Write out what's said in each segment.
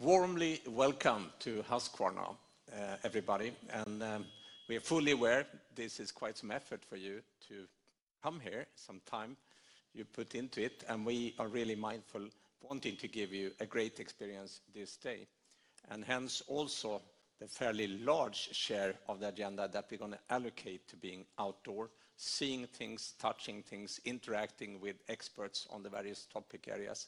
Warmly welcome to Husqvarna, everybody. We're fully aware this is quite some effort for you to come here, some time you put into it, and we are really mindful wanting to give you a great experience this day. Hence, also the fairly large share of the agenda that we're going to allocate to being outdoor, seeing things, touching things, interacting with experts on the various topic areas.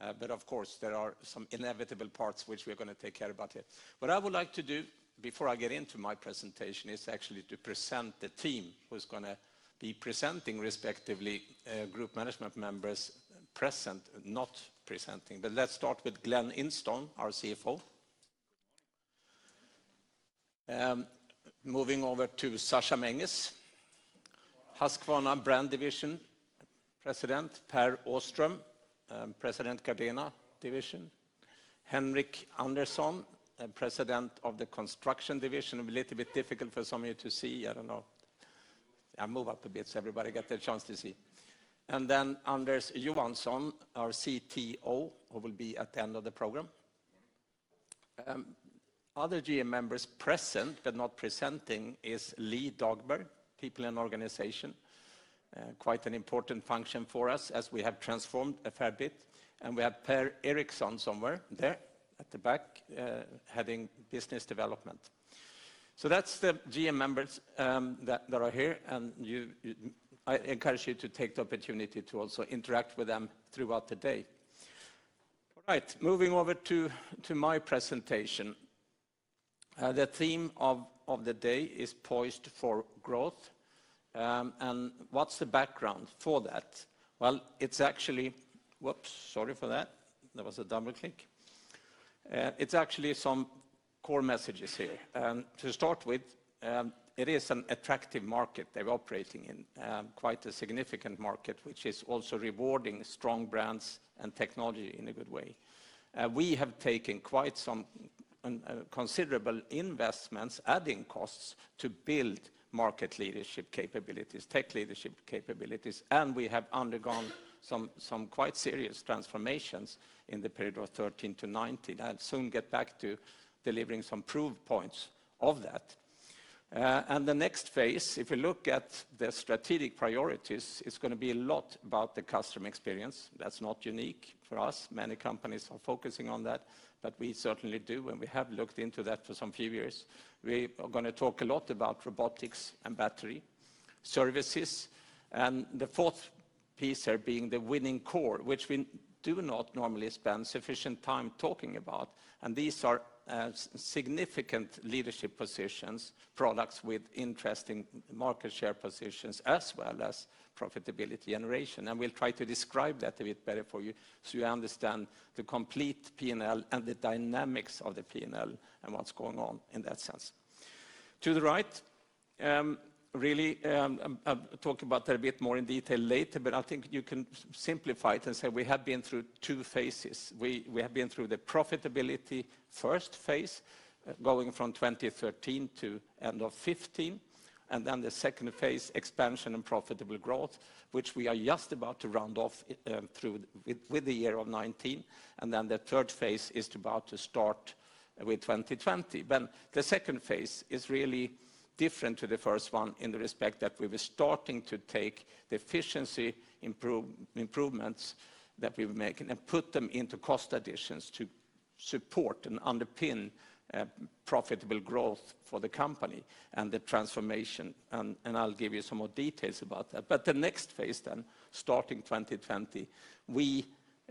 Of course, there are some inevitable parts which we're going to take care about it. What I would like to do before I get into my presentation is actually to present the team who's going to be presenting, respectively, group management members present, not presenting. Let's start with Glen Instone, our CFO. Good morning. Moving over to Sascha Menges. Good morning. Husqvarna Brand Division President, Pär Åström. President Gardena Division. Henric Andersson, President of the Construction Division. A little bit difficult for some of you to see, I don't know. I'll move up a bit, so everybody get a chance to see. Anders Johansson, our CTO, who will be at the end of the program. Other GM members present but not presenting is Leigh Dagberg, People and Organization. Quite an important function for us as we have transformed a fair bit. We have Per Eriksson somewhere there at the back, heading Business Development. That's the GM members that are here, and I encourage you to take the opportunity to also interact with them throughout the day. All right, moving over to my presentation. The theme of the day is poised for growth. What's the background for that? Well, whoops, sorry for that. That was a double click. It's actually some core messages here. It is an attractive market that we're operating in. Quite a significant market, which is also rewarding strong brands and technology in a good way. We have taken quite some considerable investments, adding costs, to build market leadership capabilities, tech leadership capabilities, and we have undergone some quite serious transformations in the period of 2013 to 2019. I'll soon get back to delivering some proof points of that. The next phase, if you look at the strategic priorities, it's going to be a lot about the customer experience. That's not unique for us. Many companies are focusing on that, but we certainly do, and we have looked into that for some few years. We are going to talk a lot about robotics and battery services. The fourth piece there being the winning core, which we do not normally spend sufficient time talking about. These are significant leadership positions, products with interesting market share positions, as well as profitability generation. We'll try to describe that a bit better for you so you understand the complete P&L and the dynamics of the P&L and what's going on in that sense. To the right, really, I'll talk about that a bit more in detail later, but I think you can simplify it and say we have been through 2 phases. We have been through the profitability phase 1, going from 2013 to end of 2015. Then the phase 2, expansion and profitable growth, which we are just about to round off with the year of 2019. Then the phase 3 is about to start with 2020. The second phase is really different to the first one in the respect that we were starting to take the efficiency improvements that we were making and put them into cost additions to support and underpin profitable growth for the company and the transformation, and I'll give you some more details about that. The next phase then, starting 2020, we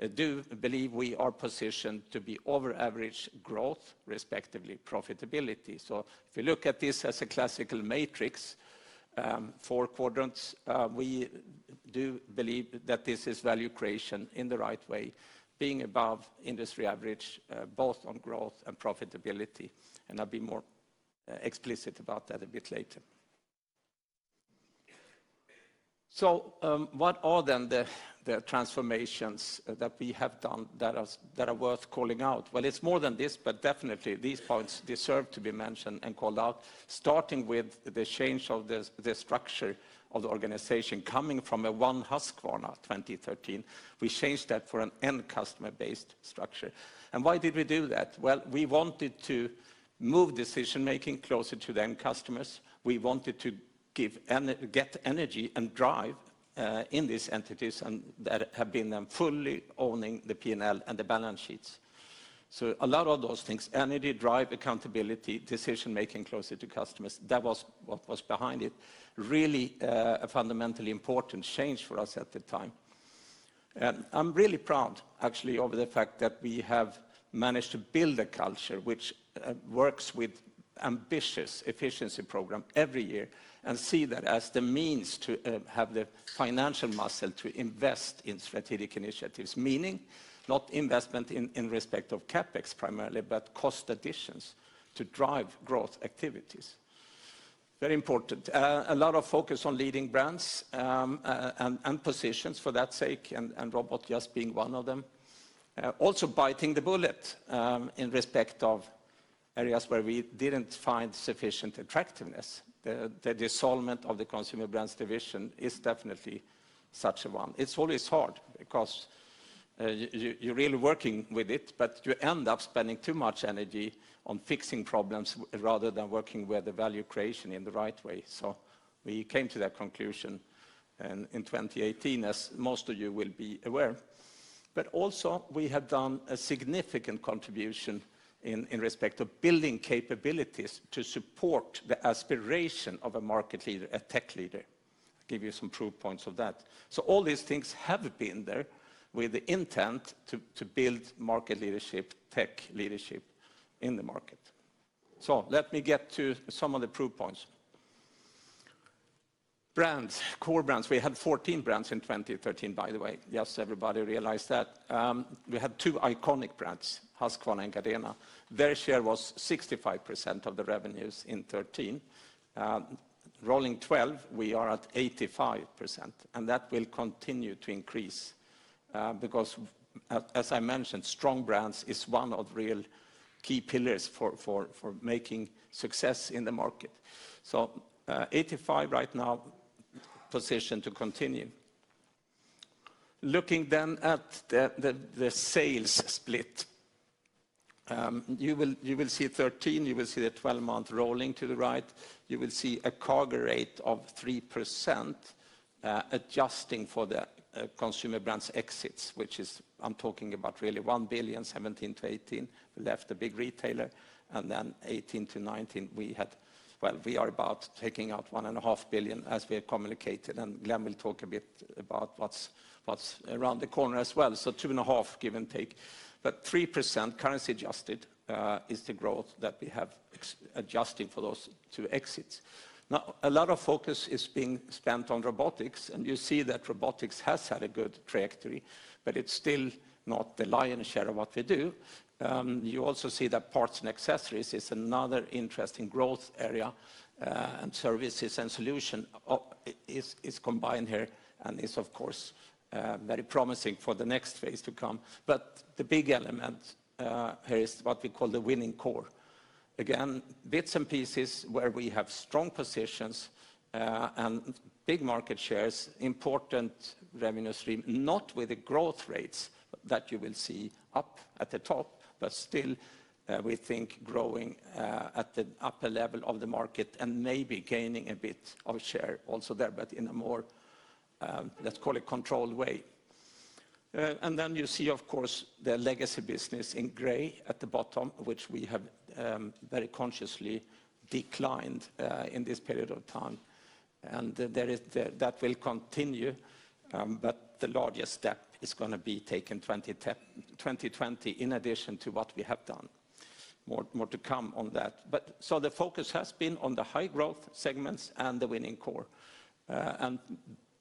do believe we are positioned to be over average growth, respectively, profitability. If you look at this as a classical matrix, 4 quadrants, we do believe that this is value creation in the right way, being above industry average, both on growth and profitability, and I'll be more explicit about that a bit later. What are then the transformations that we have done that are worth calling out? Well, it's more than this, but definitely these points deserve to be mentioned and called out, starting with the change of the structure of the organization coming from a one Husqvarna 2013. We changed that for an end customer-based structure. Why did we do that? Well, we wanted to move decision-making closer to the end customers. We wanted to get energy and drive in these entities, and that had been them fully owning the P&L and the balance sheets. A lot of those things, energy, drive, accountability, decision-making closer to customers, that was what was behind it. Really a fundamentally important change for us at the time. I'm really proud, actually, over the fact that we have managed to build a culture which works with ambitious efficiency program every year and see that as the means to have the financial muscle to invest in strategic initiatives, meaning not investment in respect of CapEx primarily, but cost additions to drive growth activities. Very important. A lot of focus on leading brands, and positions for that sake, and robot just being one of them. Also biting the bullet in respect of areas where we didn't find sufficient attractiveness. The dissolvent of the Consumer Brands Division is definitely such a one. It's always hard because you're really working with it, but you end up spending too much energy on fixing problems rather than working with the value creation in the right way. We came to that conclusion in 2018, as most of you will be aware. Also, we have done a significant contribution in respect of building capabilities to support the aspiration of a market leader, a tech leader. Give you some proof points of that. All these things have been there with the intent to build market leadership, tech leadership in the market. Let me get to some of the proof points. Brands, core brands. We had 14 brands in 2013, by the way, just everybody realize that. We had two iconic brands, Husqvarna and Gardena. Their share was 65% of the revenues in 2013. Rolling 12, we are at 85%, and that will continue to increase, because as I mentioned, strong brands is one of real key pillars for making success in the market. 85 right now, positioned to continue. Looking at the sales split. You will see 13, you will see the 12-month rolling to the right, you will see a CAGR rate of 3% adjusting for the Consumer Brands exits. I'm talking about really 1 billion 2017 to 2018. We left a big retailer. Then 2018 to 2019, we are about taking out 1.5 billion as we have communicated, and Glen will talk a bit about what's around the corner as well. two and a half, give and take. 3% currency adjusted is the growth that we have adjusting for those two exits. A lot of focus is being spent on robotics. You see that robotics has had a good trajectory, it's still not the lion's share of what we do. You also see that parts and accessories is another interesting growth area, and services and solution is combined here and is, of course, very promising for the next phase to come. The big element here is what we call the Winning Core. Again, bits and pieces where we have strong positions and big market shares, important revenue stream, not with the growth rates that you will see up at the top, but still we think growing at the upper level of the market and maybe gaining a bit of share also there, but in a more, let's call it, controlled way. Then you see, of course, the legacy business in gray at the bottom, which we have very consciously declined in this period of time. That will continue, but the largest step is going to be taken 2020 in addition to what we have done. More to come on that. The focus has been on the high growth segments and the winning core.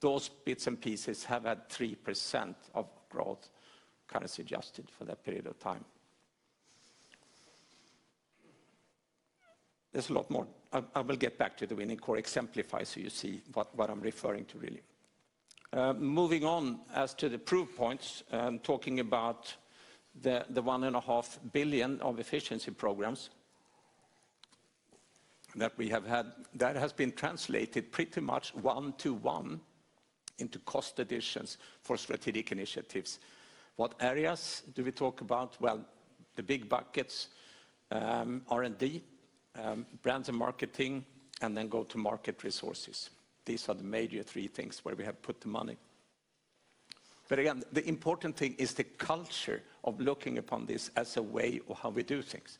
Those bits and pieces have had 3% of growth currency adjusted for that period of time. There's a lot more. I will get back to the winning core exemplify so you see what I'm referring to really. Moving on as to the proof points, talking about the 1.5 billion of efficiency programs that we have had, that has been translated pretty much one to one into cost additions for strategic initiatives. What areas do we talk about? Well, the big buckets, R&D, brands and marketing, go to market resources. These are the major three things where we have put the money. Again, the important thing is the culture of looking upon this as a way of how we do things.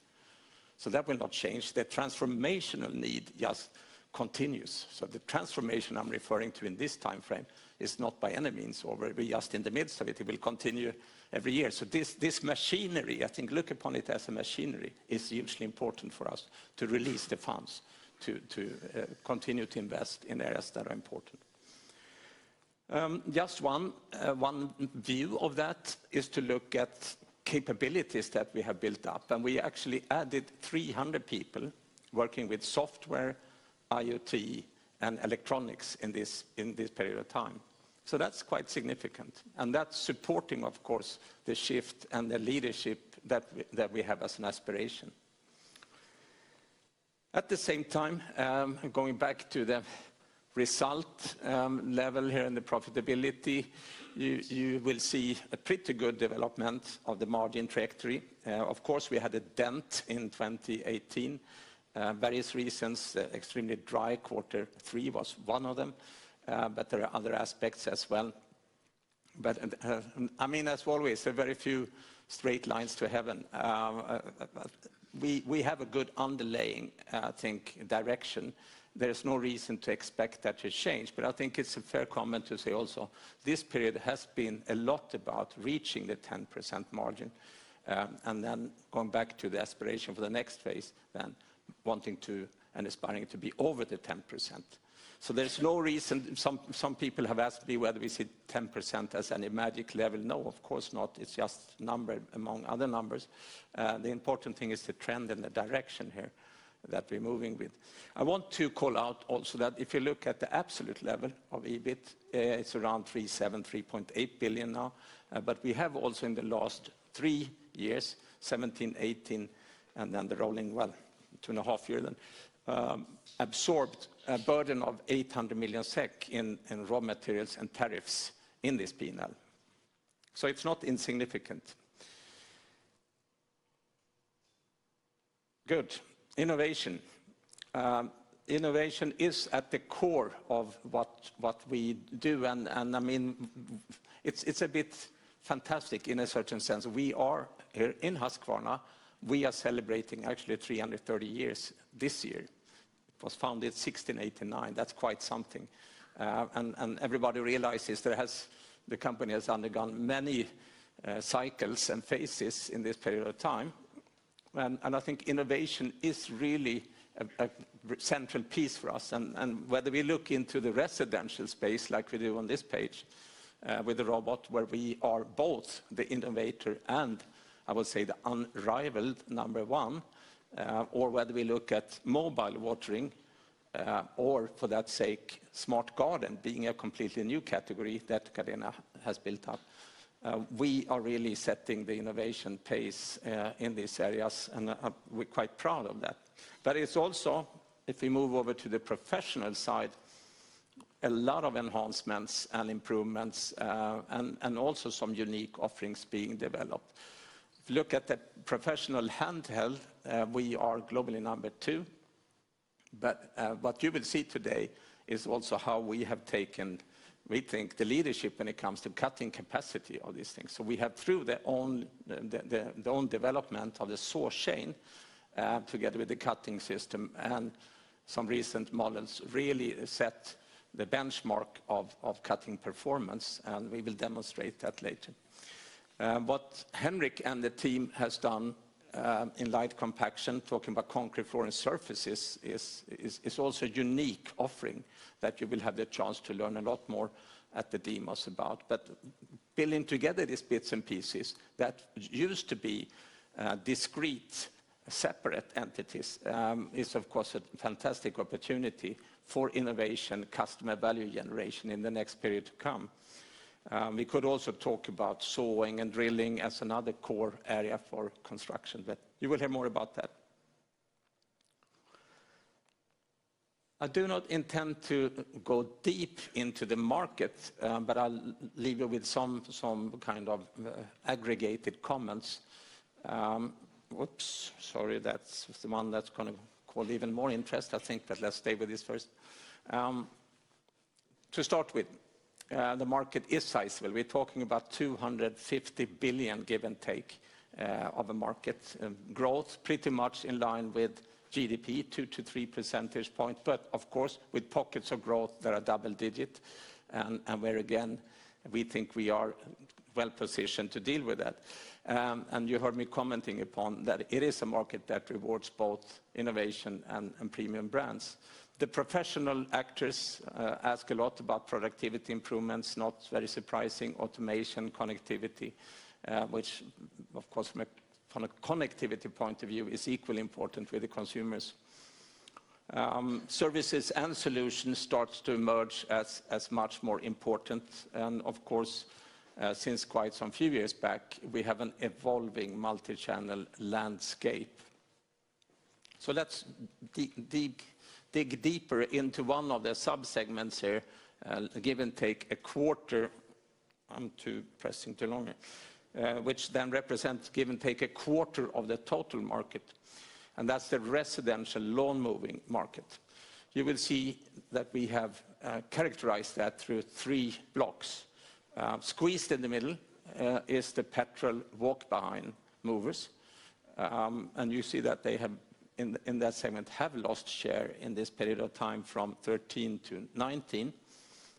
That will not change. The transformational need just continues. The transformation I'm referring to in this timeframe is not by any means over, we're just in the midst of it will continue every year. This machinery, I think look upon it as a machinery, is hugely important for us to release the funds to continue to invest in areas that are important. Just one view of that is to look at capabilities that we have built up, and we actually added 300 people working with software, IoT, and electronics in this period of time. That's quite significant, and that's supporting, of course, the shift and the leadership that we have as an aspiration. At the same time, going back to the result level here and the profitability, you will see a pretty good development of the margin trajectory. Of course, we had a dent in 2018. Various reasons, extremely dry quarter three was one of them. There are other aspects as well. As always, there are very few straight lines to heaven. We have a good underlying, I think, direction. There is no reason to expect that to change, but I think it's a fair comment to say also, this period has been a lot about reaching the 10% margin, and then going back to the aspiration for the next phase then wanting to and aspiring to be over the 10%. Some people have asked me whether we see 10% as any magic level. No, of course not. It's just a number among other numbers. The important thing is the trend and the direction here that we're moving with. I want to call out also that if you look at the absolute level of EBIT, it's around 3.7 billion, 3.8 billion now. We have also in the last three years, 2017, 2018, and then the rolling, well, two and a half years then, absorbed a burden of 800 million SEK in raw materials and tariffs in this P&L. It's not insignificant. Good. Innovation. Innovation is at the core of what we do, and it's a bit fantastic in a certain sense. We are here in Husqvarna. We are celebrating actually 330 years this year. It was founded 1689. That's quite something. Everybody realizes the company has undergone many cycles and phases in this period of time. I think innovation is really a central piece for us. Whether we look into the residential space like we do on this page with the Automower where we are both the innovator and, I would say, the unrivaled number 1, or whether we look at mobile watering, or for that sake, smart garden being a completely new category that Gardena has built up. We are really setting the innovation pace in these areas, and we are quite proud of that. It is also, if we move over to the professional side, a lot of enhancements and improvements, and also some unique offerings being developed. If you look at the professional handheld, we are globally number 2. What you will see today is also how we have taken, we think, the leadership when it comes to cutting capacity of these things. We have through the own development of the saw chain, together with the cutting system and some recent models, really set the benchmark of cutting performance, and we will demonstrate that later. What Henric and the team has done in light compaction, talking about concrete floor and surfaces is also a unique offering that you will have the chance to learn a lot more at the demos about. Building together these bits and pieces that used to be discrete, separate entities, is of course a fantastic opportunity for innovation, customer value generation in the next period to come. We could also talk about sawing and drilling as another core area for construction, but you will hear more about that. I do not intend to go deep into the market, but I'll leave you with some kind of aggregated comments. Oops, sorry, that's the one that's going to cause even more interest, I think, but let's stay with this first. To start with, the market is sizable. We're talking about 250 billion, give and take, of a market. Growth pretty much in line with GDP, 2-3 percentage points. Of course, with pockets of growth that are double digit and where again, we think we are well-positioned to deal with that. You heard me commenting upon that it is a market that rewards both innovation and premium brands. The professional actors ask a lot about productivity improvements, not very surprising, automation, connectivity which of course from a connectivity point of view is equally important for the consumers. Services and solutions starts to emerge as much more important. Of course, since quite some few years back, we have an evolving multichannel landscape. Let's dig deeper into one of the subsegments here, which represents give and take a quarter of the total market, and that's the residential lawnmowing market. You will see that we have characterized that through three blocks. Squeezed in the middle is the petrol walk behind mowers. You see that they in that segment have lost share in this period of time from 2013 to 2019.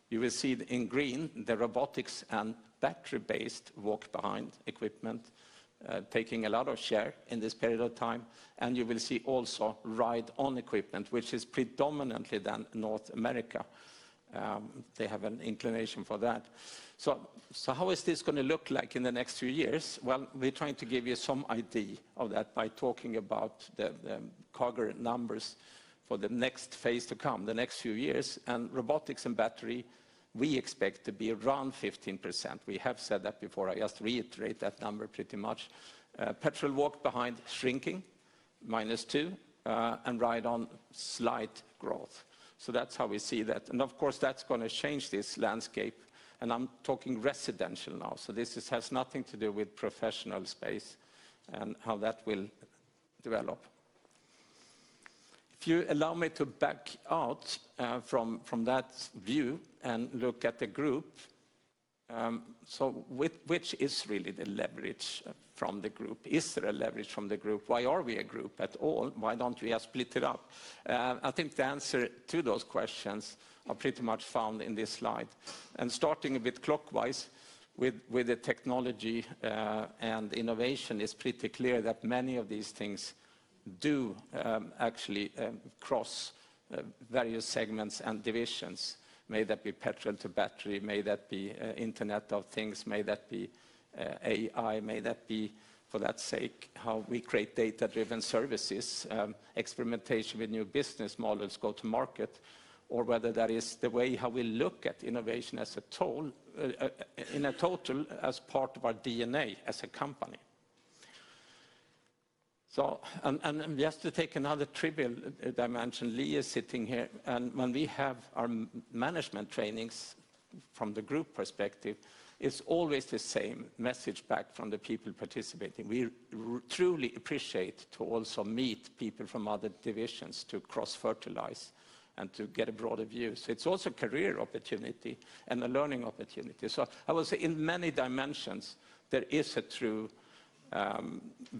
You will see in green the robotics and battery-based walk behind equipment, taking a lot of share in this period of time. You will see also ride-on equipment, which is predominantly North America. They have an inclination for that. How is this going to look like in the next few years? Well, we're trying to give you some idea of that by talking about the current numbers for the next phase to come, the next few years. Robotics and battery, we expect to be around 15%. We have said that before. I just reiterate that number pretty much. Petrol walk behind shrinking, minus two, and ride-on slight growth. That's how we see that. Of course, that's going to change this landscape, and I'm talking residential now. This has nothing to do with professional space and how that will develop. If you allow me to back out from that view and look at the group. Which is really the leverage from the group? Is there a leverage from the group? Why are we a group at all? Why don't we split it up? I think the answer to those questions are pretty much found in this slide. Starting a bit clockwise with the technology and innovation, it's pretty clear that many of these things do actually cross various segments and divisions, may that be petrol to battery, may that be Internet of Things, may that be AI, may that be, for that sake, how we create data-driven services, experimentation with new business models go to market, or whether that is the way how we look at innovation in a total as part of our DNA as a company. Just to take another trivial dimension, Leigh is sitting here, and when we have our management trainings from the group perspective, it's always the same message back from the people participating. We truly appreciate to also meet people from other divisions to cross-fertilize and to get a broader view. It's also a career opportunity and a learning opportunity. I would say in many dimensions, there is a true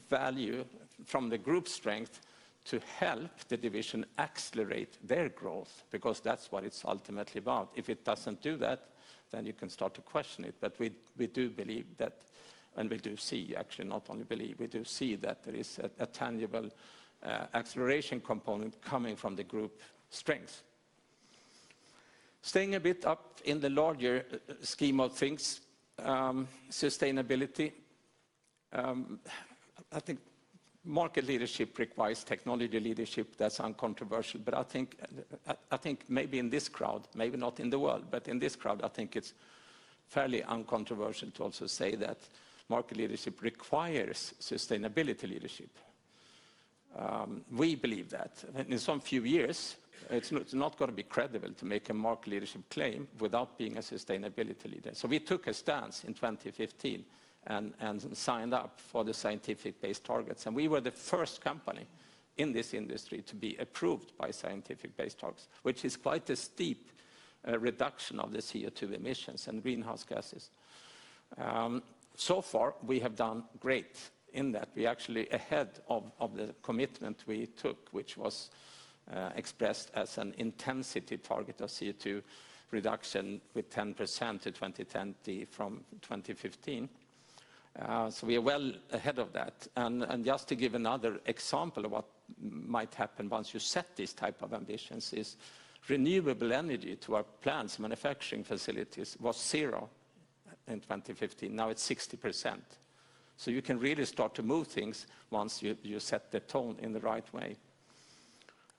value from the group strength to help the division accelerate their growth, because that's what it's ultimately about. If it doesn't do that, then you can start to question it. We do believe that, and we do see, actually, not only believe, we do see that there is a tangible acceleration component coming from the group strength. Staying a bit up in the larger scheme of things. Sustainability. I think market leadership requires technology leadership. That's uncontroversial. I think maybe in this crowd, maybe not in the world, but in this crowd, I think it's fairly uncontroversial to also say that market leadership requires sustainability leadership. We believe that. In some few years, it's not going to be credible to make a market leadership claim without being a sustainability leader. We took a stance in 2015 and signed up for the Science-Based Targets, and we were the first company in this industry to be approved by Science-Based Targets, which is quite a steep reduction of the CO2 emissions and greenhouse gases. Far we have done great in that. We're actually ahead of the commitment we took, which was expressed as an intensity target of CO2 reduction with 10% to 2020 from 2015. We are well ahead of that. Just to give another example of what might happen once you set these type of ambitions is renewable energy to our plants, manufacturing facilities was zero in 2015. Now it's 60%. You can really start to move things once you set the tone in the right way.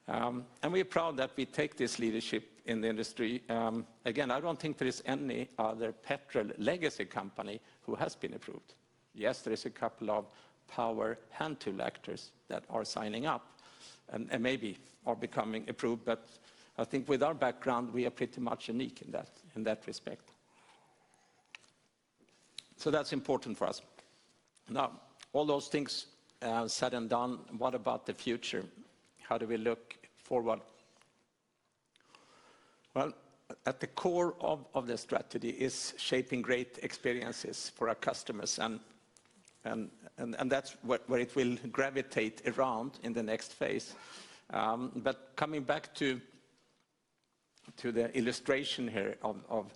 We are proud that we take this leadership in the industry. I don't think there is any other petrol legacy company who has been approved. Yes, there is a couple of power hand tool actors that are signing up and maybe are becoming approved, but I think with our background, we are pretty much unique in that respect. That's important for us. All those things are said and done. What about the future? How do we look forward? Well, at the core of the strategy is shaping great experiences for our customers, and that's where it will gravitate around in the next phase. Coming back to the illustration here of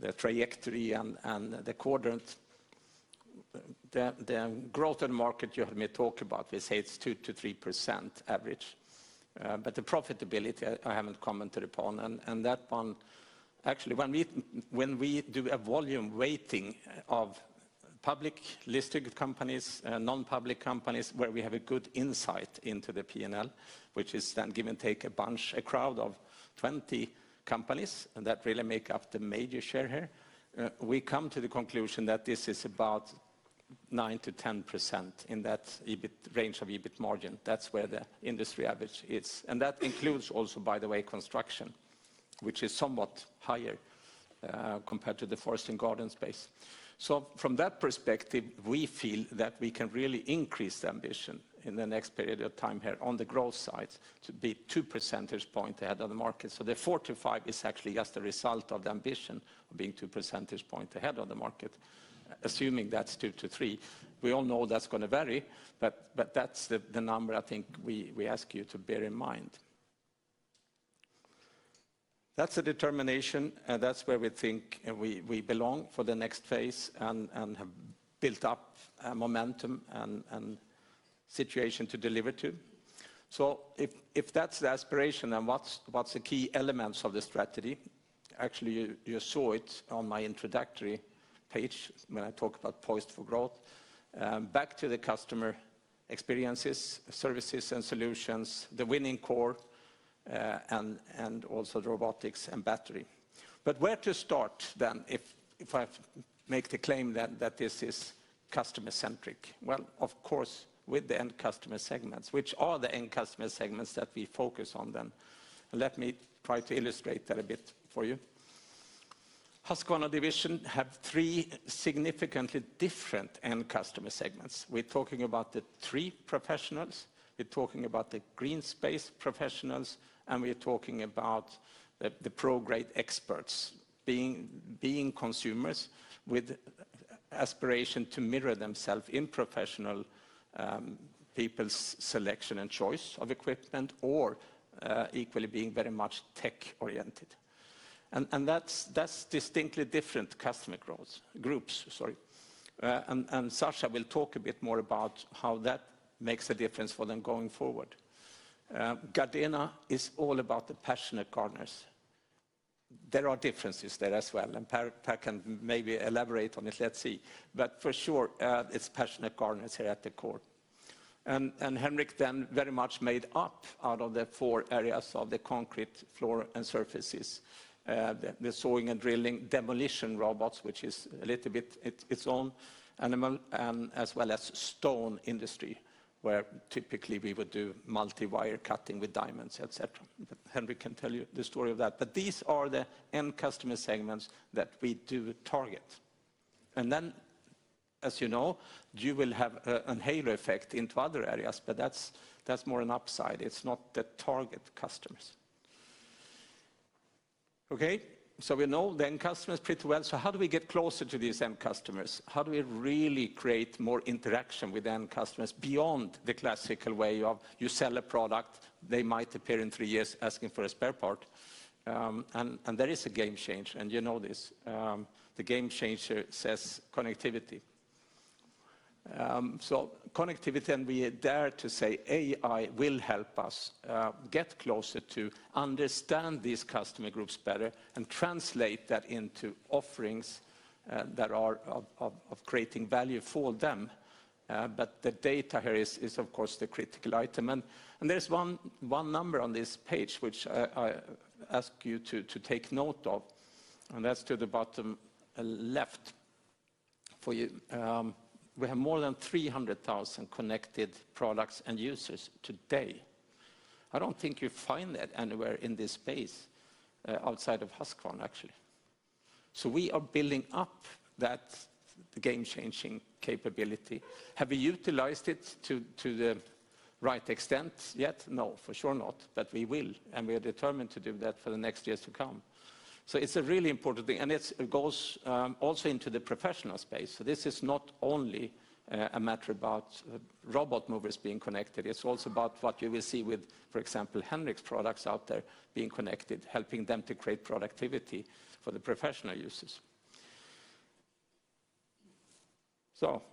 the trajectory and the quadrant, the growth of the market you heard me talk about, we say it's 2% to 3% average. The profitability, I haven't commented upon. That one, actually, when we do a volume weighting of public listed companies, non-public companies, where we have a good insight into the P&L, which is then give and take a bunch, a crowd of 20 companies, that really make up the major share here, we come to the conclusion that this is about 9%-10% in that range of EBIT margin. That's where the industry average is. That includes also, by the way, construction, which is somewhat higher compared to the forest and garden space. From that perspective, we feel that we can really increase the ambition in the next period of time here on the growth side to be two percentage point ahead of the market. The 4%-5% is actually just a result of the ambition of being two percentage point ahead of the market, assuming that's 2%-3%. We all know that's going to vary, but that's the number I think we ask you to bear in mind. That's the determination, and that's where we think we belong for the next phase and have built up momentum and situation to deliver to. If that's the aspiration, then what's the key elements of the strategy? Actually, you saw it on my introductory page when I talked about poised for growth. Back to the customer experiences, services and solutions, the winning core, and also robotics and battery. Where to start then if I make the claim then that this is customer-centric? Well, of course, with the end customer segments. Which are the end customer segments that we focus on then? Let me try to illustrate that a bit for you. Husqvarna Division have three significantly different end customer segments. We're talking about the tree professionals, we're talking about the green space professionals, and we're talking about the pro grade experts. Being consumers with aspiration to mirror themselves in professional people's selection and choice of equipment, or equally being very much tech-oriented. And that's distinctly different customer groups. Sascha will talk a bit more about how that makes a difference for them going forward. Gardena is all about the passionate gardeners. There are differences there as well, Pär can maybe elaborate on it, let's see. For sure, it's passionate gardeners here at the core. Henric then very much made up out of the four areas of the concrete floor and surfaces, the sawing and drilling demolition robots, which is a little bit its own animal, as well as stone industry, where typically we would do multi-wire cutting with diamonds, et cetera. Henric can tell you the story of that. These are the end customer segments that we do target. As you know, you will have a halo effect into other areas, but that's more an upside. It's not the target customers. Okay. We know the end customers pretty well. How do we get closer to these end customers? How do we really create more interaction with end customers beyond the classical way of you sell a product, they might appear in three years asking for a spare part? There is a game change, and you know this. The game changer says connectivity. Connectivity, and we dare to say AI will help us get closer to understand these customer groups better and translate that into offerings that are of creating value for them. The data here is of course the critical item. There's one number on this page which I ask you to take note of, and that's to the bottom left for you. We have more than 300,000 connected products and users today. I don't think you find that anywhere in this space, outside of Husqvarna, actually. We are building up that game-changing capability. Have we utilized it to the right extent yet? No, for sure not, but we will, and we are determined to do that for the next years to come. It's a really important thing, and it goes also into the professional space. This is not only a matter about robot movers being connected, it's also about what you will see with, for example, Henric's products out there being connected, helping them to create productivity for the professional users.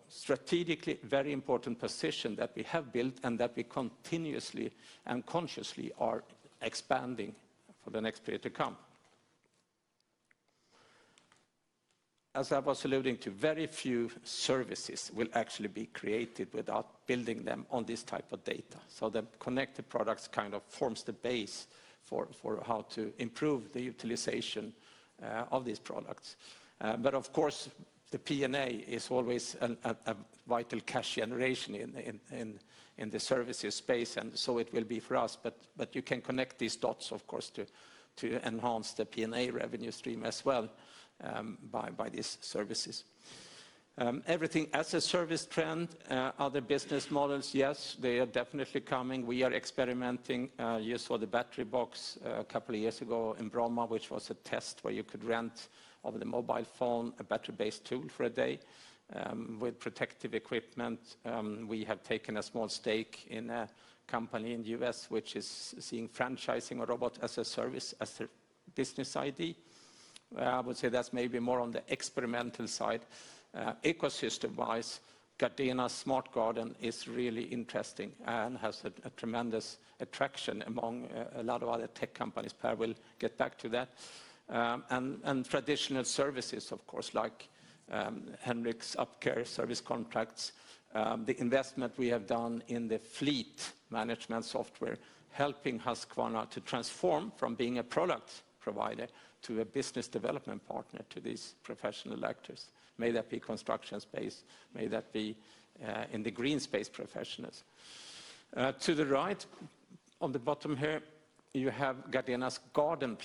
Strategically, very important position that we have built and that we continuously and consciously are expanding for the next period to come. As I was alluding to, very few services will actually be created without building them on this type of data. The connected products forms the base for how to improve the utilization of these products. Of course, the P&A is always a vital cash generation in the services space, and so it will be for us, but you can connect these dots, of course, to enhance the P&A revenue stream as well by these services. Everything as a service trend, other business models, yes, they are definitely coming. We are experimenting. You saw the Battery Box a couple of years ago in Bromma, which was a test where you could rent over the mobile phone a battery-based tool for a day with protective equipment. We have taken a small stake in a company in the U.S. which is seeing franchising a robot as a service, as a business idea. I would say that's maybe more on the experimental side. Ecosystem-wise, GARDENA smart system is really interesting and has a tremendous attraction among a lot of other tech companies. Pär will get back to that. Traditional services, of course, like Henric's UpCare service contracts, the investment we have done in the fleet management software, helping Husqvarna to transform from being a product provider to a business development partner to these professional actors. May that be construction space, may that be in the green space professionals. To the right on the bottom here, you have Gardena myGarden.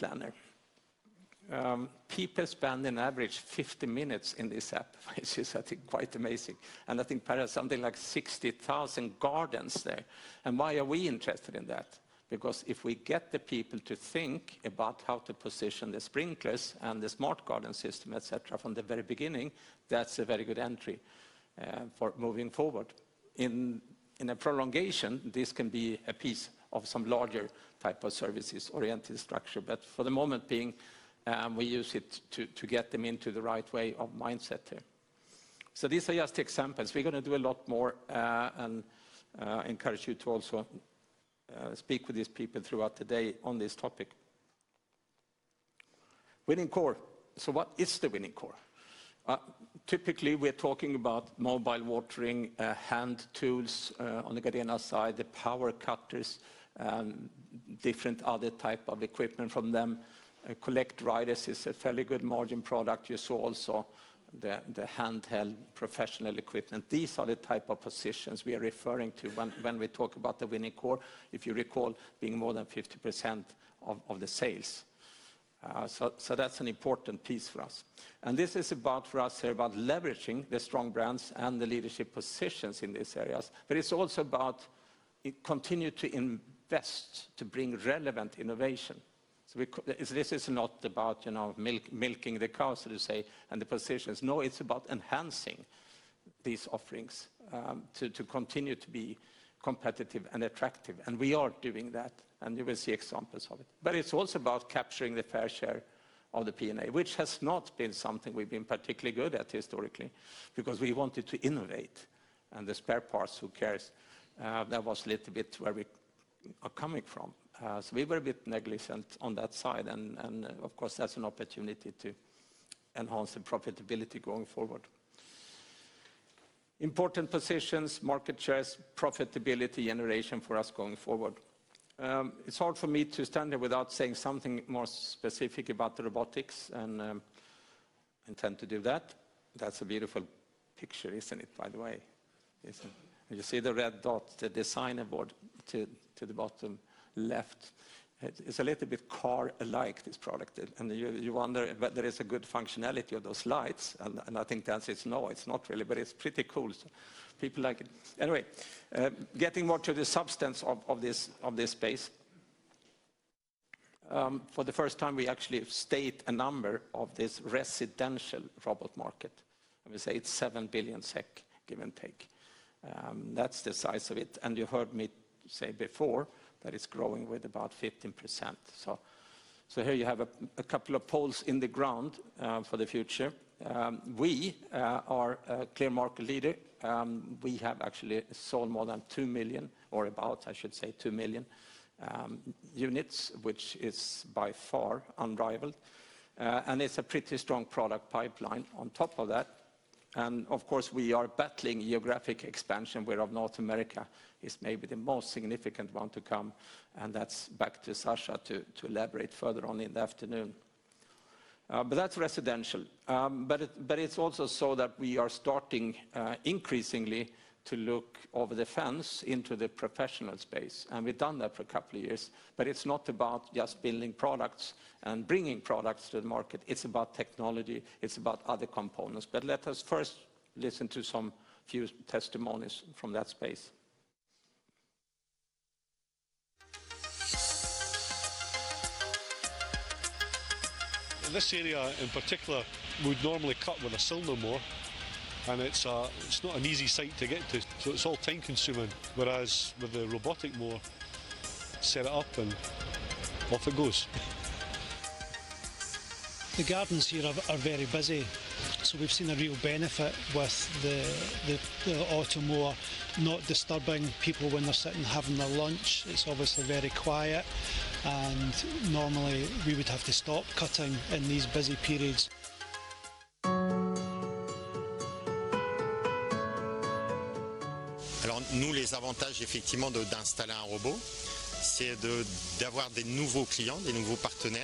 People spend on average 50 minutes in this app, which is, I think, quite amazing. I think Pär has something like 60,000 gardens there. Why are we interested in that? Because if we get the people to think about how to position the sprinklers and the smart garden system, et cetera, from the very beginning, that's a very good entry for moving forward. In a prolongation, this can be a piece of some larger type of services-oriented structure. For the moment being, we use it to get them into the right way of mindset there. These are just examples. We're going to do a lot more and encourage you to also speak with these people throughout the day on this topic. Winning core. What is the winning core? Typically, we're talking about mobile watering, hand tools on the Gardena side, the power cutters, different other type of equipment from them. Collect riders is a fairly good margin product. You saw also the handheld professional equipment. These are the type of positions we are referring to when we talk about the winning core, if you recall, being more than 50% of the sales. That's an important piece for us. This is about, for us here, about leveraging the strong brands and the leadership positions in these areas. It's also about continue to invest to bring relevant innovation. This is not about milking the cows, so to say, and the positions. No, it's about enhancing these offerings to continue to be competitive and attractive, and we are doing that, and you will see examples of it. It's also about capturing the fair share of the P&A, which has not been something we've been particularly good at historically, because we wanted to innovate, and the spare parts, who cares? That was little bit where we are coming from. We were a bit negligent on that side, and of course, that's an opportunity to enhance the profitability going forward. Important positions, market shares, profitability generation for us going forward. It's hard for me to stand here without saying something more specific about the robotics, and I intend to do that. That's a beautiful picture, isn't it, by the way? Isn't it? You see the Red Dot, the Design Award to the bottom left. It's a little bit car-like, this product, and you wonder whether it's a good functionality of those lights, and I think the answer is no, it's not really, but it's pretty cool. People like it. Anyway, getting more to the substance of this space. For the first time, we actually have stated a number of this residential robot market, and we say it's 7 billion SEK, give and take. That's the size of it. You heard me say before that it's growing with about 15%. Here you have a couple of poles in the ground for the future. We are a clear market leader. We have actually sold more than 2 million, or about I should say 2 million units, which is by far unrivaled. It's a pretty strong product pipeline on top of that. Of course, we are battling geographic expansion, where North America is maybe the most significant one to come, and that's back to Sascha to elaborate further on in the afternoon. That's residential. It's also so that we are starting increasingly to look over the fence into the professional space. We've done that for a couple of years, it's not about just building products and bringing products to the market. It's about technology, it's about other components. Let us first listen to some few testimonies from that space. This area, in particular, we'd normally cut with a cylinder mower, and it's not an easy site to get to, so it's all time-consuming. Whereas with the robotic mower, set it up and off it goes. The gardens here are very busy. We've seen a real benefit with the Automower not disturbing people when they're sitting having their lunch. Normally we would have to stop cutting in these busy periods. The advantages of installing a robot are that we get new customers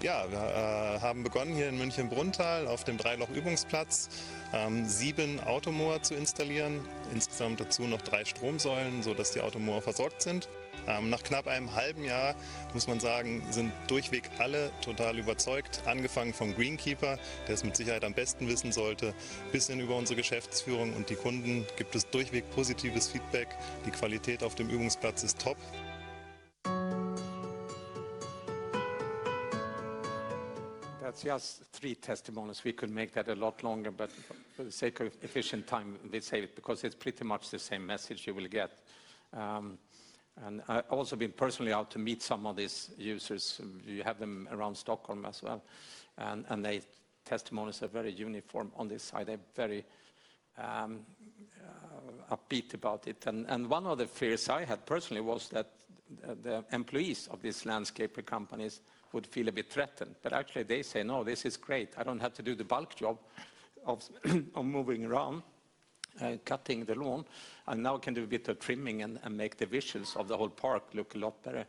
and new partners. At the moment, we only have positive feedback, very good feedback, and with a growth in installations that will continue to grow in the years to come. We have been installing robots for exactly three years, we are almost doubling the number of robot installations every year. We started here in München-Brunnthal at the Dreiloch practice green by installing seven Automowers and three power stations to supply the Automowers. After almost six months, we have to say that everyone is totally convinced. Starting with the greenkeeper, who should certainly know best, right through to our management and customers, the feedback has been consistently positive. The quality on the practice green is top. That's just three testimonies. We could make that a lot longer, but for the sake of efficient time, we save it because it's pretty much the same message you will get. I also been personally out to meet some of these users. We have them around Stockholm as well, and their testimonies are very uniform on this side. They're very upbeat about it. One of the fears I had personally was that the employees of these landscaping companies would feel a bit threatened, but actually they say, "No, this is great. I don't have to do the bulk job of moving around and cutting the lawn, and now I can do a bit of trimming and make the visions of the whole park look a lot better."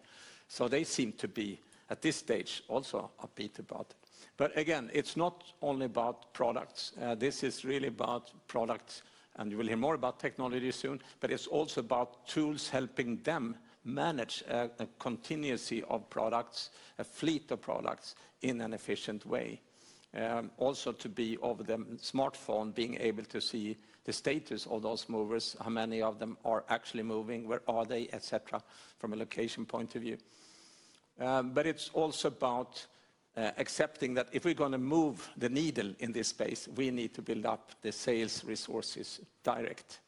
They seem to be, at this stage, also upbeat about it. Again, it's not only about products. This is really about products, and you will hear more about technology soon, but it's also about tools helping them manage a continuity of products, a fleet of products in an efficient way. To be, over the smartphone, being able to see the status of those movers, how many of them are actually moving, where are they, et cetera, from a location point of view. It's also about accepting that if we're going to move the needle in this space, we need to build up the sales resources direct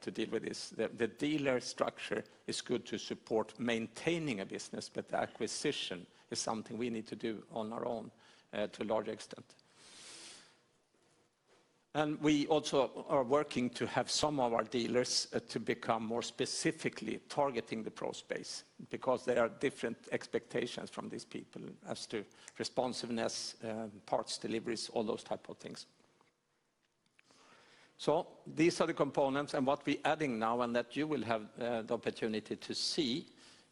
to deal with this. The dealer structure is good to support maintaining a business, but the acquisition is something we need to do on our own to a large extent. We also are working to have some of our dealers to become more specifically targeting the pro space because there are different expectations from these people as to responsiveness, parts deliveries, all those type of things. These are the components, and what we're adding now and that you will have the opportunity to see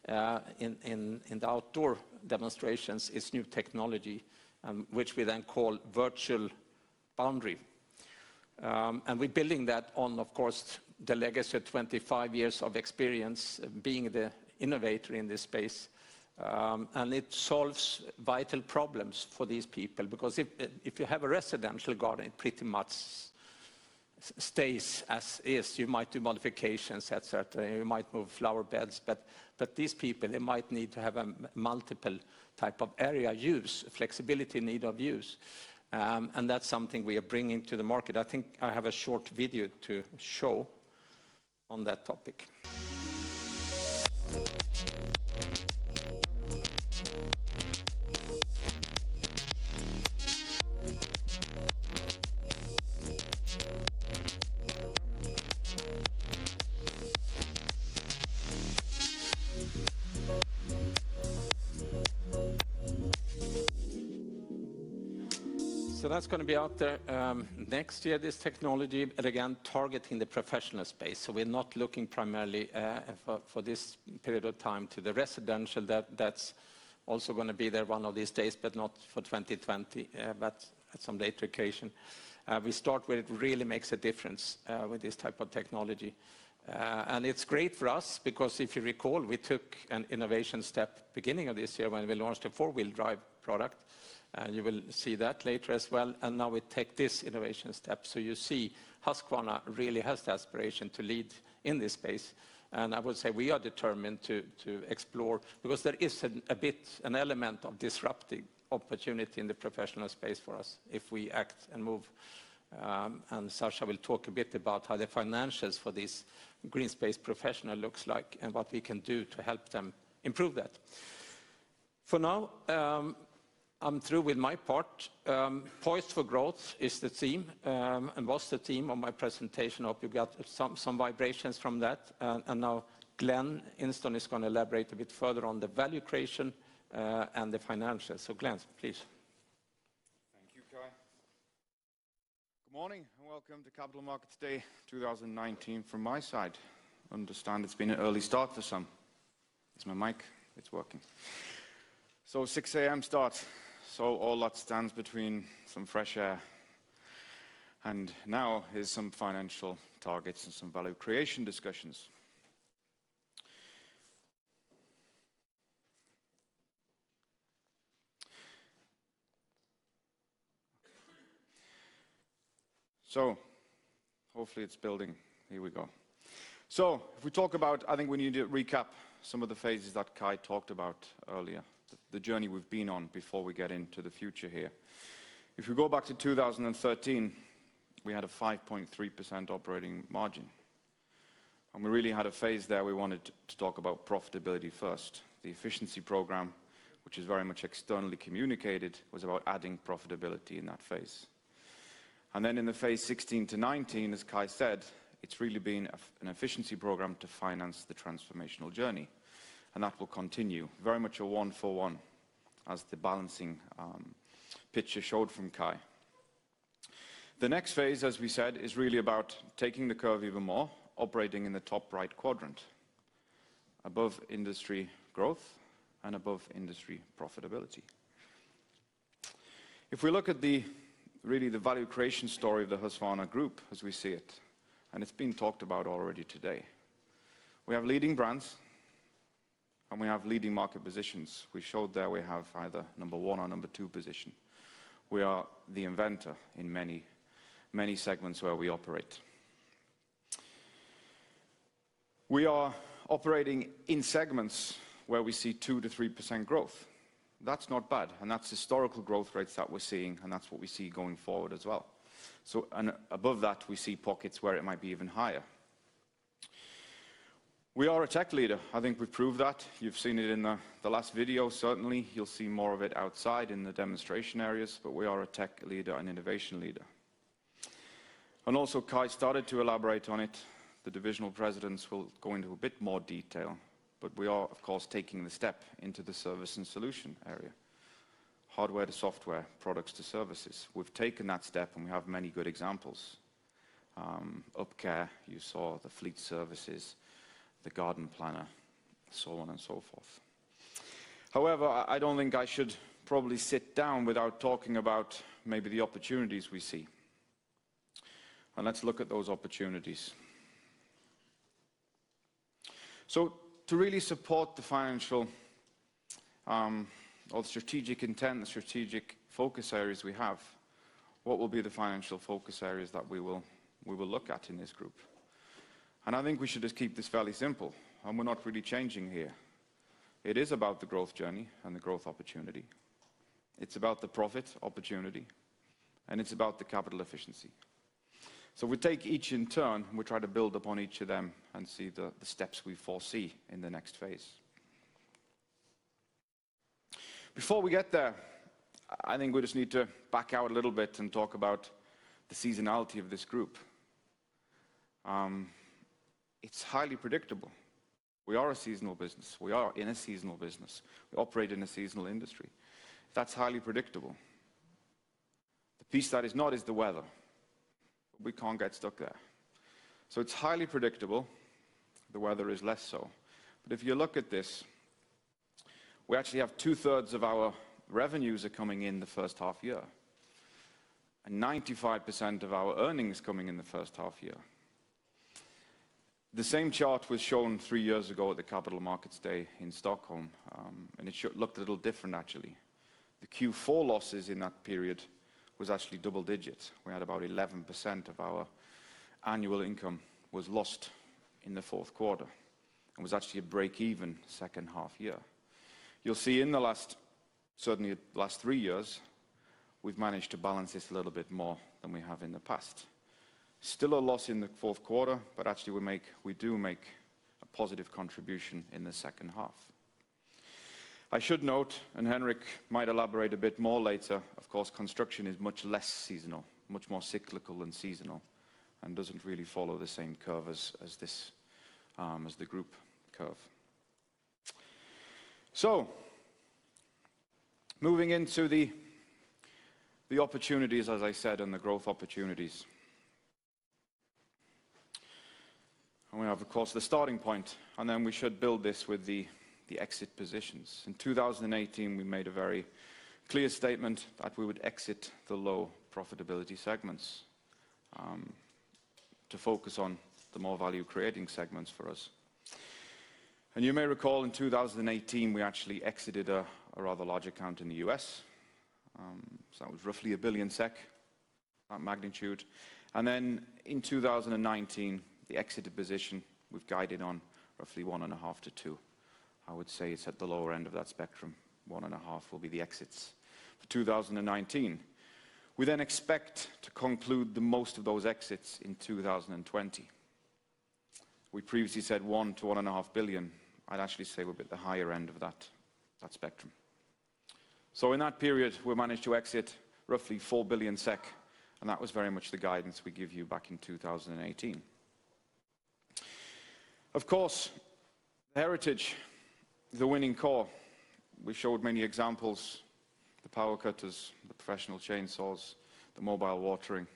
in the outdoor demonstrations is new technology, which we then call virtual boundary. We're building that on, of course, the legacy of 25 years of experience being the innovator in this space. It solves vital problems for these people, because if you have a residential garden, it pretty much stays as is. You might do modifications, et cetera. You might move flowerbeds. These people, they might need to have a multiple type of area use, flexibility in need of use. That's something we are bringing to the market. I think I have a short video to show on that topic. That's going to be out there next year, this technology. Again, targeting the professional space. We're not looking primarily, for this period of time, to the residential. That's also going to be there one of these days, but not for 2020. At some later occasion. We start where it really makes a difference with this type of technology. It's great for us because, if you recall, we took an innovation step beginning of this year when we launched a four-wheel drive product, and you will see that later as well. Now we take this innovation step. You see Husqvarna really has the aspiration to lead in this space. I would say we are determined to explore, because there is a bit, an element of disrupting opportunity in the professional space for us if we act and move. Sascha will talk a bit about how the financials for this green space professional looks like and what we can do to help them improve that. For now, I'm through with my part. Poised for Growth is the theme, and was the theme of my presentation. Hope you got some vibrations from that. Now Glen Instone is going to elaborate a bit further on the value creation, and the financials. Glen, please. Thank you, Kai. Good morning, welcome to Capital Markets Day 2019 from my side. Understand it's been an early start for some. Is my mic working? 6:00 A.M. start. All that stands between some fresh air, now here's some financial targets and some value creation discussions. Hopefully it's building. Here we go. If we talk about, I think we need to recap some of the phases that Kai talked about earlier, the journey we've been on before we get into the future here. If we go back to 2013, we had a 5.3% operating margin, we really had a phase there, we wanted to talk about profitability first. The efficiency program, which is very much externally communicated, was about adding profitability in that phase. In the phase 2016 to 2019, as Kai said, it's really been an efficiency program to finance the transformational journey, and that will continue. Very much a one for one as the balancing picture showed from Kai. The next phase, as we said, is really about taking the curve even more, operating in the top right quadrant, above industry growth and above industry profitability. If we look at the value creation story of the Husqvarna Group as we see it's been talked about already today, we have leading brands and we have leading market positions. We showed there we have either number one or number two position. We are the inventor in many segments where we operate. We are operating in segments where we see 2%-3% growth. That's not bad, that's historical growth rates that we're seeing, that's what we see going forward as well. Above that, we see pockets where it might be even higher. We are a tech leader. I think we've proved that. You've seen it in the last video, certainly. You'll see more of it outside in the demonstration areas. We are a tech leader and innovation leader. Also, Kai started to elaborate on it, the divisional presidents will go into a bit more detail, we are of course taking the step into the service and solution area. Hardware to software, products to services. We've taken that step, we have many good examples. UpCare, you saw the Fleet Services, the Garden Planner, so on and so forth. However, I don't think I should probably sit down without talking about maybe the opportunities we see. Let's look at those opportunities. To really support the financial or the strategic intent, the strategic focus areas we have, what will be the financial focus areas that we will look at in this group? I think we should just keep this fairly simple, and we're not really changing here. It is about the growth journey and the growth opportunity. It's about the profit opportunity, and it's about the capital efficiency. We take each in turn, and we try to build upon each of them and see the steps we foresee in the next phase. Before we get there, I think we just need to back out a little bit and talk about the seasonality of this group. It's highly predictable. We are a seasonal business. We are in a seasonal business. We operate in a seasonal industry. That's highly predictable. The piece that is not is the weather. We can't get stuck there. It's highly predictable. The weather is less so. If you look at this. We actually have two-thirds of our revenues are coming in the first half year, and 95% of our earnings coming in the first half year. The same chart was shown 3 years ago at the Capital Markets Day in Stockholm, and it looked a little different actually. The Q4 losses in that period was actually double digits. We had about 11% of our annual income was lost in the fourth quarter, and was actually a break-even second half year. You'll see in the last, certainly last 3 years, we've managed to balance this a little bit more than we have in the past. Still a loss in the fourth quarter, actually we do make a positive contribution in the second half. I should note, and Henric might elaborate a bit more later, of course, Construction is much less seasonal, much more cyclical than seasonal, and doesn't really follow the same curve as the Group curve. Moving into the opportunities, as I said, and the growth opportunities. We have, of course, the starting point, and then we should build this with the exit positions. In 2018, we made a very clear statement that we would exit the low profitability segments, to focus on the more value-creating segments for us. You may recall in 2018, we actually exited a rather large account in the U.S. That was roughly 1 billion SEK, that magnitude. In 2019, the exited position we've guided on roughly 1.5 billion-2 billion. I would say it's at the lower end of that spectrum. One and a half will be the exits for 2019. We then expect to conclude the most of those exits in 2020. We previously said 1 billion-1.5 billion. I'd actually say we're a bit the higher end of that spectrum. In that period, we managed to exit roughly 4 billion SEK, and that was very much the guidance we give you back in 2018. Of course, heritage, the winning core. We showed many examples, the power cutters, the professional chainsaws, the mobile watering,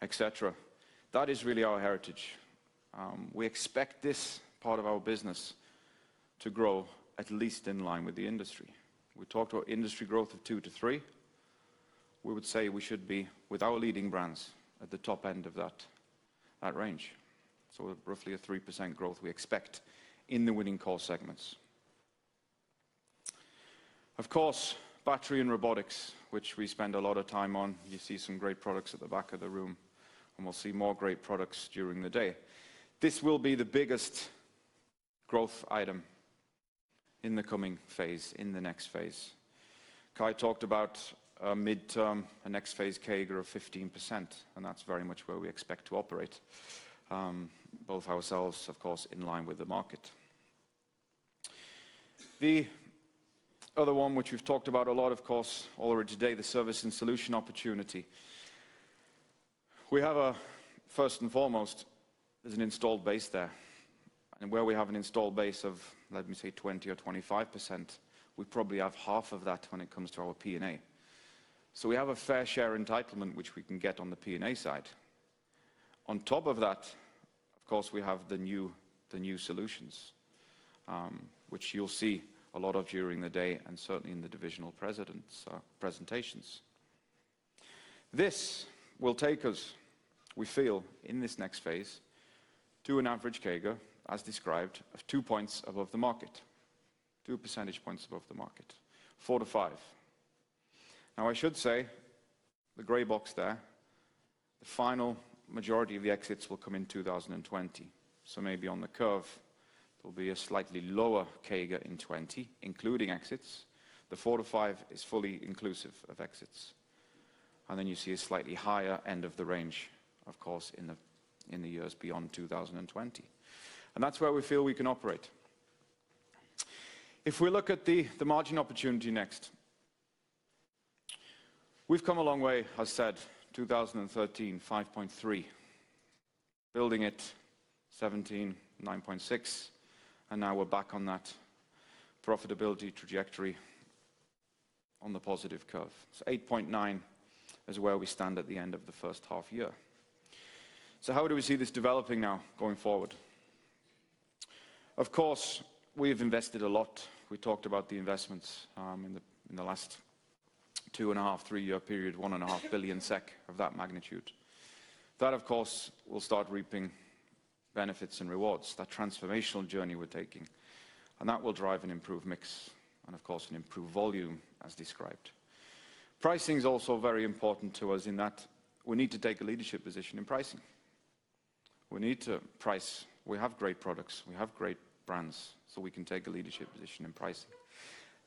et cetera. That is really our heritage. We expect this part of our business to grow at least in line with the industry. We talked about industry growth of 2%-3%. We would say we should be, with our leading brands, at the top end of that range. Roughly a 3% growth we expect in the winning core segments. Of course, battery and robotics, which we spend a lot of time on. You see some great products at the back of the room, and we'll see more great products during the day. This will be the biggest growth item in the coming phase, in the next phase. Kai talked about a midterm, a next phase CAGR of 15%, and that's very much where we expect to operate, both ourselves, of course, in line with the market. The other one, which we've talked about a lot, of course, already today, the service and solution opportunity. We have, first and foremost, there's an installed base there, and where we have an installed base of, let me say, 20 or 25%, we probably have half of that when it comes to our P&A. We have a fair share entitlement, which we can get on the P&A side. On top of that, of course, we have the new solutions, which you'll see a lot of during the day and certainly in the divisional presentations. This will take us, we feel, in this next phase, to an average CAGR, as described, of two points above the market, two percentage points above the market, 4%-5%. I should say, the gray box there, the final majority of the exits will come in 2020. Maybe on the curve, there'll be a slightly lower CAGR in 2020, including exits. The 4%-5% is fully inclusive of exits. You see a slightly higher end of the range, of course, in the years beyond 2020. That's where we feel we can operate. If we look at the margin opportunity next, we've come a long way, as said, 2013, 5.3%. Building it, 2017, 9.6%, now we're back on that profitability trajectory on the positive curve. 8.9% is where we stand at the end of the first half year. How do we see this developing now going forward? Of course, we have invested a lot. We talked about the investments in the last two and a half, three-year period, 1.5 billion SEK of that magnitude. That, of course, will start reaping benefits and rewards, that transformational journey we're taking, and that will drive an improved mix and, of course, an improved volume as described. Pricing is also very important to us in that we need to take a leadership position in pricing. We need to price. We have great products. We have great brands, so we can take a leadership position in pricing.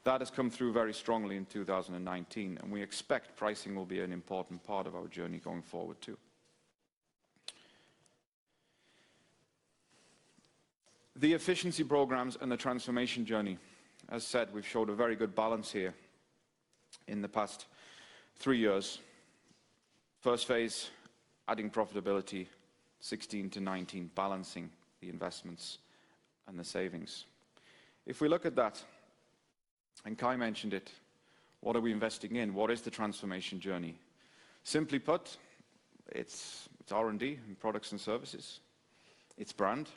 That has come through very strongly in 2019. We expect pricing will be an important part of our journey going forward, too. The efficiency programs and the transformation journey, as said, we've showed a very good balance here in the past three years. First phase, adding profitability, 2016 to 2019, balancing the investments and the savings. If we look at that. Kai mentioned it. What are we investing in? What is the transformation journey? Simply put, it's R&D in products and services. It's brand,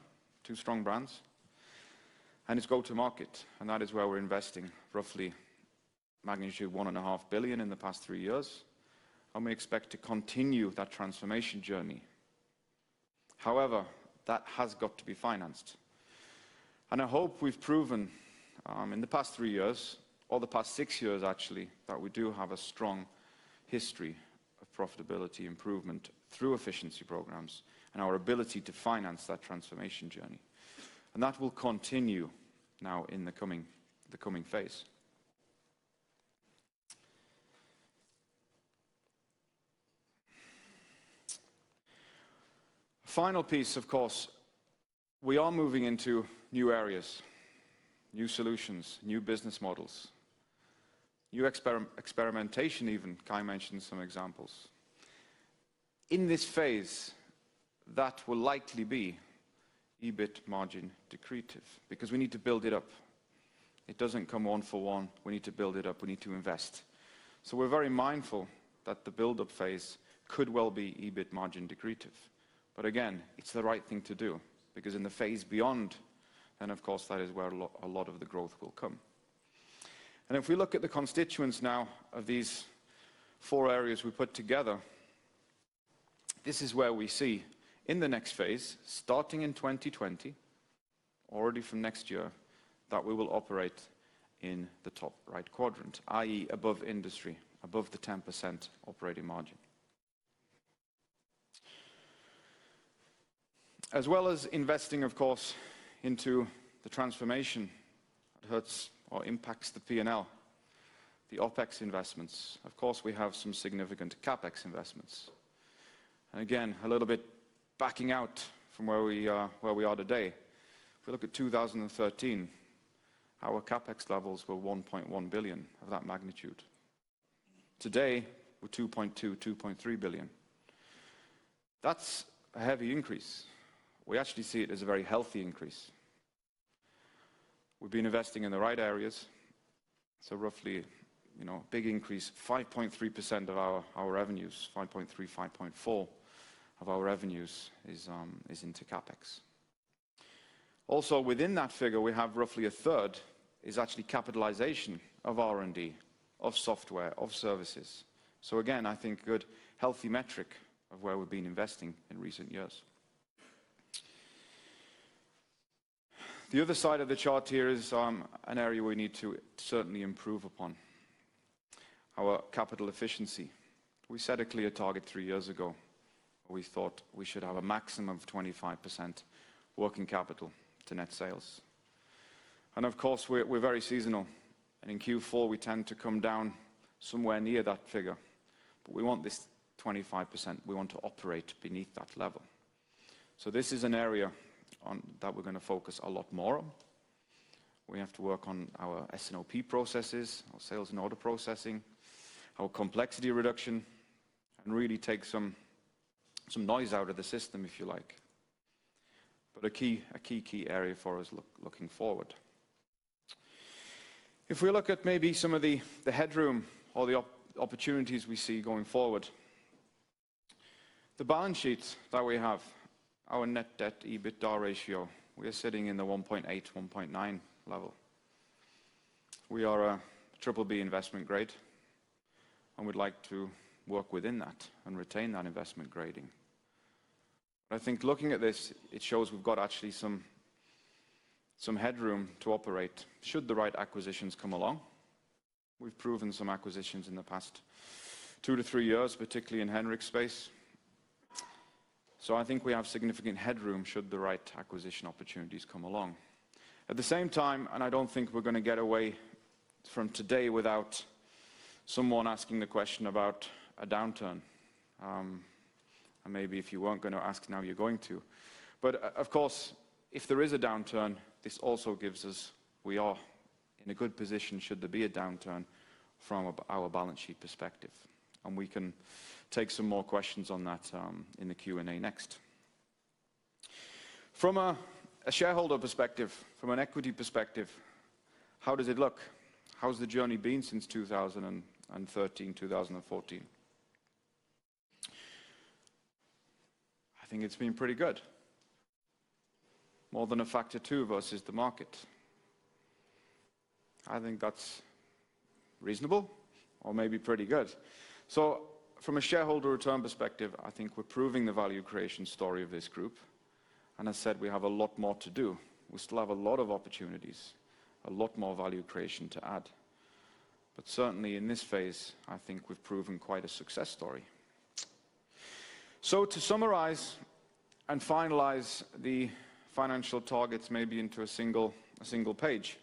two strong brands, and it's go to market. That is where we're investing roughly magnitude 1.5 billion in the past three years. We expect to continue that transformation journey. However, that has got to be financed. I hope we've proven in the past 3 years or the past 6 years actually, that we do have a strong history of profitability improvement through efficiency programs and our ability to finance that transformation journey. That will continue now in the coming phase. Final piece, of course, we are moving into new areas, new solutions, new business models. New experimentation even. Kai mentioned some examples. In this phase, that will likely be EBIT margin dilutive because we need to build it up. It doesn't come one for one. We need to build it up. We need to invest. We're very mindful that the buildup phase could well be EBIT margin dilutive. Again, it's the right thing to do because in the phase beyond, then of course, that is where a lot of the growth will come. If we look at the constituents now of these four areas we put together, this is where we see in the next phase, starting in 2020, already from next year, that we will operate in the top right quadrant, i.e., above industry, above the 10% operating margin. As well as investing, of course, into the transformation, it hurts or impacts the P&L, the OpEx investments. Of course, we have some significant CapEx investments. Again, a little bit backing out from where we are today. If we look at 2013, our CapEx levels were 1.1 billion of that magnitude. Today, we're 2.2 billion, 2.3 billion. That's a heavy increase. We actually see it as a very healthy increase. We've been investing in the right areas. Roughly, big increase, 5.3% of our revenues, 5.3%, 5.4% of our revenues is into CapEx. Within that figure, we have roughly a third is actually capitalization of R&D, of software, of services. Again, I think good, healthy metric of where we've been investing in recent years. The other side of the chart here is an area we need to certainly improve upon. Our capital efficiency. We set a clear target three years ago. We thought we should have a maximum of 25% working capital to net sales. Of course, we're very seasonal. In Q4, we tend to come down somewhere near that figure. We want this 25%. We want to operate beneath that level. This is an area that we're going to focus a lot more on. We have to work on our S&OP processes, our sales and order processing, our complexity reduction, and really take some noise out of the system, if you like. A key area for us looking forward. If we look at maybe some of the headroom or the opportunities we see going forward. The balance sheets that we have, our net debt/EBITDA ratio, we are sitting in the 1.8, 1.9 level. We are a triple B investment grade, and we'd like to work within that and retain that investment grading. I think looking at this, it shows we've got actually some headroom to operate should the right acquisitions come along. We've proven some acquisitions in the past two to three years, particularly in Henric's space. I think we have significant headroom should the right acquisition opportunities come along. At the same time, I don't think we're going to get away from today without someone asking the question about a downturn. Maybe if you weren't going to ask, now you're going to. Of course, if there is a downturn, this also gives us, we are in a good position should there be a downturn from our balance sheet perspective. We can take some more questions on that in the Q&A next. From a shareholder perspective, from an equity perspective, how does it look? How's the journey been since 2013, 2014? I think it's been pretty good. More than a factor two versus the market. I think that's reasonable or maybe pretty good. From a shareholder return perspective, I think we're proving the value creation story of this group. As said, we have a lot more to do. We still have a lot of opportunities, a lot more value creation to add. Certainly in this phase, I think we've proven quite a success story. To summarize and finalize the financial targets, maybe into a single page.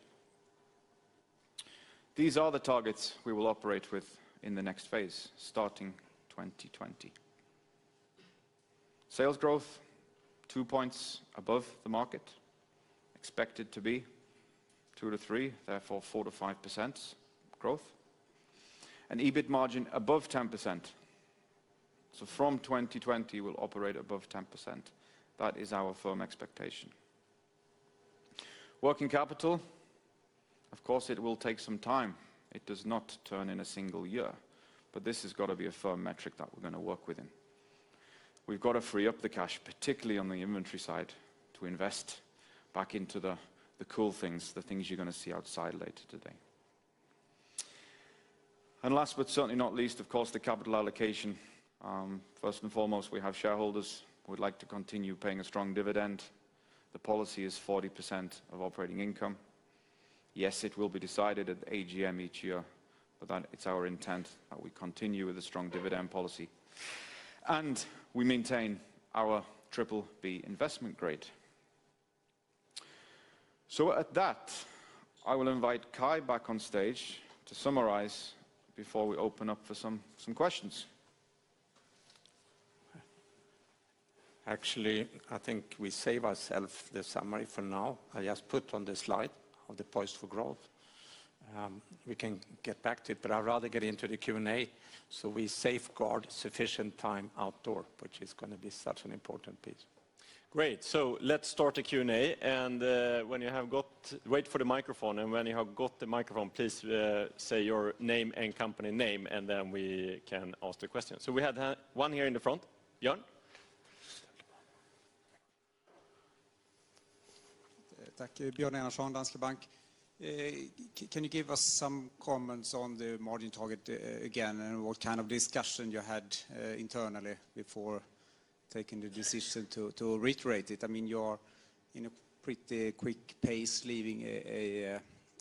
These are the targets we will operate with in the next phase, starting 2020. Sales growth, two points above the market, expected to be two to three, therefore 4%-5% growth. An EBIT margin above 10%. From 2020, we'll operate above 10%. That is our firm expectation. Working capital, of course, it will take some time. It does not turn in a single year, but this has got to be a firm metric that we're going to work within. We've got to free up the cash, particularly on the inventory side, to invest back into the cool things, the things you're going to see outside later today. Last but certainly not least, of course, the capital allocation. First and foremost, we have shareholders who would like to continue paying a strong dividend. The policy is 40% of operating income. Yes, it will be decided at the AGM each year, but it's our intent that we continue with a strong dividend policy, and we maintain our Triple B investment grade. With that, I will invite Kai back on stage to summarize before we open up for some questions. I think we save ourselves the summary for now. I just put on the slide of the Poised for Growth. We can get back to it, but I'd rather get into the Q&A so we safeguard sufficient time outdoor, which is going to be such an important piece. Great. Let's start the Q&A, and wait for the microphone, and when you have got the microphone, please say your name and company name, and then we can ask the question. We have one here in the front. Björn? Thank you. Björn Enarson, Danske Bank. Can you give us some comments on the margin target again, and what kind of discussion you had internally before taking the decision to reiterate it? You are in a pretty quick pace leaving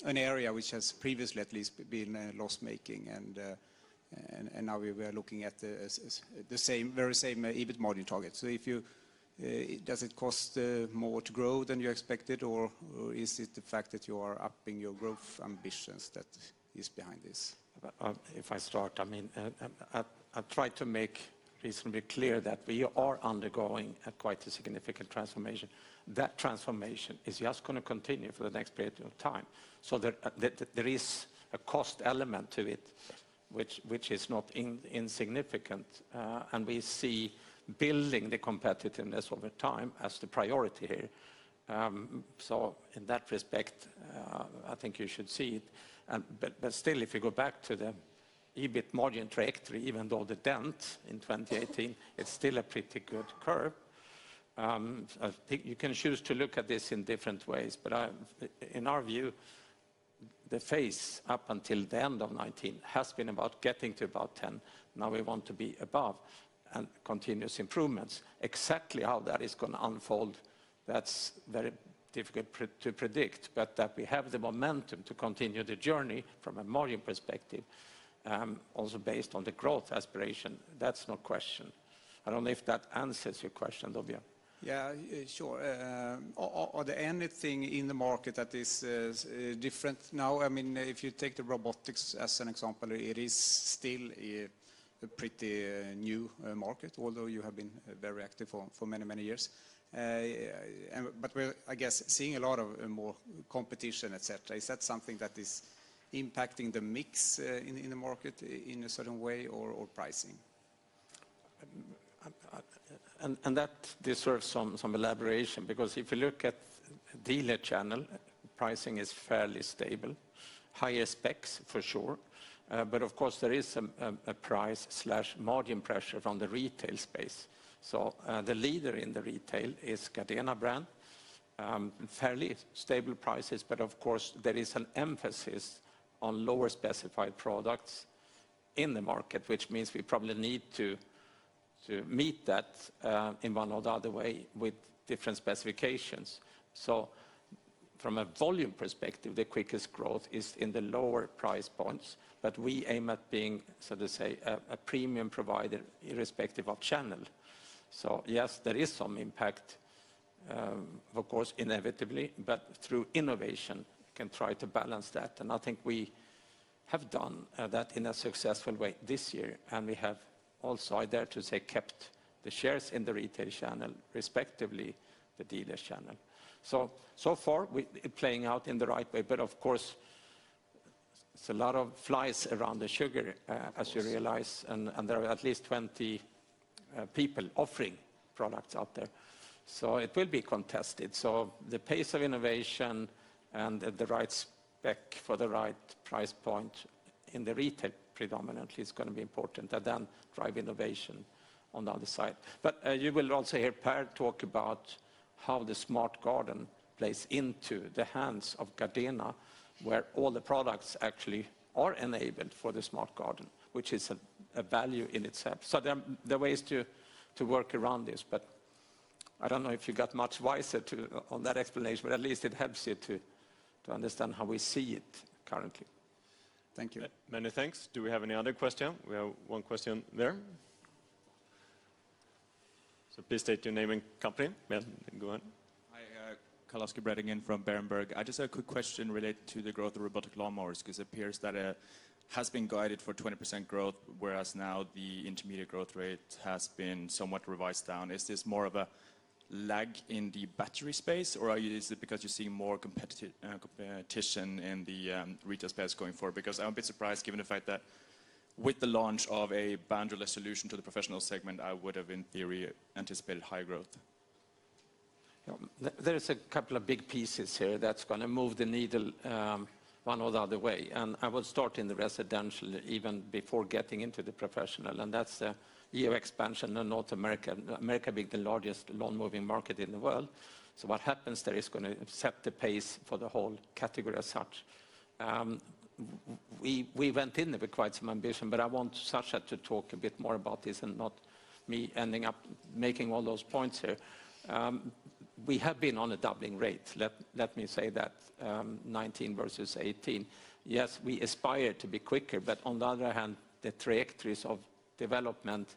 an area which has previously at least been loss-making, and now we are looking at the very same EBIT margin target. Does it cost more to grow than you expected, or is it the fact that you are upping your growth ambitions that is behind this? If I start, I've tried to make reasonably clear that we are undergoing quite a significant transformation. That transformation is just going to continue for the next period of time. There is a cost element to it which is not insignificant, and we see building the competitiveness over time as the priority here. In that respect, I think you should see it. Still, if you go back to the EBIT margin trajectory, even though the dent in 2018, it's still a pretty good curve. You can choose to look at this in different ways, but in our view, the phase up until the end of 2019 has been about getting to about 10. Now we want to be above and continuous improvements. Exactly how that is going to unfold, that's very difficult to predict. That we have the momentum to continue the journey from a margin perspective, also based on the growth aspiration, that's no question. I don't know if that answers your question though, Björn. Yeah, sure. Are there anything in the market that is different now? If you take the robotics as an example, it is still a pretty new market, although you have been very active for many, many years. We're, I guess, seeing a lot of more competition, et cetera. Is that something that is impacting the mix in the market in a certain way or pricing? That deserves some elaboration because if you look at dealer channel, pricing is fairly stable. Higher specs for sure, of course, there is a price/margin pressure from the retail space. The leader in the retail is Gardena brand. Fairly stable prices, of course, there is an emphasis on lower specified products in the market, which means we probably need to meet that in one or the other way with different specifications. From a volume perspective, the quickest growth is in the lower price points, but we aim at being, so to say, a premium provider irrespective of channel. Yes, there is some impact, of course, inevitably, but through innovation, we can try to balance that. I think we have done that in a successful way this year, and we have also, I dare to say, kept the shares in the retail channel respectively the dealers' channel. So far, we're playing out in the right way. Of course, there's a lot of flies around the sugar, as you realize, and there are at least 20 people offering products out there, so it will be contested. The pace of innovation and the right spec for the right price point in the retail predominantly is going to be important, and then drive innovation on the other side. You will also hear Per talk about how the smart garden plays into the hands of Gardena, where all the products actually are enabled for the smart garden, which is a value in itself. There are ways to work around this, but I don't know if you got much wiser on that explanation, but at least it helps you to understand how we see it currently. Thank you. Many thanks. Do we have any other question? We have one question there. Please state your name and company. Yeah, go on. Hi, Carl-Oscar Bredengen from Berenberg. I just have a quick question related to the growth of robotic lawn mowers, because it appears that it has been guided for 20% growth, whereas now the intermediate growth rate has been somewhat revised down. Is this more of a lag in the battery space, or is it because you see more competition in the retail space going forward? I'm a bit surprised given the fact that with the launch of a boundaryless solution to the professional segment, I would have, in theory, anticipated high growth. There is a couple of big pieces here that's going to move the needle one or the other way. I will start in the residential even before getting into the professional. That's the EU expansion in North America. America being the largest lawn mowing market in the world. What happens there is going to set the pace for the whole category as such. We went in there with quite some ambition, but I want Sascha to talk a bit more about this and not me ending up making all those points here. We have been on a doubling rate, let me say that, 2019 versus 2018. Yes, we aspire to be quicker, but on the other hand, the trajectories of development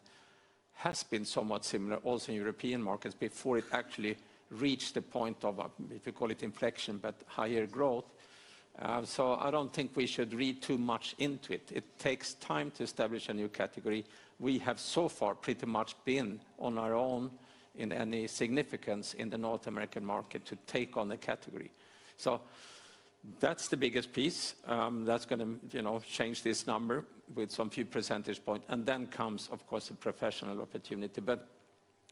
has been somewhat similar also in European markets before it actually reached the point of, if you call it inflection, but higher growth. I don't think we should read too much into it. It takes time to establish a new category. We have so far pretty much been on our own in any significance in the North American market to take on the category. That's the biggest piece that's going to change this number with some few percentage point, and then comes, of course, the professional opportunity.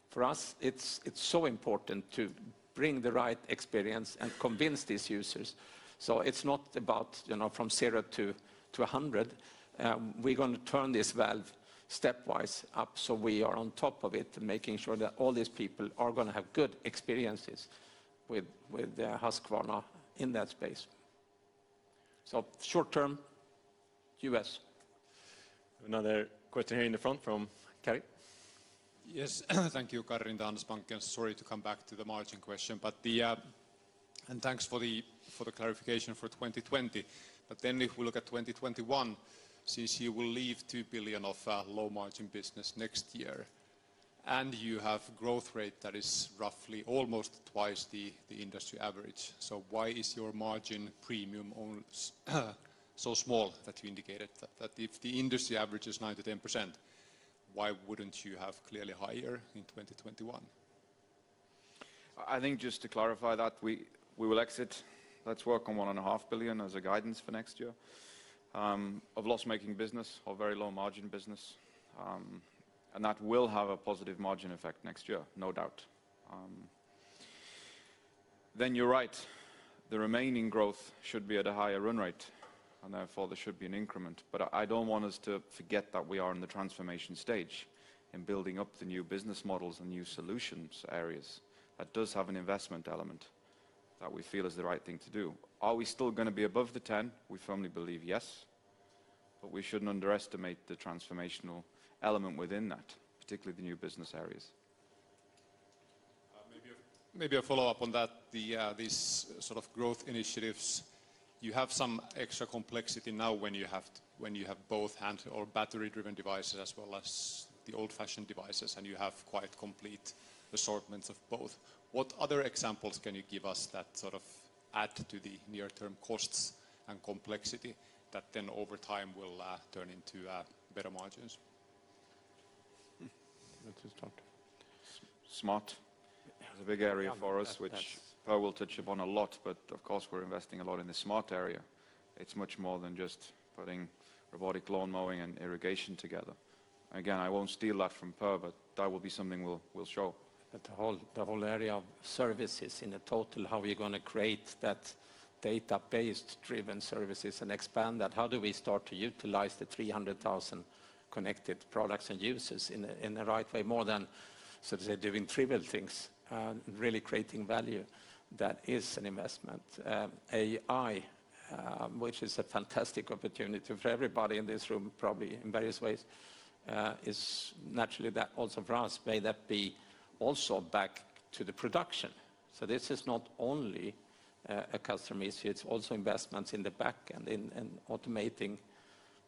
For us, it's so important to bring the right experience and convince these users. It's not about from zero to 100. We're going to turn this valve stepwise up so we are on top of it, making sure that all these people are going to have good experiences with their Husqvarna in that space. Short term, U.S. Another question here in the front from Kari. Yes. Thank you, Kari with Danske Bank, and sorry to come back to the margin question. Thanks for the clarification for 2020. If we look at 2021, since you will leave 2 billion of low margin business next year, and you have growth rate that is roughly almost twice the industry average. Why is your margin premium so small that you indicated? If the industry average is 9%-10%, why wouldn't you have clearly higher in 2021? I think just to clarify that we will exit, let's work on one and a half billion as a guidance for next year, of loss-making business or very low margin business. That will have a positive margin effect next year, no doubt. You're right, the remaining growth should be at a higher run rate, and therefore there should be an increment. I don't want us to forget that we are in the transformation stage in building up the new business models and new solutions areas. That does have an investment element that we feel is the right thing to do. Are we still going to be above the 10%? We firmly believe yes. We shouldn't underestimate the transformational element within that, particularly the new business areas. Maybe a follow-up on that. These growth initiatives, you have some extra complexity now when you have both hand or battery-driven devices, as well as the old-fashioned devices, and you have quite complete assortments of both. What other examples can you give us that add to the near-term costs and complexity that then over time will turn into better margins? Want to start? Smart is a big area for us. Yeah which Per will touch upon a lot, but of course, we're investing a lot in the smart area. It's much more than just putting robotic lawn mowing and irrigation together. Again, I won't steal that from Per, but that will be something we'll show. The whole area of services in the total, how we are going to create that database-driven services and expand that. How do we start to utilize the 300,000 connected products and users in the right way more than, sort of say, doing trivial things and really creating value. That is an investment. AI, which is a fantastic opportunity for everybody in this room, probably in various ways. Naturally, that also for us may that be also back to the production. This is not only a customer issue, it's also investments in the back end in automating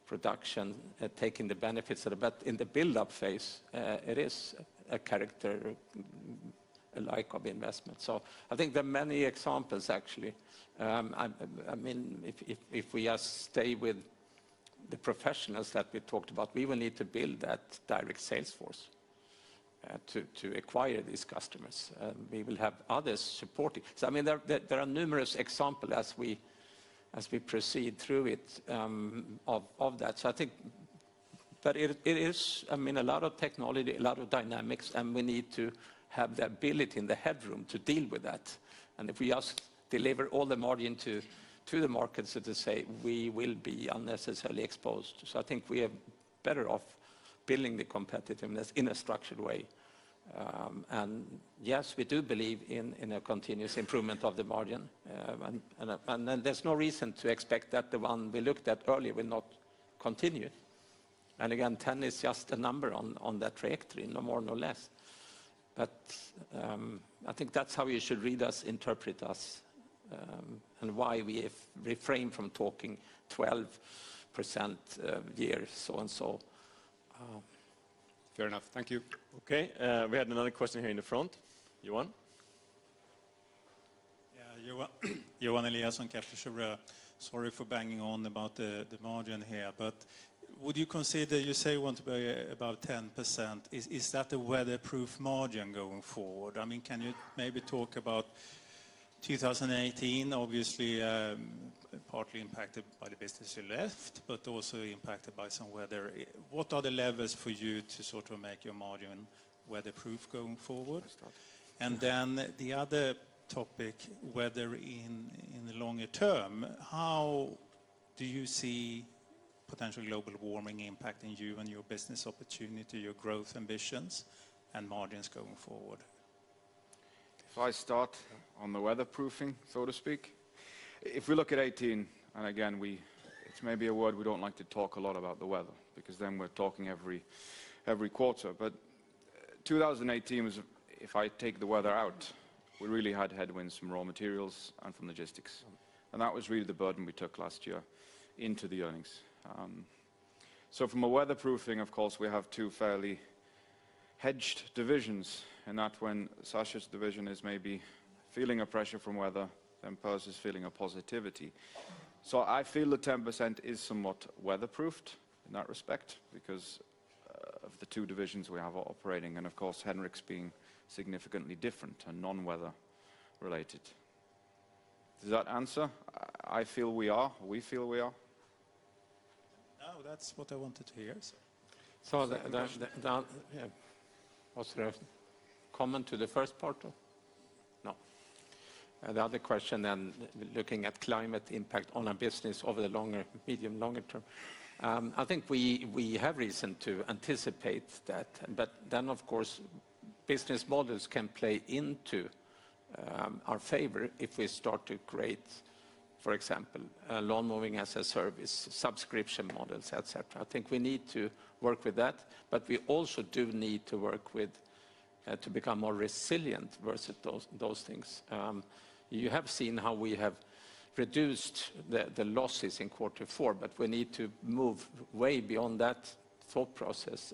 production, taking the benefits. In the buildup phase, it is a character alike of investment. I think there are many examples, actually. If we just stay with the professionals that we talked about, we will need to build that direct sales force to acquire these customers. We will have others supporting. There are numerous examples as we proceed through it of that. I think that it is a lot of technology, a lot of dynamics, and we need to have the ability and the headroom to deal with that. If we just deliver all the margin to the market, so to say, we will be unnecessarily exposed. I think we are better off building the competitiveness in a structured way. Yes, we do believe in a continuous improvement of the margin. There's no reason to expect that the one we looked at earlier will not continue. Again, 10 is just a number on that trajectory, no more, no less. I think that's how you should read us, interpret us, and why we refrain from talking 12% year so and so. Fair enough. Thank you. Okay. We had another question here in the front. Johan. Sorry for banging on about the margin here, but would you consider, you say you want to be about 10%? Is that a weatherproof margin going forward? Can you maybe talk about 2018, obviously, partly impacted by the business you left, but also impacted by some weather? What are the levers for you to sort of make your margin weatherproof going forward? Let's start. The other topic, whether in the longer term, how do you see potential global warming impacting you and your business opportunity, your growth ambitions, and margins going forward? If I start on the weatherproofing, so to speak. If we look at 2018, and again, it may be a word we don't like to talk a lot about the weather, because then we're talking every quarter. 2018 was, if I take the weather out, we really had headwinds from raw materials and from logistics. That was really the burden we took last year into the earnings. From a weatherproofing, of course, we have two fairly hedged divisions, and that when Sascha's division is maybe feeling a pressure from weather, then Pär's is feeling a positivity. I feel the 10% is somewhat weather-proofed in that respect because of the two divisions we have operating, and of course Henric's being significantly different and non-weather related. Does that answer? I feel we are. We feel we are. No, that's what I wanted to hear. So the- Second question. Was there a comment to the first part? No. The other question, looking at climate impact on our business over the medium, longer term. I think we have reason to anticipate that. Of course, business models can play into our favor if we start to create, for example, lawn mowing as a service, subscription models, et cetera. I think we need to work with that, but we also do need to work to become more resilient versus those things. You have seen how we have reduced the losses in quarter four, but we need to move way beyond that thought process.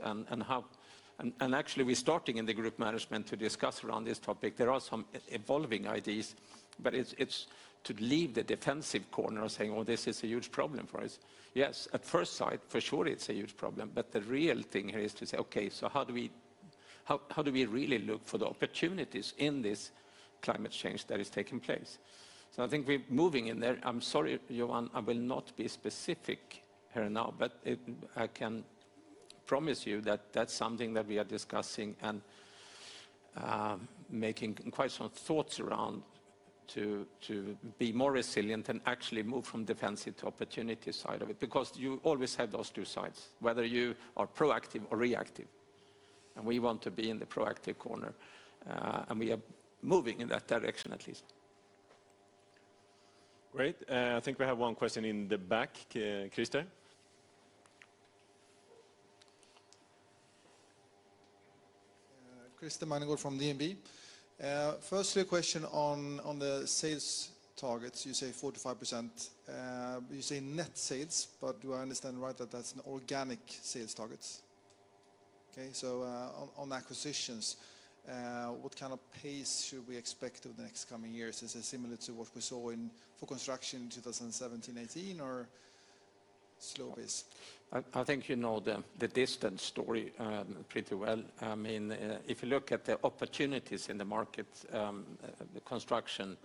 Actually, we're starting in the group management to discuss around this topic. There are some evolving ideas, but it's to leave the defensive corner of saying, "Oh, this is a huge problem for us." Yes, at first sight, for sure it's a huge problem. The real thing here is to say, "Okay, how do we really look for the opportunities in this climate change that is taking place?" I think we're moving in there. I'm sorry, Johan, I will not be specific here now. I can promise you that that's something that we are discussing and making quite some thoughts around to be more resilient and actually move from defensive to opportunity side of it. You always have those two sides, whether you are proactive or reactive. We want to be in the proactive corner. We are moving in that direction, at least. Great. I think we have one question in the back. Christer? Christer Magnergård from DNB. Firstly, a question on the sales targets. You say 4%-5%. You say net sales, but do I understand right that that's an organic sales targets? On acquisitions, what kind of pace should we expect over the next coming years? Is it similar to what we saw for construction in 2017, 2018, or slow pace? I think you know the distance story pretty well. If you look at the opportunities in the market, the construction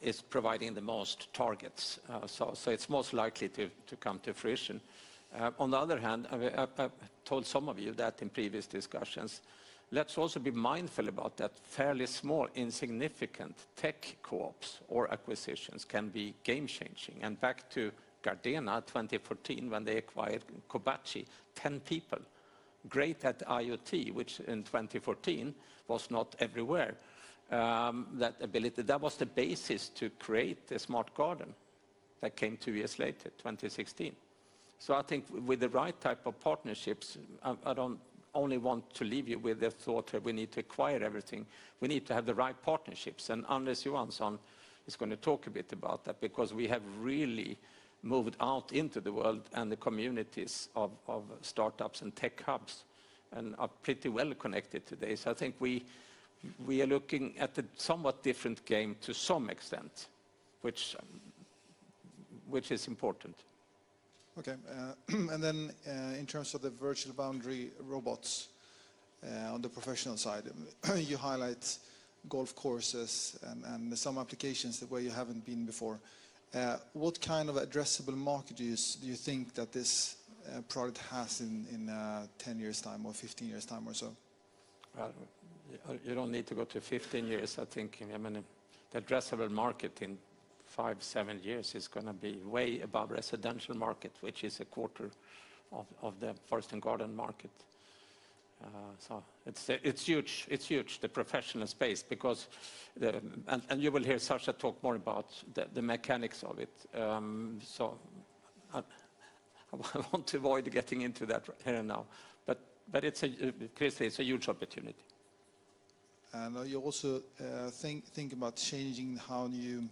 is providing the most targets, so it's most likely to come to fruition. On the other hand, I've told some of you that in previous discussions, let's also be mindful about that fairly small, insignificant tech co-ops or acquisitions can be game changing. Back to Gardena, 2014, when they acquired Koubachi, 10 people. Great at IoT, which in 2014 was not everywhere, that ability. That was the basis to create the smart garden that came two years later, 2016. I think with the right type of partnerships, I don't only want to leave you with the thought that we need to acquire everything. We need to have the right partnerships. Anders Johansson is going to talk a bit about that because we have really moved out into the world and the communities of startups and tech hubs, and are pretty well connected today. I think we are looking at a somewhat different game to some extent, which is important. Okay. In terms of the virtual boundary robots on the professional side, you highlight golf courses and some applications where you haven't been before. What kind of addressable market do you think that this product has in 10 years' time or 15 years' time or so? You don't need to go to 15 years. I think the addressable market in five, seven years is going to be way above residential market, which is a quarter of the forest and garden market. It's huge, the professional space. And you will hear Sascha talk more about the mechanics of it. I want to avoid getting into that here now. Christer, it's a huge opportunity. Are you also thinking about changing how you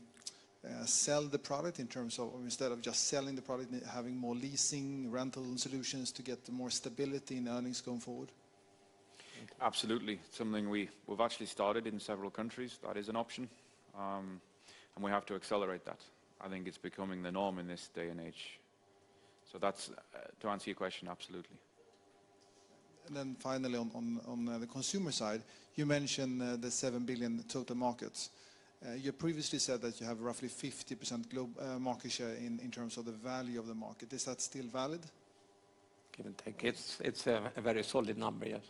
sell the product in terms of instead of just selling the product, having more leasing rental solutions to get more stability in earnings going forward? Absolutely. Something we've actually started in several countries. That is an option, and we have to accelerate that. I think it's becoming the norm in this day and age. To answer your question, absolutely. Finally, on the consumer side, you mentioned the 7 billion total markets. You previously said that you have roughly 50% market share in terms of the value of the market. Is that still valid? Give or take. It's a very solid number. Yes.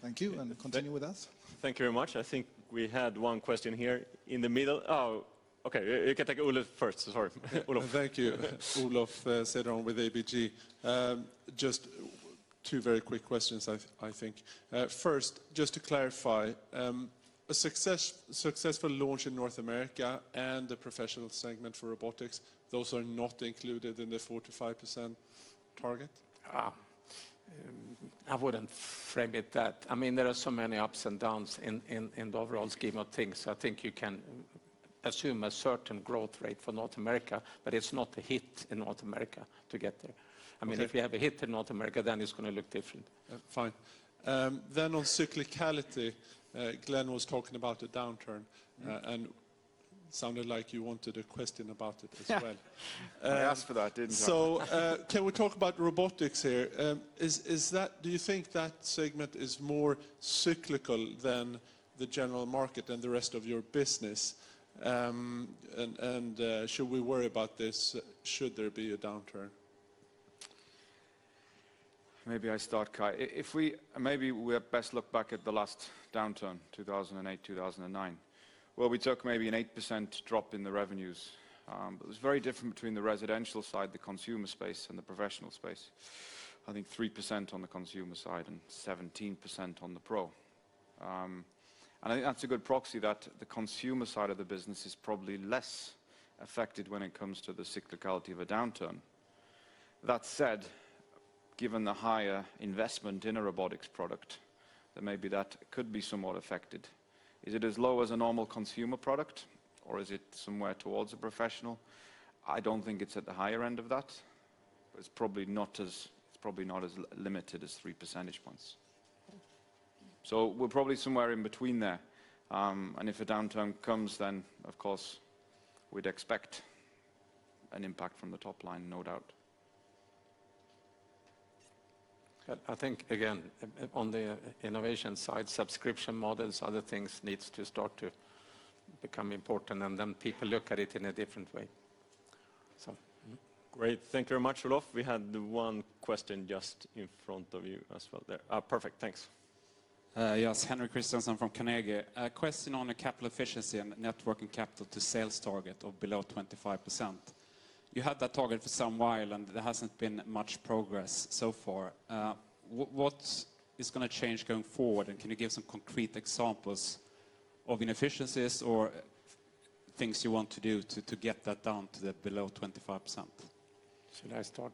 Thank you, and continue with us. Thank you very much. I think we had one question here in the middle. Oh, okay. You can take Olof first. Sorry, Olof. Thank you. Olof Cederholm with ABG. Just two very quick questions, I think. First, just to clarify, a successful launch in North America and the professional segment for robotics, those are not included in the 45% target? I wouldn't frame it that there are so many ups and downs in the overall scheme of things. I think you can assume a certain growth rate for North America. It's not a hit in North America to get there. If you have a hit in North America, it's going to look different. Fine. On cyclicality, Glen was talking about a downturn, and sounded like you wanted a question about it as well. I asked for that, didn't I? Can we talk about robotics here? Do you think that segment is more cyclical than the general market and the rest of your business? Should we worry about this? Should there be a downturn? Maybe I start, Kai. Maybe we best look back at the last downturn, 2008, 2009, where we took maybe an 8% drop in the revenues. It's very different between the residential side, the consumer space, and the professional space. I think 3% on the consumer side and 17% on the pro. I think that's a good proxy that the consumer side of the business is probably less affected when it comes to the cyclicality of a downturn. That said, given the higher investment in a robotics product, maybe that could be somewhat affected. Is it as low as a normal consumer product, or is it somewhere towards a professional? I don't think it's at the higher end of that. It's probably not as limited as three percentage points. We're probably somewhere in between there, and if a downturn comes, then, of course, we'd expect an impact from the top line, no doubt. I think, again, on the innovation side, subscription models, other things need to start to become important, and then people look at it in a different way. Great. Thank you very much, Olaf. We had one question just in front of you as well there. Perfect, thanks. Yes. Henrik Nilsson from Carnegie. A question on the capital efficiency and net working capital to sales target of below 25%. You had that target for some while, and there hasn't been much progress so far. What is going to change going forward, and can you give some concrete examples of inefficiencies or things you want to do to get that down to below 25%? Should I start?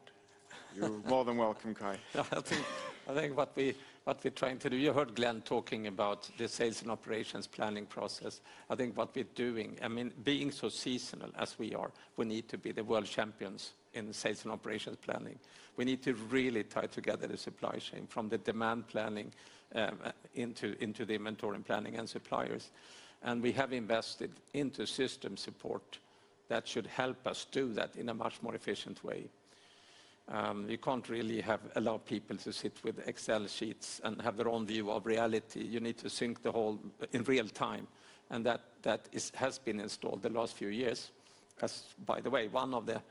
You're more than welcome, Kai. I think what we're trying to do, you heard Glen talking about the Sales and Operations Planning process. I think what we're doing, being so seasonal as we are, we need to be the world champions in Sales and Operations Planning. We need to really tie together the supply chain from the demand planning into the inventory planning and suppliers. We have invested into system support that should help us do that in a much more efficient way. We can't really allow people to sit with Excel sheets and have their own view of reality. You need to sync the whole in real time, and that has been installed the last few years as, by the way, one of the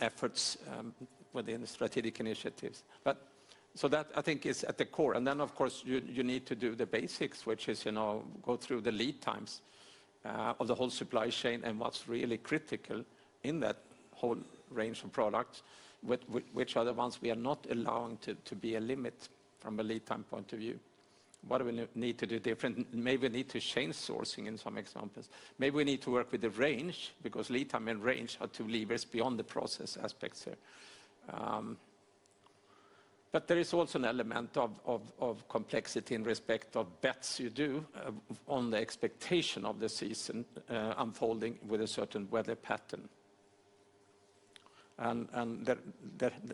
efforts within strategic initiatives. That I think is at the core. Of course, you need to do the basics, which is go through the lead times of the whole supply chain and what's really critical in that whole range of products, which are the ones we are not allowing to be a limit from a lead time point of view. What do we need to do different? Maybe we need to change sourcing in some examples. Maybe we need to work with the range because lead time and range are two levers beyond the process aspects here. There is also an element of complexity in respect of bets you do on the expectation of the season unfolding with a certain weather pattern.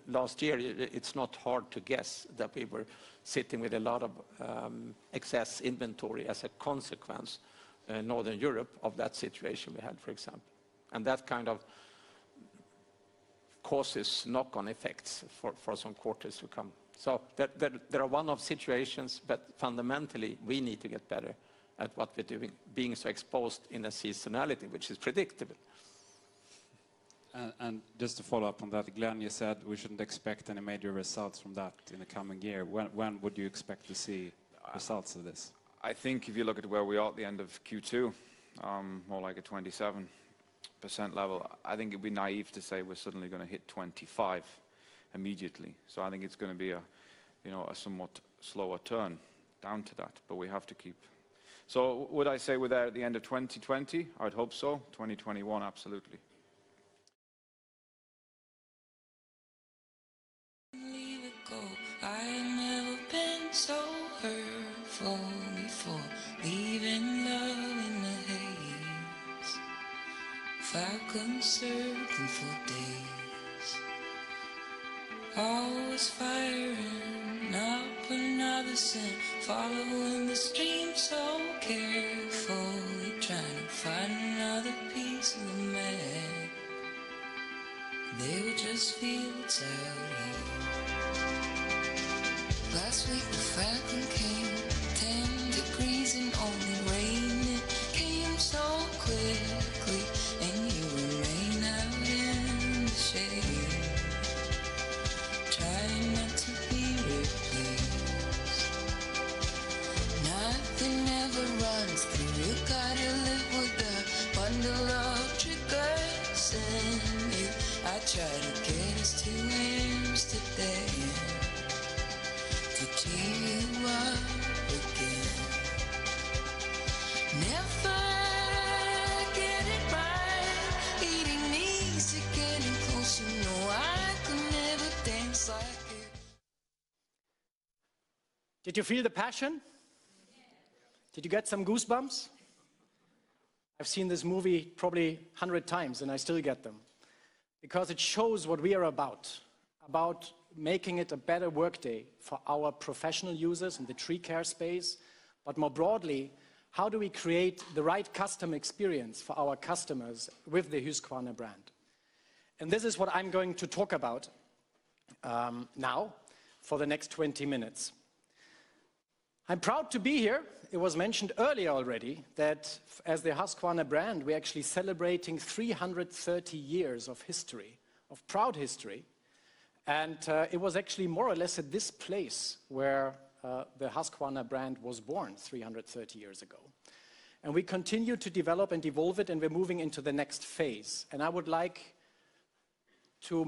Last year, it's not hard to guess that we were sitting with a lot of excess inventory as a consequence, in Northern Europe, of that situation we had, for example. That kind of causes knock-on effects for some quarters to come. There are one-off situations, but fundamentally, we need to get better at what we're doing, being so exposed in a seasonality which is predictable. Just to follow up on that, Glen, you said we shouldn't expect any major results from that in the coming year. When would you expect to see results of this? I think if you look at where we are at the end of Q2, more like a 27% level, I think it'd be naive to say we're suddenly going to hit 25% immediately. I think it's going to be a somewhat slower turn down to that. Would I say we're there at the end of 2020? I would hope so. 2021, absolutely. Falcon circling for days. Always firing. Up another scent. Following the stream so carefully. Trying to find another piece of the map. They were just fields out west. Last week the falcon came. Ten degrees and only rain. It came so quickly. You were laying out in the shade. Trying not to be replaced. Nothing ever runs smooth. You've got to live with the bundle of triggers in you. I try to get us to Insta then. To tear you up again. Never get it right. Eating easy, getting closer. No, I could never dance like this. Did you feel the passion? Yes. Did you get some goosebumps? I've seen this movie probably 100 times. I still get them because it shows what we are about making it a better workday for our professional users in the tree care space. More broadly, how do we create the right customer experience for our customers with the Husqvarna brand? This is what I'm going to talk about now for the next 20 minutes. I'm proud to be here. It was mentioned earlier already that as the Husqvarna brand, we're actually celebrating 330 years of history, of proud history. It was actually more or less at this place where the Husqvarna brand was born 330 years ago. We continue to develop and evolve it, and we're moving into the next phase. I would like to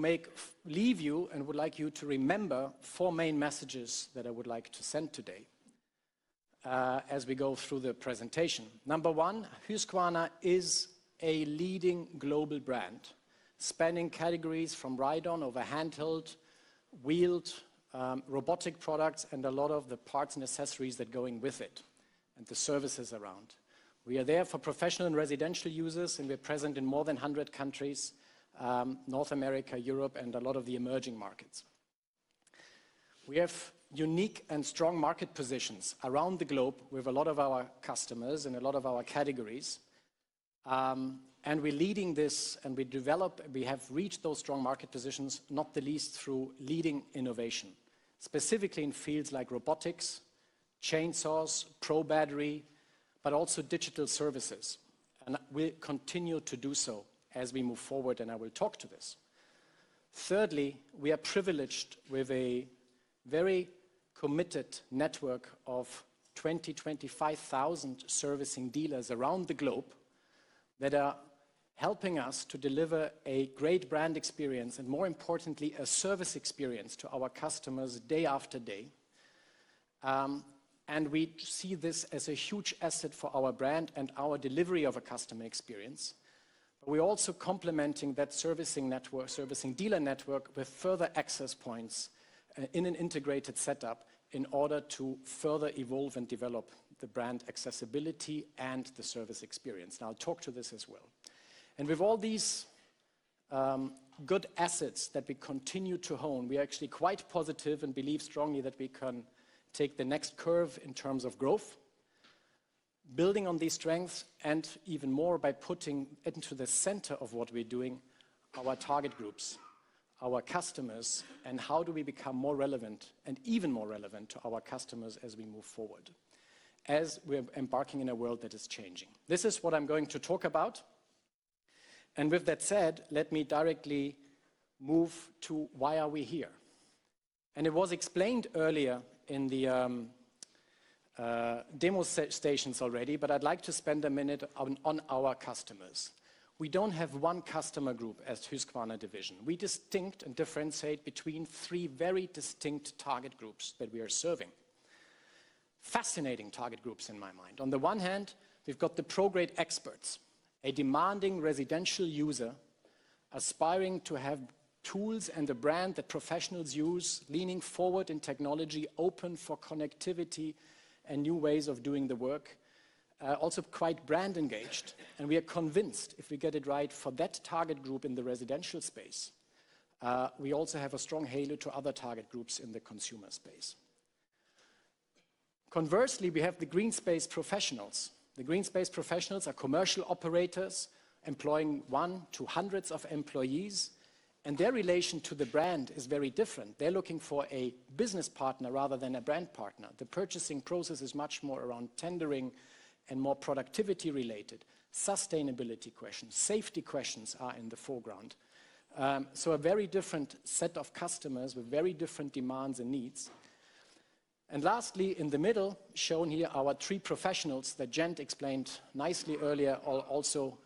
leave you and would like you to remember four main messages that I would like to send today as we go through the presentation. Number 1, Husqvarna is a leading global brand, spanning categories from ride-on over handheld, wheeled, robotic products, and a lot of the parts and accessories that going with it, and the services around. We are there for professional and residential users, and we're present in more than 100 countries, North America, Europe, and a lot of the emerging markets. We have unique and strong market positions around the globe with a lot of our customers in a lot of our categories. We're leading this and we have reached those strong market positions, not the least through leading innovation, specifically in fields like robotics, chainsaws, Pro Battery, but also digital services. We'll continue to do so as we move forward, and I will talk to this. Thirdly, we are privileged with a very committed network of 20,000, 25,000 servicing dealers around the globe that are helping us to deliver a great brand experience and, more importantly, a service experience to our customers day after day. We see this as a huge asset for our brand and our delivery of a customer experience. We're also complementing that servicing dealer network with further access points in an integrated setup in order to further evolve and develop the brand accessibility and the service experience, and I'll talk to this as well. With all these good assets that we continue to hone, we are actually quite positive and believe strongly that we can take the next curve in terms of growth, building on these strengths, and even more by putting into the center of what we're doing, our target groups, our customers, and how do we become more relevant and even more relevant to our customers as we move forward, as we're embarking in a world that is changing. This is what I'm going to talk about. With that said, let me directly move to why are we here? It was explained earlier in the demo stations already, but I'd like to spend a minute on our customers. We don't have one customer group as Husqvarna Division. We distinct and differentiate between three very distinct target groups that we are serving. Fascinating target groups in my mind. On the one hand, we've got the pro-grade experts, a demanding residential user aspiring to have tools and the brand that professionals use, leaning forward in technology, open for connectivity and new ways of doing the work. Also quite brand engaged, and we are convinced if we get it right for that target group in the residential space, we also have a strong halo to other target groups in the consumer space. Conversely, we have the green space professionals. The green space professionals are commercial operators employing one to hundreds of employees, and their relation to the brand is very different. They're looking for a business partner rather than a brand partner. The purchasing process is much more around tendering and more productivity related. Sustainability questions, safety questions are in the foreground. A very different set of customers with very different demands and needs. Lastly, in the middle, shown here, our tree professionals that Glen explained nicely earlier, are also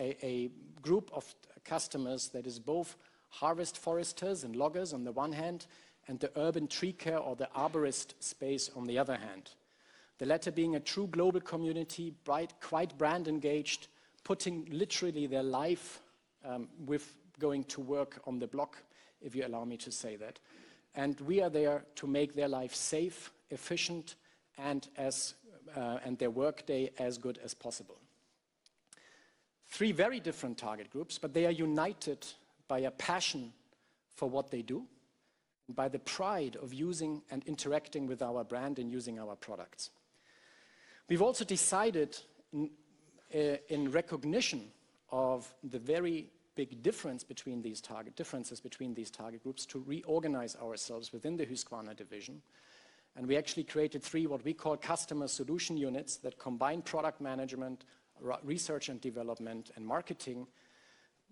a group of customers that is both harvest foresters and loggers on the one hand, and the urban tree care or the arborist space on the other hand. The latter being a true global community, quite brand engaged, putting literally their life with going to work on the block, if you allow me to say that. We are there to make their life safe, efficient, and their workday as good as possible. Three very different target groups, they are united by a passion for what they do, by the pride of using and interacting with our brand and using our products. We've also decided in recognition of the very big differences between these target groups to reorganize ourselves within the Husqvarna Division. We actually created three what we call customer solution units that combine product management, research and development, and marketing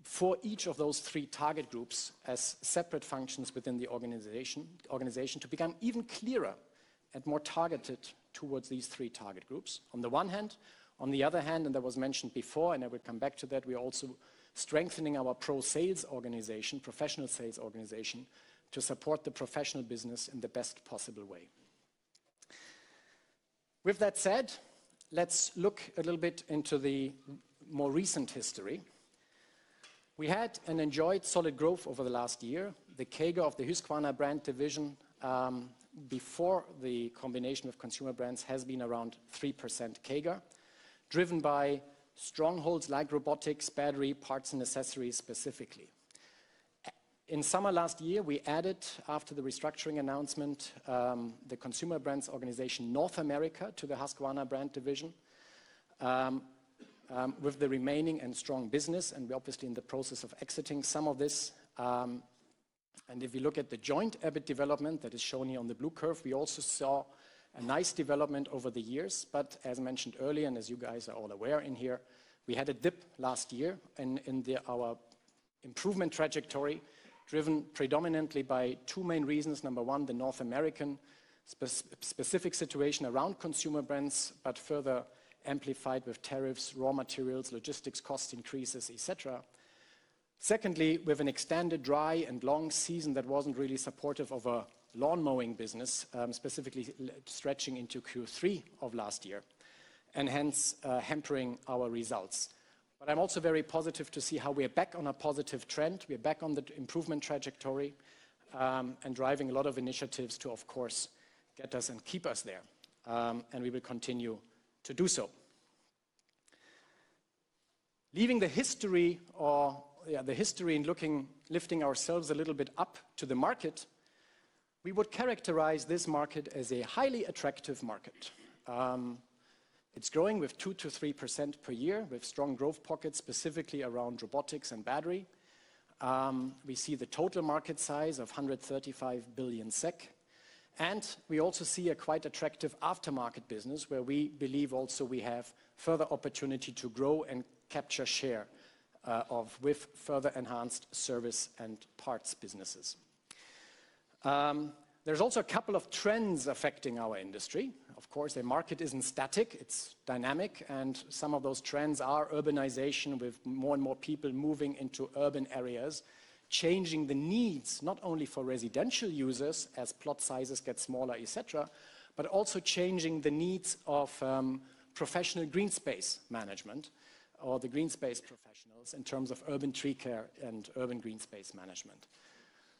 for each of those three target groups as separate functions within the organization to become even clearer and more targeted towards these three target groups on the one hand. On the other hand, and that was mentioned before, and I will come back to that, we're also strengthening our pro sales organization, professional sales organization, to support the professional business in the best possible way. With that said, let's look a little bit into the more recent history. We had enjoyed solid growth over the last year. The CAGR of the Husqvarna brand division, before the combination of consumer brands has been around 3% CAGR, driven by strongholds like robotics, battery, parts, and accessories specifically. In summer last year, we added, after the restructuring announcement, the consumer brands organization North America to the Husqvarna brand division with the remaining and strong business, we're obviously in the process of exiting some of this. If you look at the joint EBIT development that is shown here on the blue curve, we also saw a nice development over the years, as mentioned earlier and as you guys are all aware in here, we had a dip last year in our improvement trajectory, driven predominantly by two main reasons. Number one, the North American specific situation around consumer brands, further amplified with tariffs, raw materials, logistics cost increases, et cetera. Secondly, we have an extended dry and long season that wasn't really supportive of a lawnmowing business, specifically stretching into Q3 of last year and hence hampering our results. I'm also very positive to see how we are back on a positive trend. We are back on the improvement trajectory, and driving a lot of initiatives to, of course, get us and keep us there. We will continue to do so. Leaving the history and looking, lifting ourselves a little bit up to the market, we would characterize this market as a highly attractive market. It's growing with 2%-3% per year with strong growth pockets, specifically around robotics and battery. We see the total market size of 135 billion SEK, and we also see a quite attractive aftermarket business where we believe also we have further opportunity to grow and capture share of with further enhanced service and parts businesses. There's also a couple of trends affecting our industry. Of course, a market isn't static, it's dynamic, and some of those trends are urbanization with more and more people moving into urban areas, changing the needs not only for residential users as plot sizes get smaller, et cetera, but also changing the needs of professional green space management or the green space professionals in terms of urban tree care and urban green space management.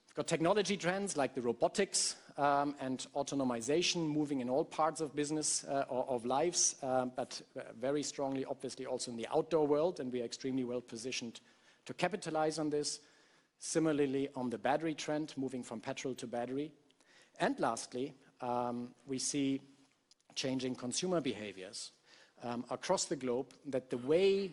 We've got technology trends like the robotics, and autonomization moving in all parts of business of lives, but very strongly obviously also in the outdoor world, and we are extremely well-positioned to capitalize on this. Similarly on the battery trend, moving from petrol to battery. Lastly, we see changing consumer behaviors across the globe, that the way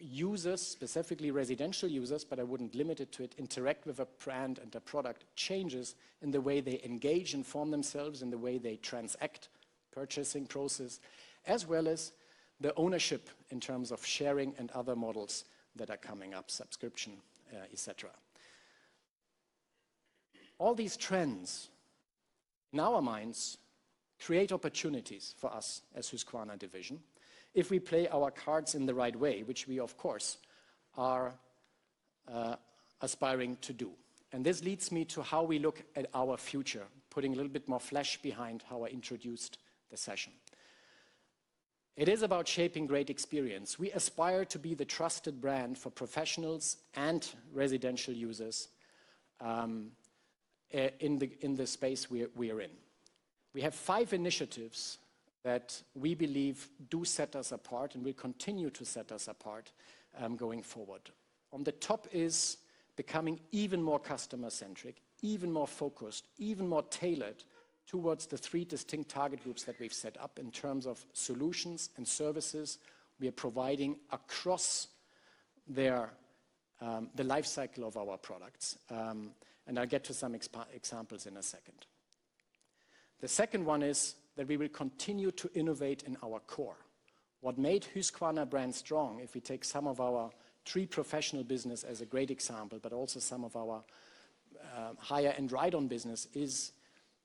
users, specifically residential users, but I wouldn't limit it to it, interact with a brand and a product changes in the way they engage, inform themselves, in the way they transact purchasing process, as well as the ownership in terms of sharing and other models that are coming up, subscription, et cetera. All these trends in our minds create opportunities for us as Husqvarna Division if we play our cards in the right way, which we of course are aspiring to do. This leads me to how we look at our future, putting a little bit more flesh behind how I introduced the session. It is about shaping great experience. We aspire to be the trusted brand for professionals and residential users in the space we are in. We have five initiatives that we believe do set us apart and will continue to set us apart going forward. On the top is becoming even more customer-centric, even more focused, even more tailored towards the three distinct target groups that we've set up in terms of solutions and services we are providing across the life cycle of our products. I'll get to some examples in a second. The second one is that we will continue to innovate in our core. What made Husqvarna brand strong, if we take some of our tree professional business as a great example, but also some of our higher-end ride-on business is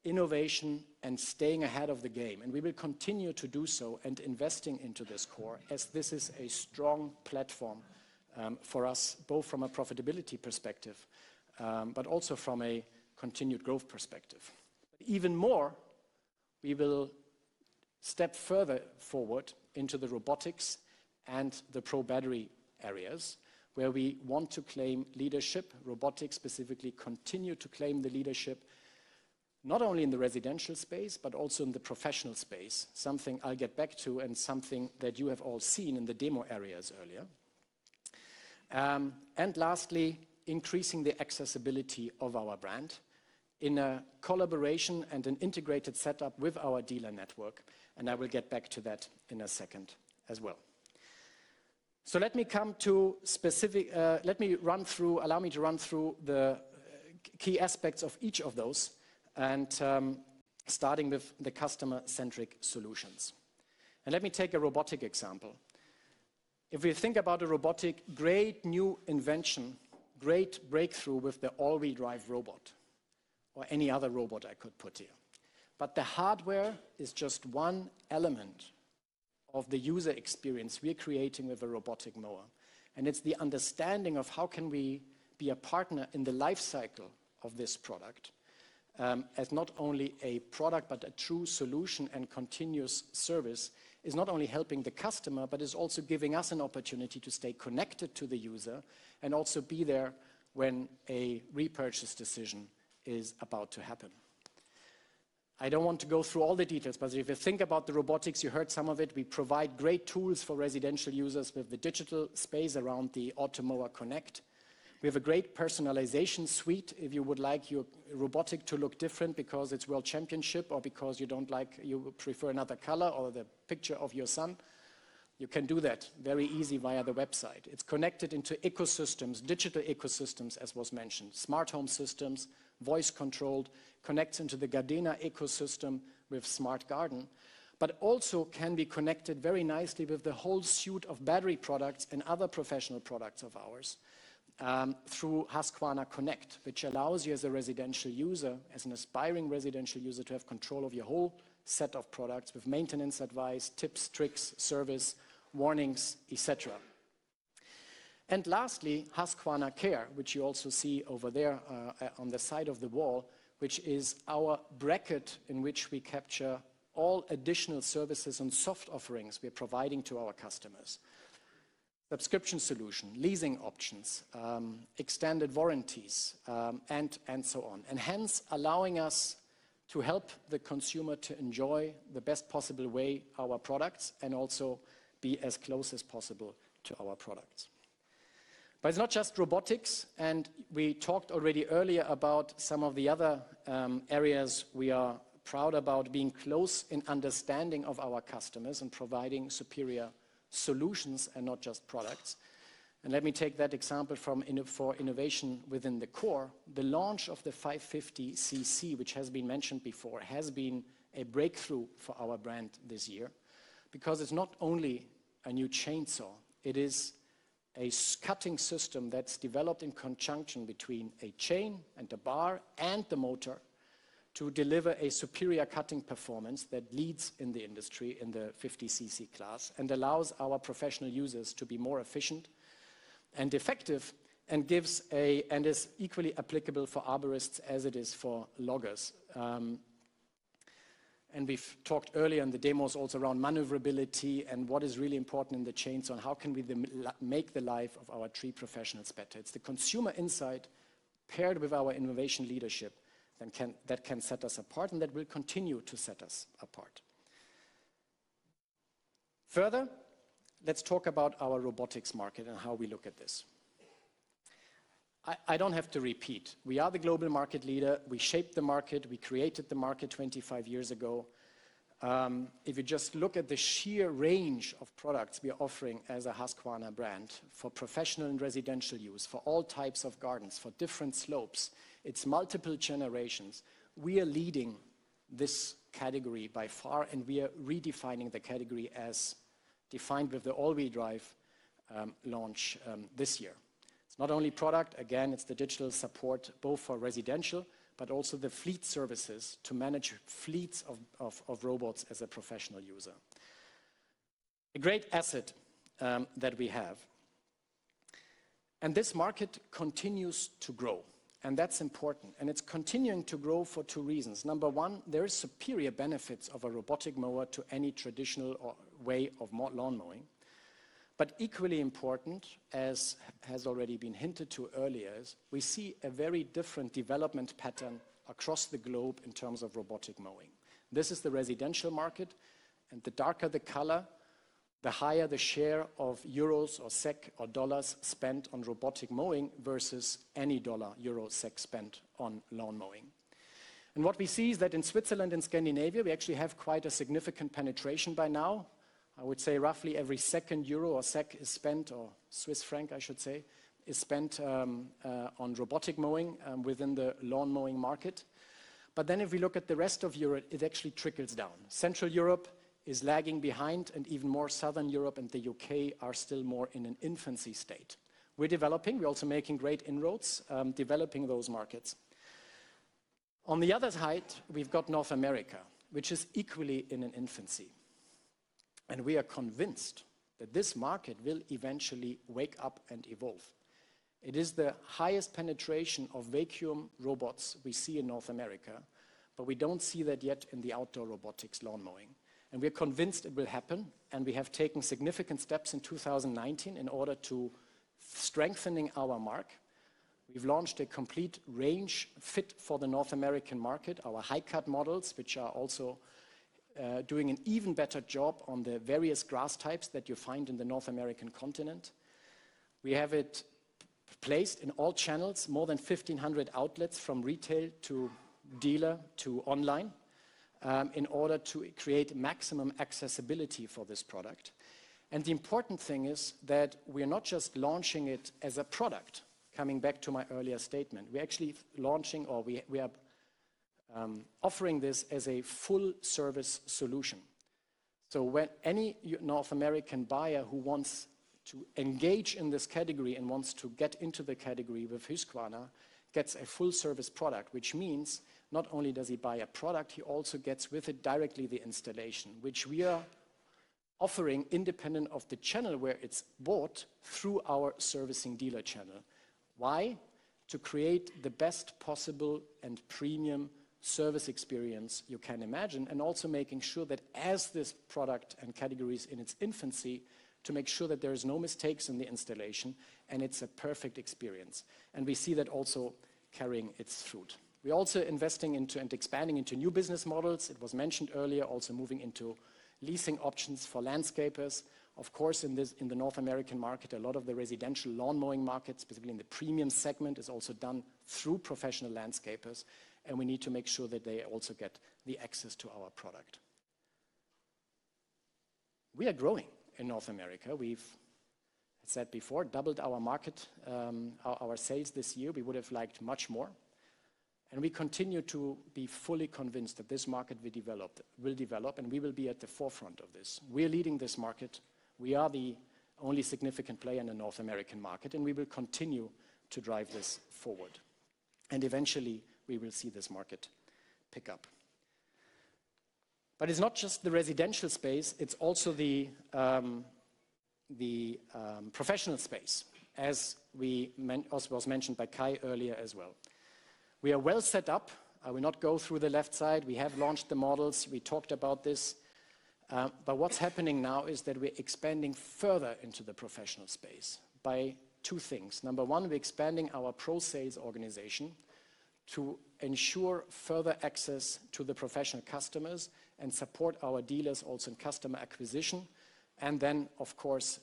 innovation and staying ahead of the game. We will continue to do so and investing into this core as this is a strong platform for us both from a profitability perspective, but also from a continued growth perspective. Even more, we will step further forward into the robotics and the pro-battery areas where we want to claim leadership. Robotics specifically continue to claim the leadership not only in the residential space but also in the professional space. Something I'll get back to and something that you have all seen in the demo areas earlier. Lastly, increasing the accessibility of our brand in a collaboration and an integrated setup with our dealer network. I will get back to that in a second as well. Allow me to run through the key aspects of each of those and starting with the customer-centric solutions. Let me take a robotic example. If we think about a robotic great new invention, great breakthrough with the all-wheel drive robot or any other robot I could put here. The hardware is just one element of the user experience we're creating with a robotic mower, and it's the understanding of how can we be a partner in the life cycle of this product, as not only a product but a true solution and continuous service is not only helping the customer but is also giving us an opportunity to stay connected to the user and also be there when a repurchase decision is about to happen. I don't want to go through all the details. If you think about the robotics, you heard some of it. We provide great tools for residential users with the digital space around the Automower Connect. We have a great personalization suite if you would like your robotic to look different because it's world championship or because you prefer another color or the picture of your son. You can do that very easy via the website. It's connected into ecosystems, digital ecosystems, as was mentioned, smart home systems, voice controlled, connects into the Gardena ecosystem with smart garden, but also can be connected very nicely with the whole suite of battery products and other professional products of ours, through Husqvarna Connect, which allows you as a residential user, as an aspiring residential user, to have control of your whole set of products with maintenance advice, tips, tricks, service, warnings, etcetera. Lastly, Husqvarna Care, which you also see over there on the side of the wall, which is our bracket in which we capture all additional services and soft offerings we are providing to our customers. Subscription solution, leasing options, extended warranties, and so on. Hence allowing us to help the consumer to enjoy the best possible way our products and also be as close as possible to our products. It's not just robotics, and we talked already earlier about some of the other areas we are proud about being close in understanding of our customers and providing superior solutions and not just products. Let me take that example for innovation within the core. The launch of the 550 CC, which has been mentioned before, has been a breakthrough for our brand this year because it's not only a new chainsaw, it is a cutting system that's developed in conjunction between a chain and a bar and the motor to deliver a superior cutting performance that leads in the industry in the 50cc class and allows our professional users to be more efficient and effective and is equally applicable for arborists as it is for loggers. We've talked earlier in the demos also around maneuverability and what is really important in the chainsaw and how can we make the life of our tree professionals better. It's the consumer insight paired with our innovation leadership that can set us apart and that will continue to set us apart. Further, let's talk about our robotics market and how we look at this. I don't have to repeat. We are the global market leader. We shaped the market. We created the market 25 years ago. If you just look at the sheer range of products we are offering as a Husqvarna brand for professional and residential use, for all types of gardens, for different slopes. It's multiple generations. We are leading this category by far, and we are redefining the category as defined with the all-wheel drive launch this year. It's not only product. Again, it's the digital support both for residential but also the Fleet Services to manage fleets of robots as a professional user. A great asset that we have. This market continues to grow, and that's important. It's continuing to grow for two reasons. Number one, there is superior benefits of a robotic mower to any traditional or way of lawn mowing. Equally important, as has already been hinted to earlier, is we see a very different development pattern across the globe in terms of robotic mowing. This is the residential market, and the darker the color, the higher the share of EUR or SEK or $ spent on robotic mowing versus any $, EUR, SEK spent on lawn mowing. What we see is that in Switzerland and Scandinavia, we actually have quite a significant penetration by now. I would say roughly every second EUR or SEK is spent, or CHF I should say, is spent on robotic mowing within the lawn mowing market. If we look at the rest of Europe, it actually trickles down. Central Europe is lagging behind and even more Southern Europe and the U.K. are still more in an infancy state. We're developing. We're also making great inroads, developing those markets. On the other hand, we've got North America, which is equally in an infancy. We are convinced that this market will eventually wake up and evolve. It is the highest penetration of vacuum robots we see in North America, we don't see that yet in the outdoor robotics lawn mowing. We are convinced it will happen, and we have taken significant steps in 2019 in order to strengthening our mark. We've launched a complete range fit for the North American market, our high-cut models, which are also doing an even better job on the various grass types that you find in the North American continent. We have it placed in all channels, more than 1,500 outlets, from retail to dealer to online, in order to create maximum accessibility for this product. The important thing is that we're not just launching it as a product, coming back to my earlier statement. We are offering this as a full-service solution. Any North American buyer who wants to engage in this category and wants to get into the category with Husqvarna gets a full-service product, which means not only does he buy a product, he also gets with it directly the installation, which we are offering independent of the channel where it's bought through our servicing dealer channel. Why? To create the best possible and premium service experience you can imagine, and also making sure that as this product and category is in its infancy, to make sure that there is no mistakes in the installation and it's a perfect experience. We see that also carrying its fruit. We're also investing into and expanding into new business models. It was mentioned earlier, also moving into leasing options for landscapers. Of course, in the North American market, a lot of the residential lawn mowing markets, specifically in the premium segment, is also done through professional landscapers, and we need to make sure that they also get the access to our product. We are growing in North America. We've said before, doubled our market, our sales this year. We would have liked much more. We continue to be fully convinced that this market will develop, and we will be at the forefront of this. We are leading this market. We are the only significant player in the North American market, and we will continue to drive this forward. Eventually, we will see this market pick up. It's not just the residential space, it's also the professional space, as was mentioned by Kai earlier as well. We are well set up. I will not go through the left side. We have launched the models. We talked about this. What's happening now is that we're expanding further into the professional space by two things. Number 1, we're expanding our pro sales organization to ensure further access to the professional customers and support our dealers also in customer acquisition. Of course,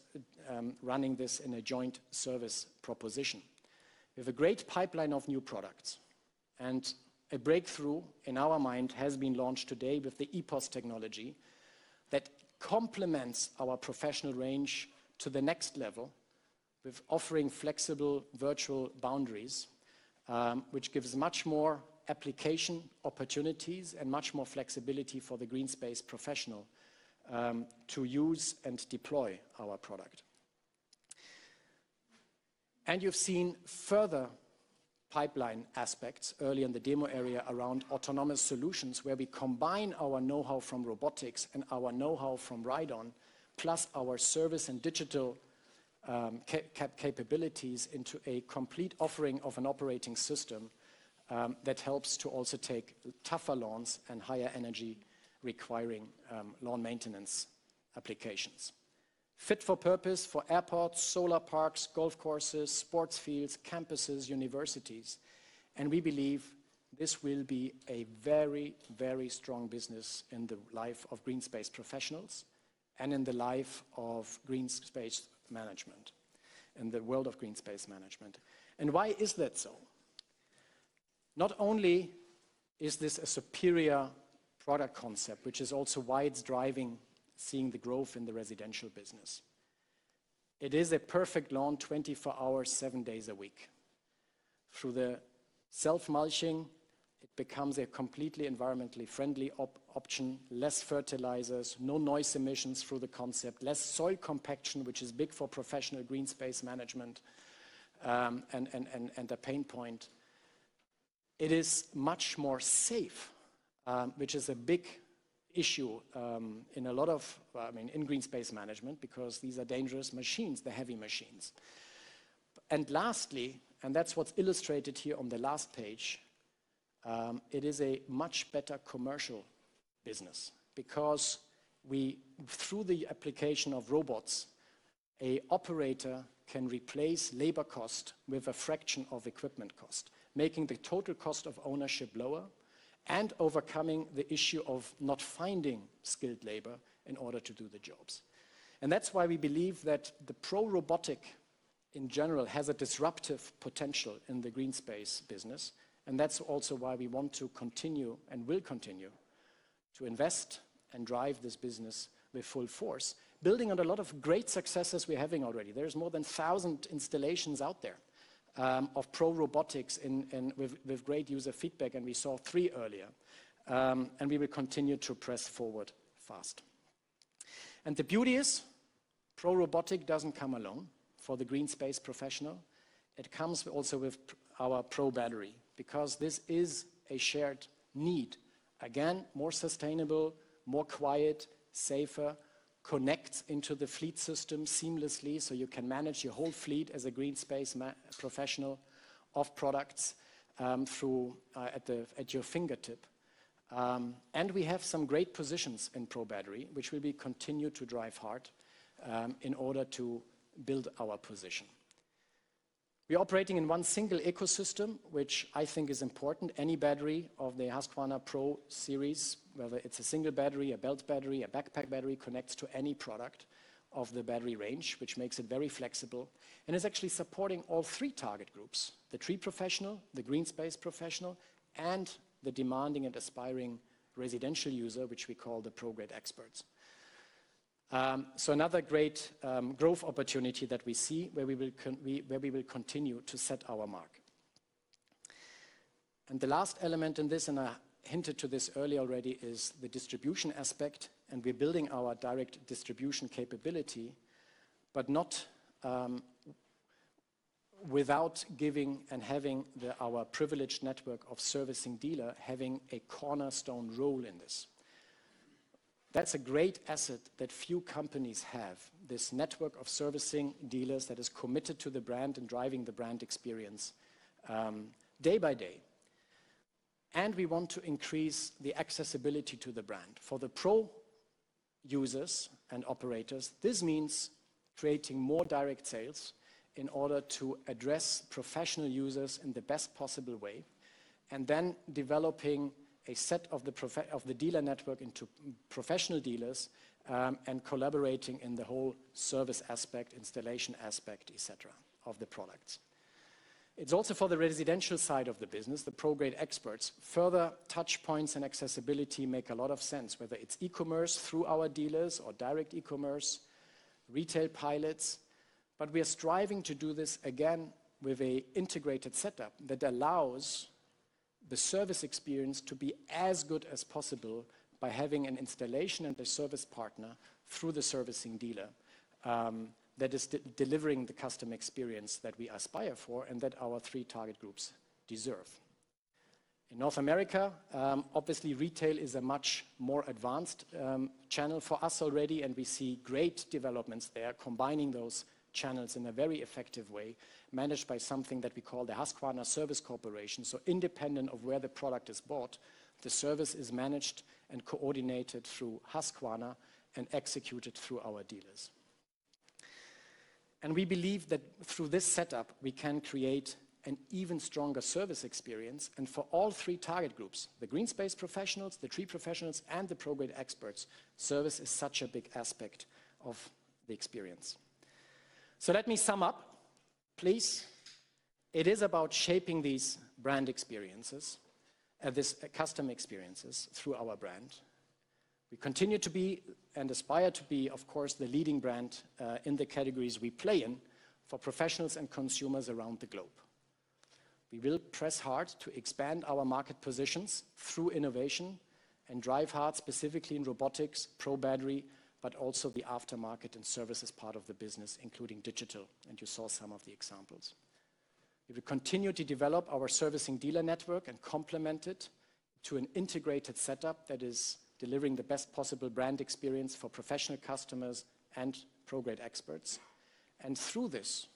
running this in a joint service proposition. We have a great pipeline of new products. A breakthrough, in our mind, has been launched today with the EPOS technology that complements our professional range to the next level with offering flexible virtual boundaries, which gives much more application opportunities and much more flexibility for the green space professional to use and deploy our product. You've seen further pipeline aspects early in the demo area around autonomous solutions, where we combine our know-how from robotics and our know-how from ride-on, plus our service and digital capabilities into a complete offering of an operating system that helps to also take tougher lawns and higher energy-requiring lawn maintenance applications. Fit for purpose for airports, solar parks, golf courses, sports fields, campuses, universities. We believe this will be a very strong business in the life of green space professionals and in the life of green space management, in the world of green space management. Why is that so? Not only is this a superior product concept, which is also why it's driving seeing the growth in the residential business. It is a perfect lawn, 24 hours, seven days a week. Through the self-mulching, it becomes a completely environmentally friendly option, less fertilizers, no noise emissions through the concept, less soil compaction, which is big for professional green space management and a pain point. It is much more safe, which is a big issue in green space management because these are dangerous machines. They're heavy machines. Lastly, and that's what's illustrated here on the last page, it is a much better commercial business because through the application of robots, a operator can replace labor cost with a fraction of equipment cost, making the total cost of ownership lower and overcoming the issue of not finding skilled labor in order to do the jobs. That's why we believe that the Pro Robotic in general has a disruptive potential in the green space business, and that's also why we want to continue and will continue to invest and drive this business with full force, building on a lot of great successes we're having already. There's more than 1,000 installations out there of Pro Robotics with great user feedback, and we saw three earlier. We will continue to press forward fast. The beauty is, Pro Robotic doesn't come alone for the green space professional. It comes also with our Pro Battery because this is a shared need. Again, more sustainable, more quiet, safer, connects into the Fleet Services seamlessly so you can manage your whole fleet as a green space professional of products at your fingertip. We have some great positions in Pro Battery, which we will continue to drive hard in order to build our position. We are operating in one single ecosystem, which I think is important. Any battery of the Husqvarna Pro series, whether it's a single battery, a belt battery, a backpack battery, connects to any product of the battery range, which makes it very flexible and is actually supporting all three target groups, the tree professional, the green space professional, and the demanding and aspiring residential user, which we call the Pro Grade Experts. Another great growth opportunity that we see where we will continue to set our mark. The last element in this, and I hinted to this earlier already, is the distribution aspect. We're building our direct distribution capability, but not without giving and having our privileged network of servicing dealer having a cornerstone role in this. That's a great asset that few companies have, this network of servicing dealers that is committed to the brand and driving the brand experience day by day. We want to increase the accessibility to the brand. For the pro users and operators, this means creating more direct sales in order to address professional users in the best possible way, and then developing a set of the dealer network into professional dealers, and collaborating in the whole service aspect, installation aspect, et cetera, of the products. It's also for the residential side of the business, the Pro Grade Experts. Further touch points and accessibility make a lot of sense, whether it's e-commerce through our dealers or direct e-commerce, retail pilots. We are striving to do this again with an integrated setup that allows the service experience to be as good as possible by having an installation and a service partner through the servicing dealer that is delivering the customer experience that we aspire for and that our three target groups deserve. In North America, obviously, retail is a much more advanced channel for us already, and we see great developments there, combining those channels in a very effective way, managed by something that we call the Husqvarna Service Corporation. Independent of where the product is bought, the service is managed and coordinated through Husqvarna and executed through our dealers. We believe that through this setup, we can create an even stronger service experience. For all three target groups, the green space professionals, the tree professionals, and the Pro Grade Experts, service is such a big aspect of the experience. Let me sum up, please. It is about shaping these brand experiences, these customer experiences through our brand. We continue to be and aspire to be, of course, the leading brand in the categories we play in for professionals and consumers around the globe. We will press hard to expand our market positions through innovation and drive hard specifically in robotics, Pro Battery, but also the aftermarket and services part of the business, including digital. You saw some of the examples. We will continue to develop our servicing dealer network and complement it to an integrated setup that is delivering the best possible brand experience for professional customers and Pro Grade Experts. Through this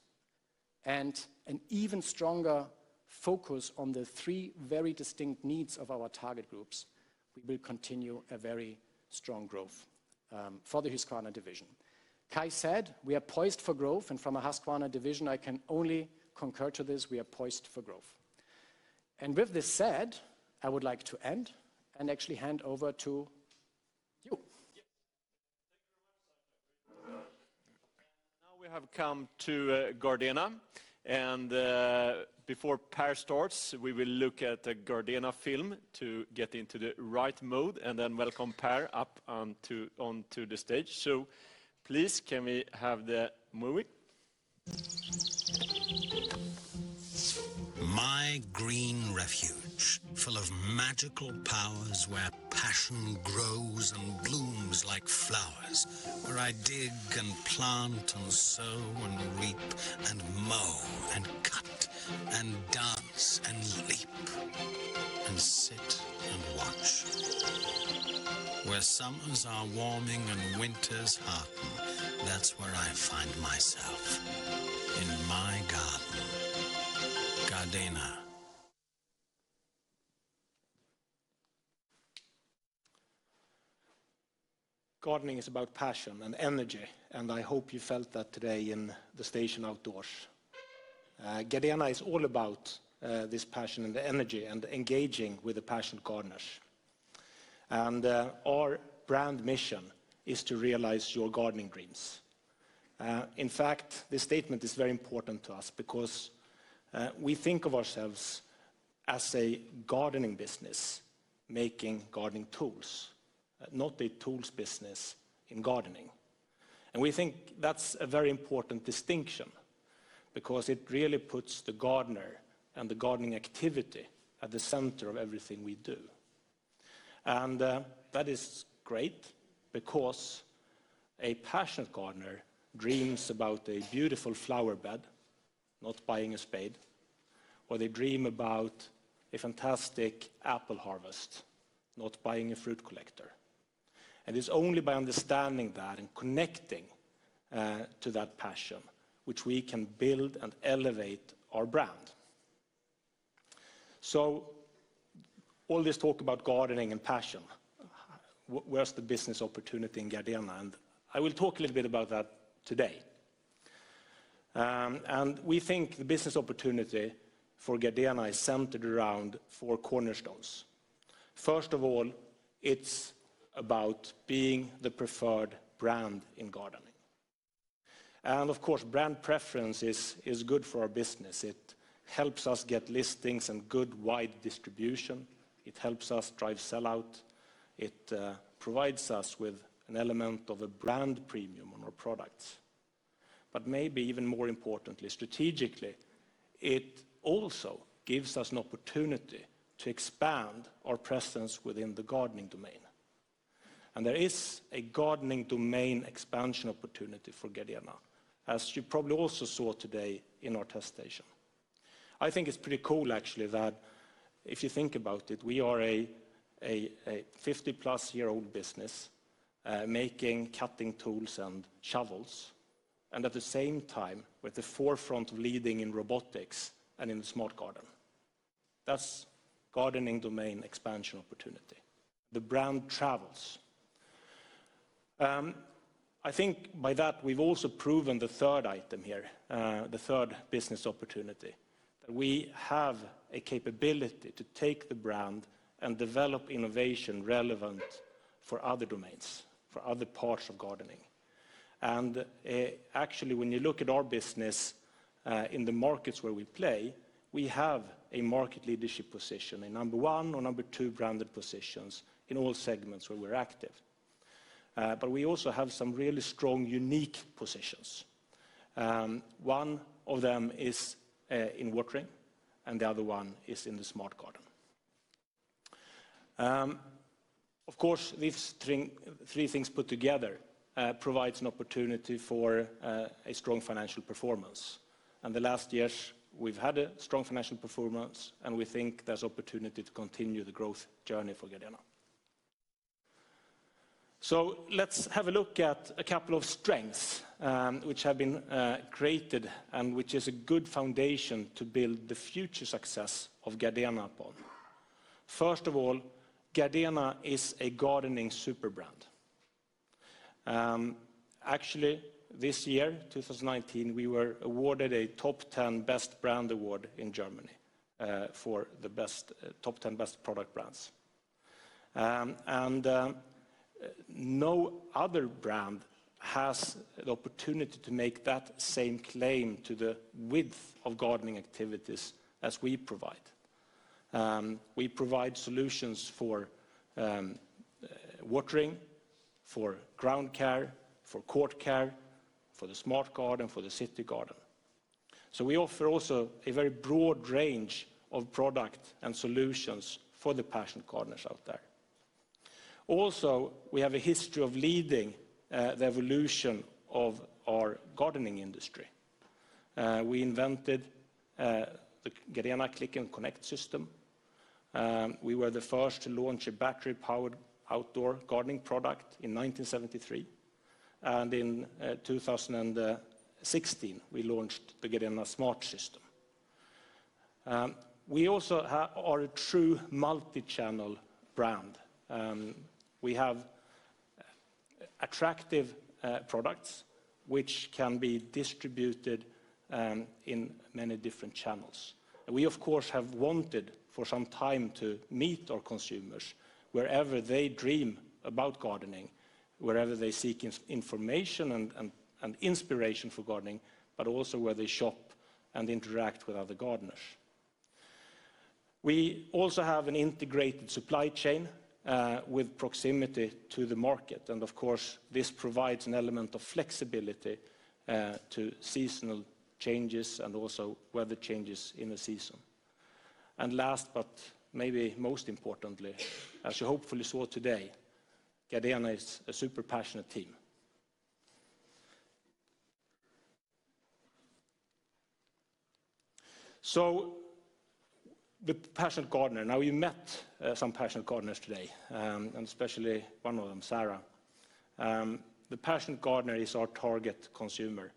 and an even stronger focus on the three very distinct needs of our target groups, we will continue a very strong growth for the Husqvarna Division. Kai said we are poised for growth. From a Husqvarna Division, I can only concur to this. We are poised for growth. With this said, I would like to end and actually hand over to you. Yes. Thank you very much, Sascha. Now we have come to Gardena, and before Pär starts, we will look at a Gardena film to get into the right mode, and then welcome Pär up onto the stage. Please, can we have the movie? My green refuge, full of magical powers where passion grows and blooms like flowers. Where I dig and plant and sow and reap and mow and cut and dance and leap and sit and watch. Where summers are warming and winters harden. That's where I find myself, in my garden. Gardena. Gardening is about passion and energy, and I hope you felt that today in the station outdoors. Gardena is all about this passion and the energy and engaging with the passion gardeners. Our brand mission is to realize your gardening dreams. In fact, this statement is very important to us because we think of ourselves as a gardening business making gardening tools, not a tools business in gardening. We think that's a very important distinction because it really puts the gardener and the gardening activity at the center of everything we do. That is great because a passionate gardener dreams about a beautiful flower bed, not buying a spade. They dream about a fantastic apple harvest, not buying a fruit collector. It's only by understanding that and connecting to that passion, which we can build and elevate our brand. All this talk about gardening and passion, where's the business opportunity in Gardena? I will talk a little bit about that today. We think the business opportunity for Gardena is centered around four cornerstones. First of all, it's about being the preferred brand in gardening. Of course, brand preference is good for our business. It helps us get listings and good wide distribution. It helps us drive sell-out. It provides us with an element of a brand premium on our products. Maybe even more importantly, strategically, it also gives us an opportunity to expand our presence within the gardening domain. There is a gardening domain expansion opportunity for Gardena, as you probably also saw today in our test station. I think it's pretty cool actually, that if you think about it, we are a 50-plus-year-old business, making cutting tools and shovels, and at the same time, with the forefront leading in robotics and in the smart garden. That's gardening domain expansion opportunity. The brand travels. I think by that, we've also proven the third item here, the third business opportunity. We have a capability to take the brand and develop innovation relevant for other domains, for other parts of gardening. Actually, when you look at our business, in the markets where we play, we have a market leadership position, a number 1 or number 2 branded positions in all segments where we're active. We also have some really strong, unique positions. One of them is in watering, and the other one is in the smart garden. Of course, these three things put together provides an opportunity for a strong financial performance. In the last years, we've had a strong financial performance, and we think there's opportunity to continue the growth journey for Gardena. Let's have a look at a couple of strengths, which have been created and which is a good foundation to build the future success of Gardena upon. First of all, Gardena is a gardening super brand. Actually, this year, 2019, we were awarded a top 10 Best Brand Award in Germany, for the top 10 best product brands. No other brand has the opportunity to make that same claim to the width of gardening activities as we provide. We provide solutions for watering, for ground care, for court care, for the smart garden, for the city garden. We offer also a very broad range of product and solutions for the passion gardeners out there. We have a history of leading the evolution of our gardening industry. We invented the Gardena Click and Connect system. We were the first to launch a battery-powered outdoor gardening product in 1973. In 2016, we launched the GARDENA smart system. We also are a true multi-channel brand. We have attractive products, which can be distributed in many different channels. We, of course, have wanted for some time to meet our consumers wherever they dream about gardening, wherever they seek information and inspiration for gardening, but also where they shop and interact with other gardeners. We also have an integrated supply chain, with proximity to the market. Of course, this provides an element of flexibility to seasonal changes and also weather changes in a season. Last, but maybe most importantly, as you hopefully saw today, Gardena is a super passionate team. The passionate gardener. We met some passionate gardeners today, and especially one of them, Sarah. The passionate gardener is our target consumer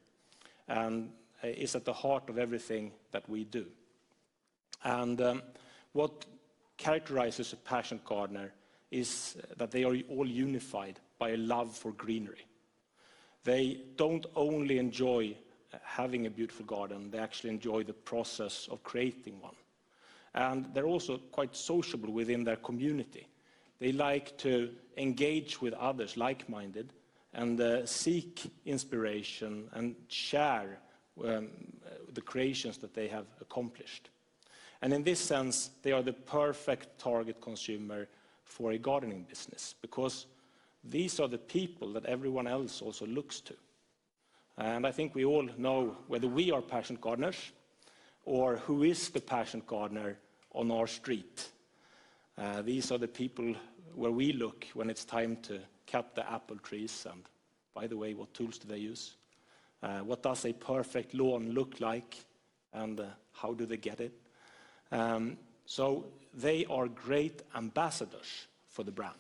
and is at the heart of everything that we do. What characterizes a passionate gardener is that they are all unified by a love for greenery. They don't only enjoy having a beautiful garden, they actually enjoy the process of creating one. They're also quite sociable within their community. They like to engage with others like-minded and seek inspiration and share the creations that they have accomplished. In this sense, they are the perfect target consumer for a gardening business because these are the people that everyone else also looks to. I think we all know whether we are passion gardeners or who is the passion gardener on our street. These are the people where we look when it's time to cut the apple trees, and by the way, what tools do they use? What does a perfect lawn look like, and how do they get it? They are great ambassadors for the brand.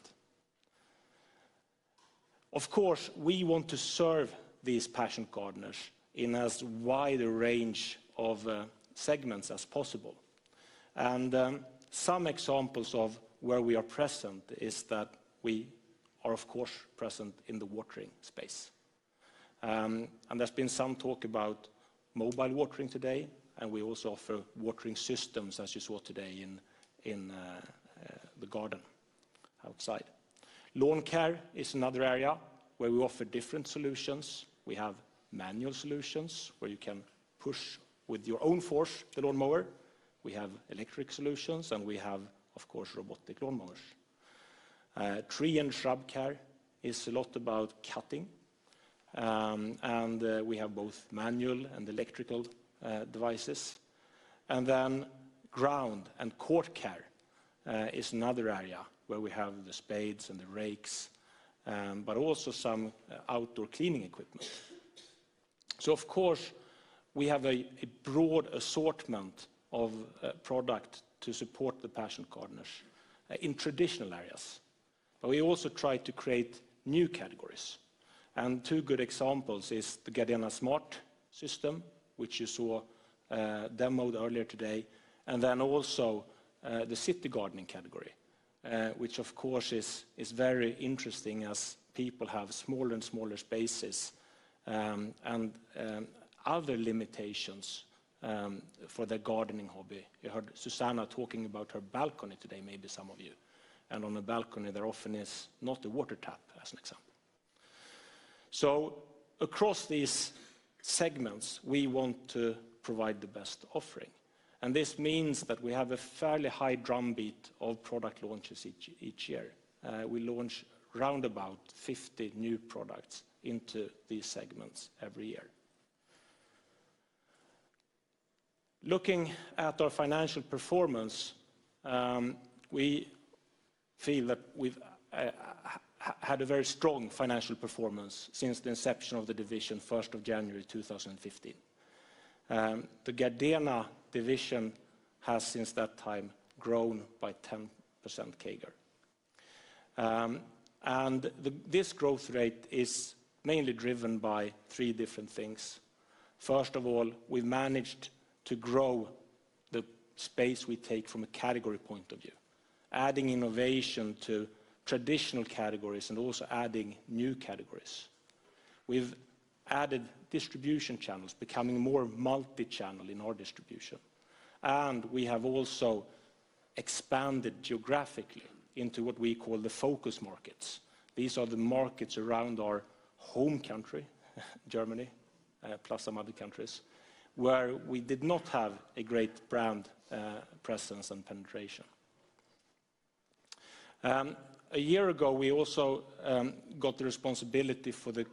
Of course, we want to serve these passion gardeners in as wide a range of segments as possible. Some examples of where we are present is that we are, of course, present in the watering space. There's been some talk about mobile watering today, and we also offer watering systems, as you saw today in the garden outside. Lawn care is another area where we offer different solutions. We have manual solutions where you can push with your own force, the lawnmower. We have electric solutions, we have, of course, robotic lawnmowers. Tree and shrub care is a lot about cutting. We have both manual and electrical devices. Ground and cork care is another area where we have the spades and the rakes, but also some outdoor cleaning equipment. Of course, we have a broad assortment of product to support the passion gardeners in traditional areas. We also try to create new categories. Two good examples is the GARDENA smart system, which you saw demoed earlier today, and then also the city gardening category, which of course is very interesting as people have smaller and smaller spaces, and other limitations for their gardening hobby. You heard Susanna talking about her balcony today, maybe some of you. On a balcony, there often is not a water tap, as an example. Across these segments, we want to provide the best offering. This means that we have a fairly high drumbeat of product launches each year. We launch roundabout 50 new products into these segments every year. Looking at our financial performance, we feel that we've had a very strong financial performance since the inception of the division 1st of January 2015. The Gardena Division has since that time grown by 10% CAGR. This growth rate is mainly driven by three different things. First of all, we've managed to grow the space we take from a category point of view, adding innovation to traditional categories and also adding new categories. We've added distribution channels, becoming more multichannel in our distribution. We have also expanded geographically into what we call the focus markets. These are the markets around our home country, Germany, plus some other countries, where we did not have a great brand presence and penetration. A year ago, we also got the responsibility for the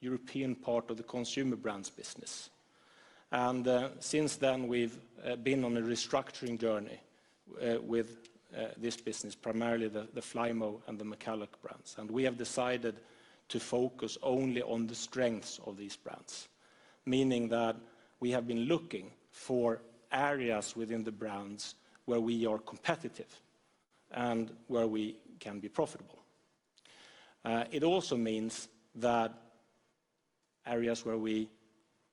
European part of the Consumer Brands Division. Since then, we've been on a restructuring journey, with this business, primarily the Flymo and the McCulloch brands. We have decided to focus only on the strengths of these brands, meaning that we have been looking for areas within the brands where we are competitive and where we can be profitable. It also means that areas where we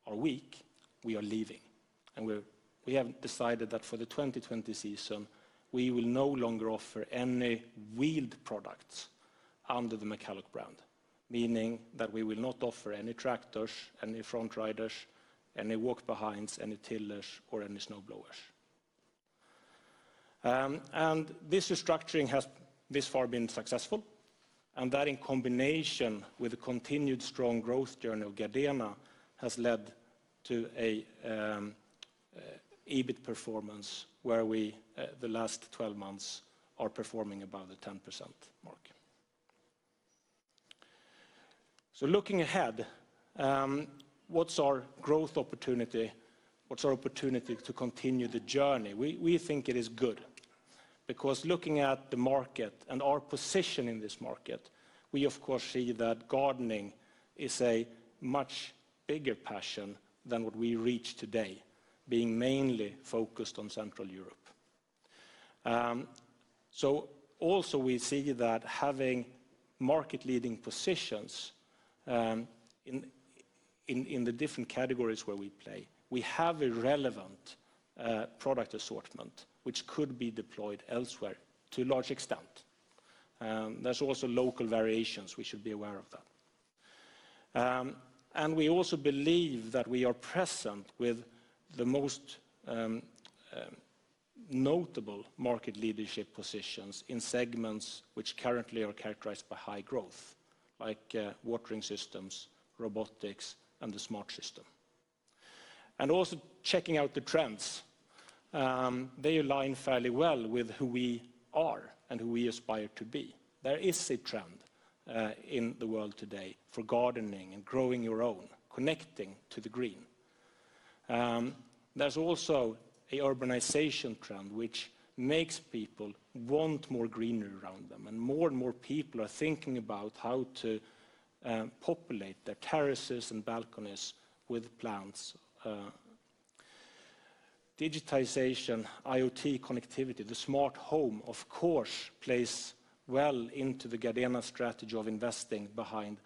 are weak, we are leaving. We have decided that for the 2020 season, we will no longer offer any wheeled products under the McCulloch brand, meaning that we will not offer any tractors, any front riders, any walk behinds, any tillers or any snowblowers. This restructuring has this far been successful, and that in combination with the continued strong growth journey of Gardena, has led to an EBIT performance where we the last 12 months are performing above the 10% mark. Looking ahead, what's our growth opportunity? What's our opportunity to continue the journey? We think it is good because looking at the market and our position in this market, we of course see that gardening is a much bigger passion than what we reach today, being mainly focused on Central Europe. Also we see that having market-leading positions in the different categories where we play, we have a relevant product assortment, which could be deployed elsewhere to a large extent. There's also local variations. We should be aware of that. We also believe that we are present with the most notable market leadership positions in segments which currently are characterized by high growth, like watering systems, robotics, and the smart systems. Also checking out the trends. They align fairly well with who we are and who we aspire to be. There is a trend in the world today for gardening and growing your own, connecting to the green. There's also an urbanization trend which makes people want more greenery around them. More and more people are thinking about how to populate their terraces and balconies with plants. Digitization, IoT connectivity, the smart home, of course, plays well into the Gardena strategy of investing behind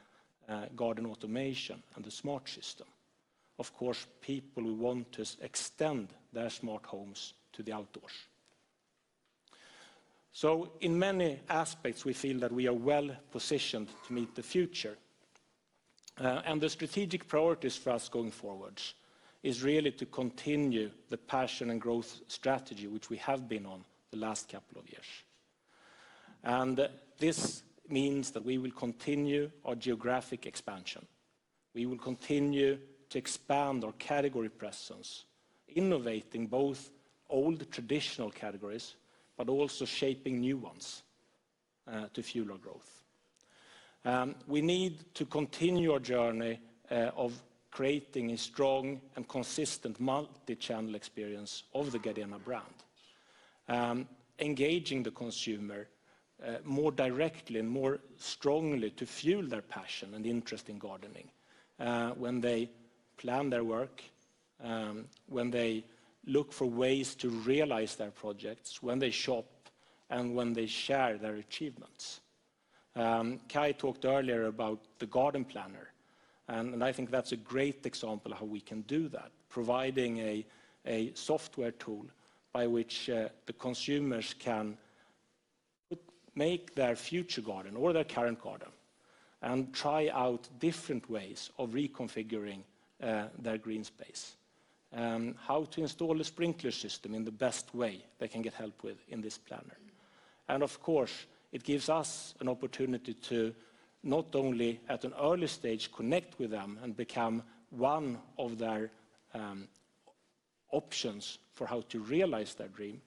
garden automation and the smart system. People will want to extend their smart homes to the outdoors. In many aspects, we feel that we are well-positioned to meet the future. The strategic priorities for us going forward is really to continue the passion and growth strategy which we have been on the last couple of years. This means that we will continue our geographic expansion. We will continue to expand our category presence, innovating both old traditional categories, but also shaping new ones to fuel our growth. We need to continue our journey of creating a strong and consistent multi-channel experience of the Gardena brand. Engaging the consumer more directly and more strongly to fuel their passion and interest in gardening. When they plan their work, when they look for ways to realize their projects, when they shop, and when they share their achievements. Kai talked earlier about the garden planner, I think that's a great example how we can do that. Providing a software tool by which the consumers can make their future garden or their current garden and try out different ways of reconfiguring their green space. How to install a sprinkler system in the best way they can get help with in this planner. Of course, it gives us an opportunity to not only at an early stage connect with them and become one of their options for how to realize their dream,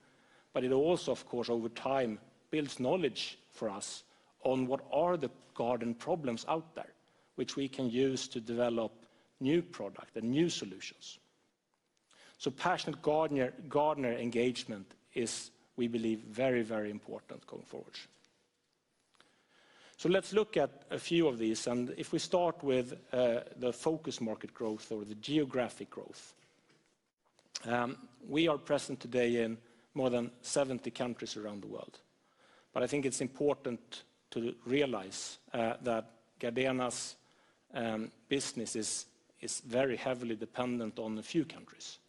but it also, of course, over time, builds knowledge for us on what are the garden problems out there, which we can use to develop new product and new solutions. Passionate gardener engagement is, we believe, very, very important going forward. Let's look at a few of these. If we start with the focus market growth or the geographic growth. We are present today in more than 70 countries around the world. I think it's important to realize that Gardena's business is very heavily dependent on a few countries.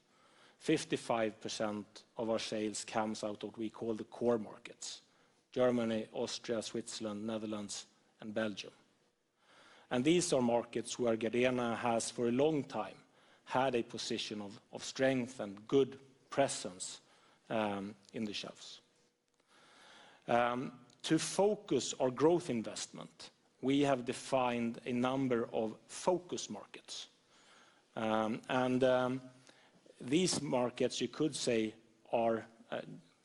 55% of our sales comes out of what we call the core markets, Germany, Austria, Switzerland, Netherlands, and Belgium. These are markets where Gardena has, for a long time, had a position of strength and good presence in the shelves. To focus our growth investment, we have defined a number of focus markets. These markets, you could say, are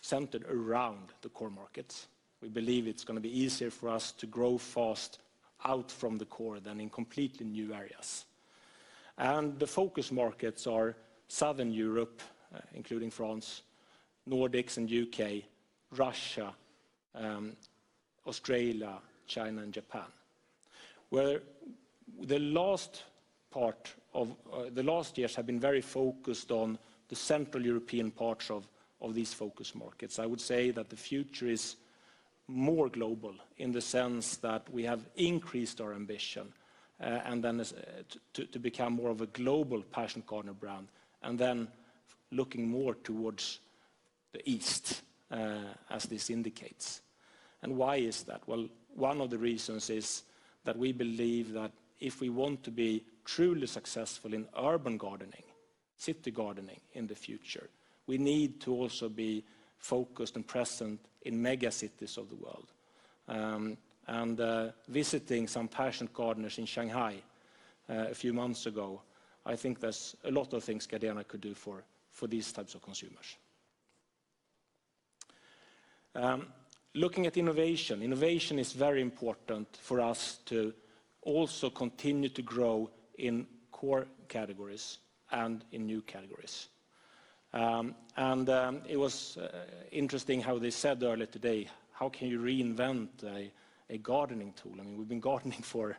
centered around the core markets. We believe it's going to be easier for us to grow fast out from the core than in completely new areas. The focus markets are Southern Europe, including France, Nordics and U.K., Russia, Australia, China, and Japan. Where the last years have been very focused on the Central European parts of these focus markets. I would say that the future is more global in the sense that we have increased our ambition, and then to become more of a global passion gardener brand, and then looking more towards the East, as this indicates. Why is that? Well, one of the reasons is that we believe that if we want to be truly successful in urban gardening, city gardening in the future, we need to also be focused and present in mega cities of the world. Visiting some passion gardeners in Shanghai a few months ago, I think there's a lot of things Gardena could do for these types of consumers. Looking at innovation. Innovation is very important for us to also continue to grow in core categories and in new categories. It was interesting how they said earlier today, how can you reinvent a gardening tool? We've been gardening for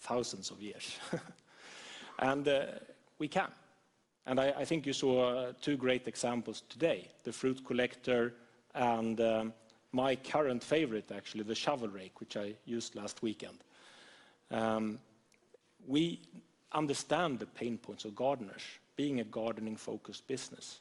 thousands of years. We can. I think you saw two great examples today, the fruit collector and my current favorite, actually, the shovel rake, which I used last weekend. We understand the pain points of gardeners being a gardening-focused business.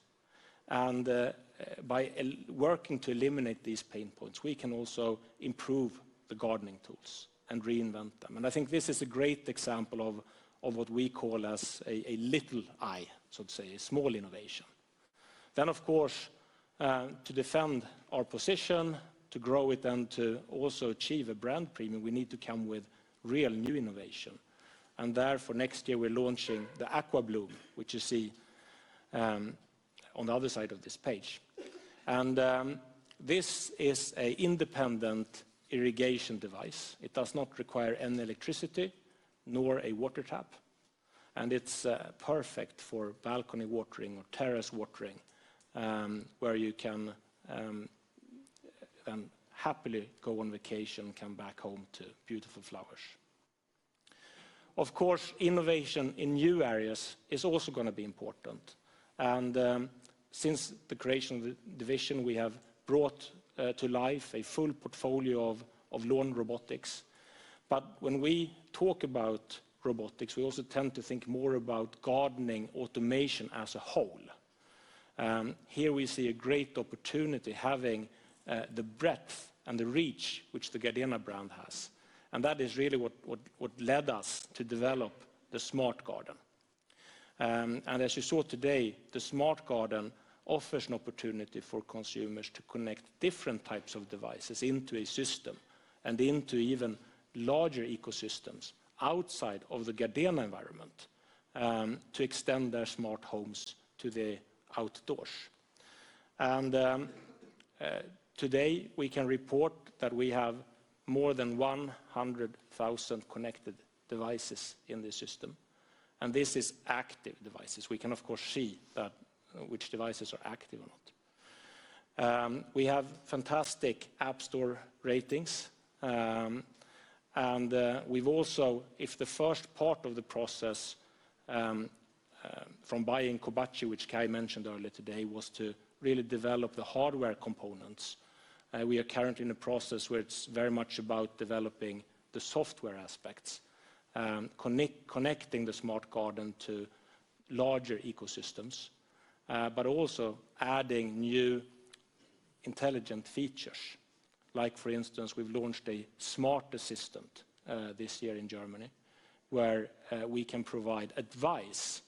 By working to eliminate these pain points, we can also improve the gardening tools and reinvent them. I think this is a great example of what we call as a little I, so to say, a small innovation. Of course, to defend our position, to grow it, and to also achieve a brand premium, we need to come with real new innovation. Therefore, next year we're launching the AquaBloom, which you see on the other side of this page. This is an independent irrigation device. It does not require any electricity nor a water tap, and it's perfect for balcony watering or terrace watering, where you can happily go on vacation and come back home to beautiful flowers. Of course, innovation in new areas is also going to be important. Since the creation of the division, we have brought to life a full portfolio of lawn robotics. When we talk about robotics, we also tend to think more about gardening automation as a whole. Here we see a great opportunity having the breadth and the reach which the Gardena brand has. That is really what led us to develop the smart garden. As you saw today, the smart garden offers an opportunity for consumers to connect different types of devices into a system and into even larger ecosystems outside of the Gardena environment, to extend their smart homes to the outdoors. Today, we can report that we have more than 100,000 connected devices in the system, and this is active devices. We can, of course, see which devices are active or not. We have fantastic app store ratings. If the first part of the process from buying Koubachi, which Kai mentioned earlier today, was to really develop the hardware components, we are currently in a process where it's very much about developing the software aspects, connecting the smart garden to larger ecosystems, but also adding new intelligent features. Like, for instance, we've launched a smart assistant this year in Germany, where we can provide advice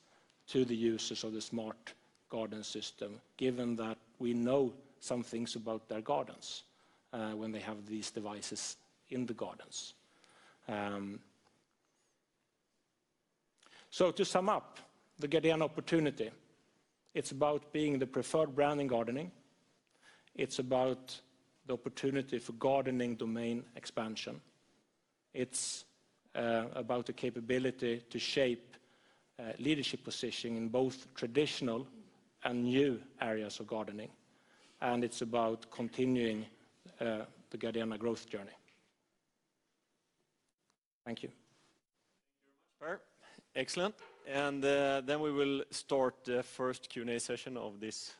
to the users of the smart garden system, given that we know some things about their gardens when they have these devices in the gardens. To sum up, the Gardena opportunity, it's about being the preferred brand in gardening. It's about the opportunity for gardening domain expansion. It's about the capability to shape leadership positioning in both traditional and new areas of gardening. It's about continuing the Gardena growth journey. Thank you. Thank you very much, Per. Excellent. We will start the first Q&A session of this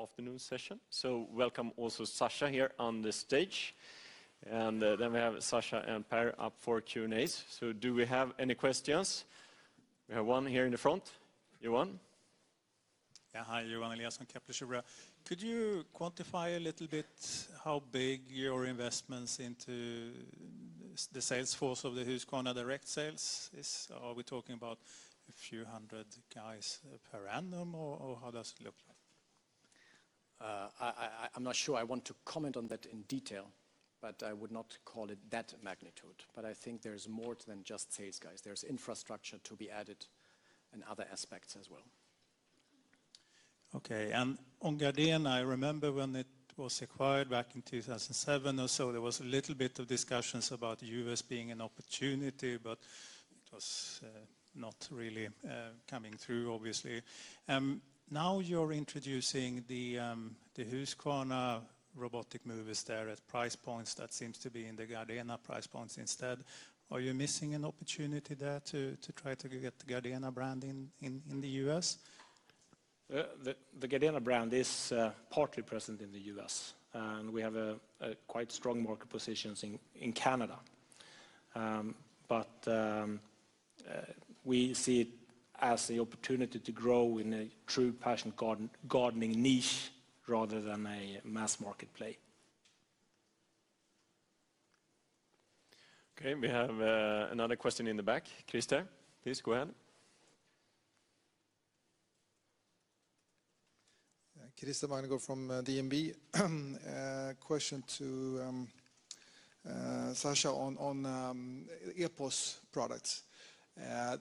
afternoon session. Welcome also Sascha here on the stage. We have Sascha and Per up for Q&A's. Do we have any questions? We have one here in the front. Johan. Yeah. Hi, Johan Eliason from Kepler Cheuvreux. Could you quantify a little bit how big your investments into the sales force of the Husqvarna direct sales is? Are we talking about a few hundred guys per annum or how does it look like? I'm not sure I want to comment on that in detail, but I would not call it that magnitude. I think there's more to than just sales guys. There's infrastructure to be added and other aspects as well. Okay. On Gardena, I remember when it was acquired back in 2007 or so, there was a little bit of discussions about U.S. being an opportunity, but it was not really coming through, obviously. Now you're introducing the Husqvarna robotic movers there at price points that seems to be in the Gardena price points instead. Are you missing an opportunity there to try to get the Gardena brand in the U.S.? The Gardena brand is partly present in the U.S., and we have quite strong market positions in Canada. We see it as the opportunity to grow in a true passion gardening niche rather than a mass market play. Okay. We have another question in the back. Christer, please go ahead. Christer Magnergård from DNB. A question to Sascha on EPOS products.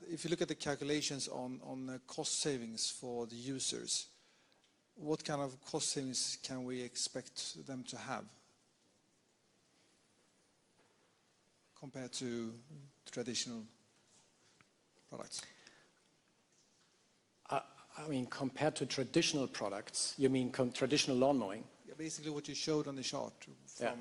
If you look at the calculations on the cost savings for the users, what kind of cost savings can we expect them to have compared to traditional products? Compared to traditional products? You mean traditional lawn mowing? Basically what you showed on the chart from. Yeah.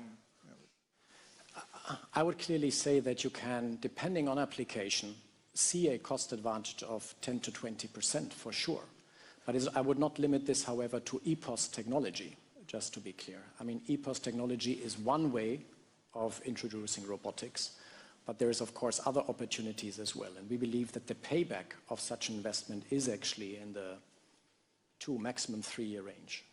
I would clearly say that you can, depending on application, see a cost advantage of 10% to 20% for sure. I would not limit this, however, to EPOS technology, just to be clear. EPOS technology is one way of introducing robotics, but there is, of course, other opportunities as well. We believe that the payback of such investment is actually in the two, maximum three-year range.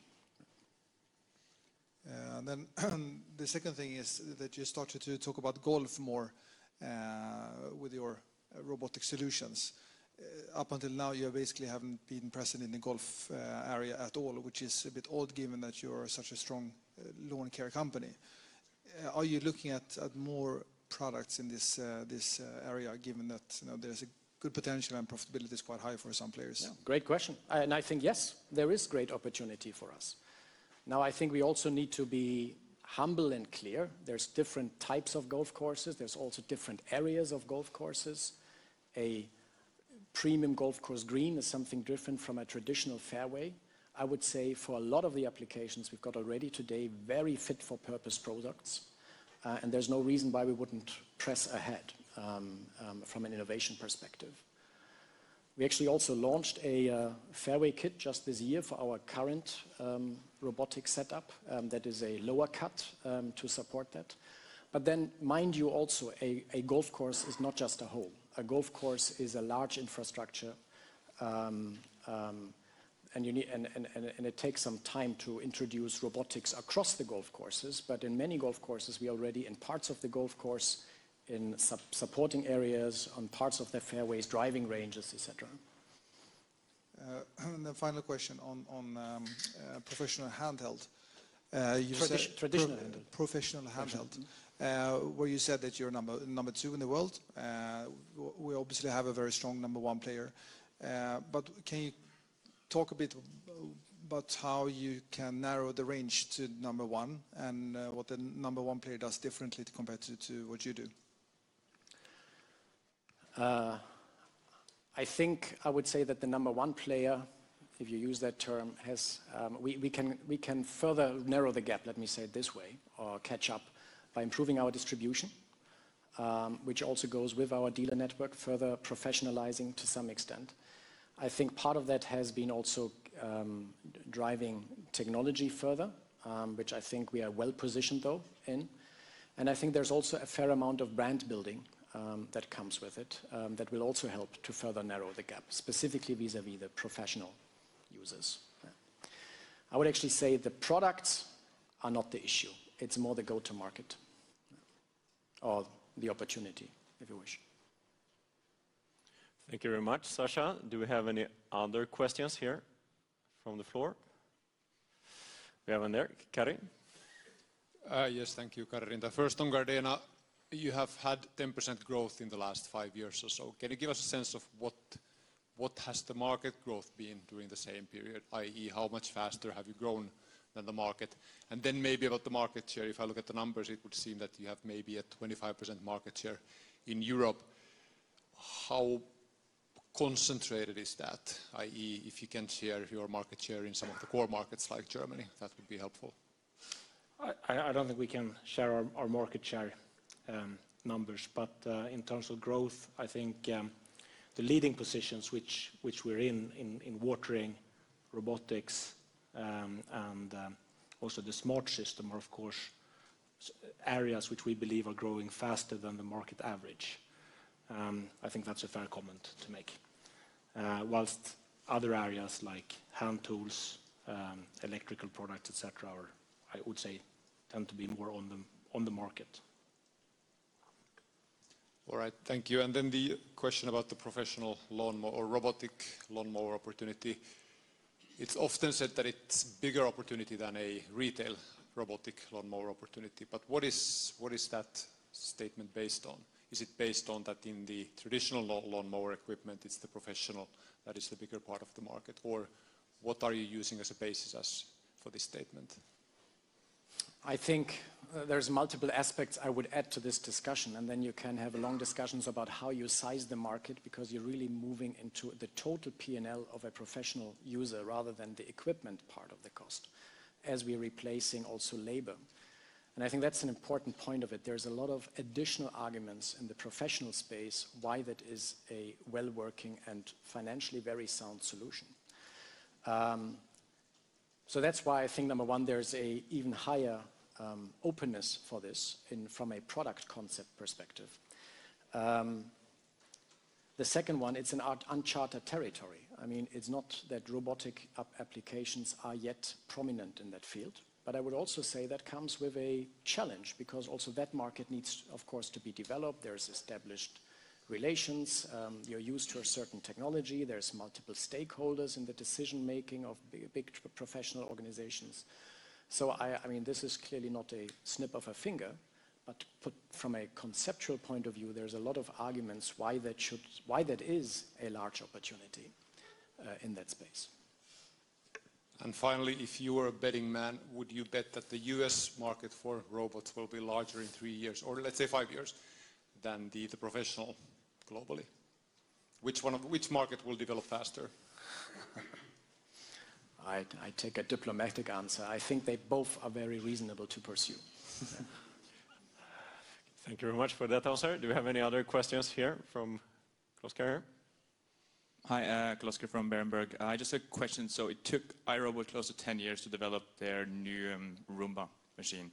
The second thing is that you started to talk about golf more with your robotic solutions. Up until now, you basically haven't been present in the golf area at all, which is a bit odd given that you're such a strong lawn care company. Are you looking at more products in this area, given that there's a good potential and profitability is quite high for some players? Yeah. Great question. I think, yes, there is great opportunity for us. Now, I think we also need to be humble and clear. There's different types of golf courses. There's also different areas of golf courses. A premium golf course green is something different from a traditional fairway. I would say for a lot of the applications, we've got already today very fit-for-purpose products, and there's no reason why we wouldn't press ahead from an innovation perspective. We actually also launched a fairway kit just this year for our current robotic setup that is a lower cut to support that. Mind you also, a golf course is not just a hole. A golf course is a large infrastructure, and it takes some time to introduce robotics across the golf courses. In many golf courses, we are already in parts of the golf course, in supporting areas, on parts of their fairways, driving ranges, et cetera. Final question on professional handheld? Traditional handheld. professional handheld. Okay. Mm-hmm. Where you said that you're number two in the world. We obviously have a very strong number one player. Can you talk a bit about how you can narrow the range to number one and what the number one player does differently compared to what you do? I think I would say that the number one player, if you use that term, we can further narrow the gap, let me say it this way, or catch up by improving our distribution, which also goes with our dealer network further professionalizing to some extent. I think part of that has been also driving technology further, which I think we are well-positioned though in. I think there's also a fair amount of brand building that comes with it that will also help to further narrow the gap, specifically vis-a-vis the professional users. I would actually say the products are not the issue. It's more the go to market or the opportunity, if you wish. Thank you very much, Sascha. Do we have any other questions here from the floor? We have one there. Kari? Yes. Thank you, Kari. First on Gardena, you have had 10% growth in the last five years or so. Can you give us a sense of what has the market growth been during the same period, i.e. how much faster have you grown than the market? Maybe about the market share. If I look at the numbers, it would seem that you have maybe a 25% market share in Europe. How concentrated is that, i.e. if you can share your market share in some of the core markets like Germany, that would be helpful. I don't think we can share our market share numbers. In terms of growth, I think the leading positions which we're in watering, robotics, and also the smart system are, of course, areas which we believe are growing faster than the market average. I think that's a fair comment to make. Whilst other areas like hand tools, electrical products, et cetera, I would say tend to be more on the market. All right, thank you. Then the question about the professional lawnmower or robotic lawnmower opportunity. It's often said that it's bigger opportunity than a retail robotic lawnmower opportunity. But what is that statement based on? Is it based on that in the traditional lawnmower equipment, it's the professional that is the bigger part of the market, or what are you using as a basis as for this statement? I think there's multiple aspects I would add to this discussion, and then you can have long discussions about how you size the market because you're really moving into the total P&L of a professional user rather than the equipment part of the cost, as we're replacing also labor. I think that's an important point of it. There's a lot of additional arguments in the professional space why that is a well-working and financially very sound solution. That's why I think, number one, there's an even higher openness for this from a product concept perspective. The second one, it's an uncharted territory. It's not that robotic applications are yet prominent in that field. I would also say that comes with a challenge because also that market needs, of course, to be developed. There's established relations. You're used to a certain technology. There's multiple stakeholders in the decision-making of big professional organizations. This is clearly not a snap of a finger, from a conceptual point of view, there's a lot of arguments why that is a large opportunity in that space. Finally, if you were a betting man, would you bet that the U.S. market for robots will be larger in three years, or let's say five years, than the professional globally? Which market will develop faster? I take a diplomatic answer. I think they both are very reasonable to pursue. Thank you very much for that answer. Do we have any other questions here from Carl-Oscar? Hi, Carl-Oscar from Berenberg. Just a question. It took iRobot close to 10 years to develop their new Roomba machine.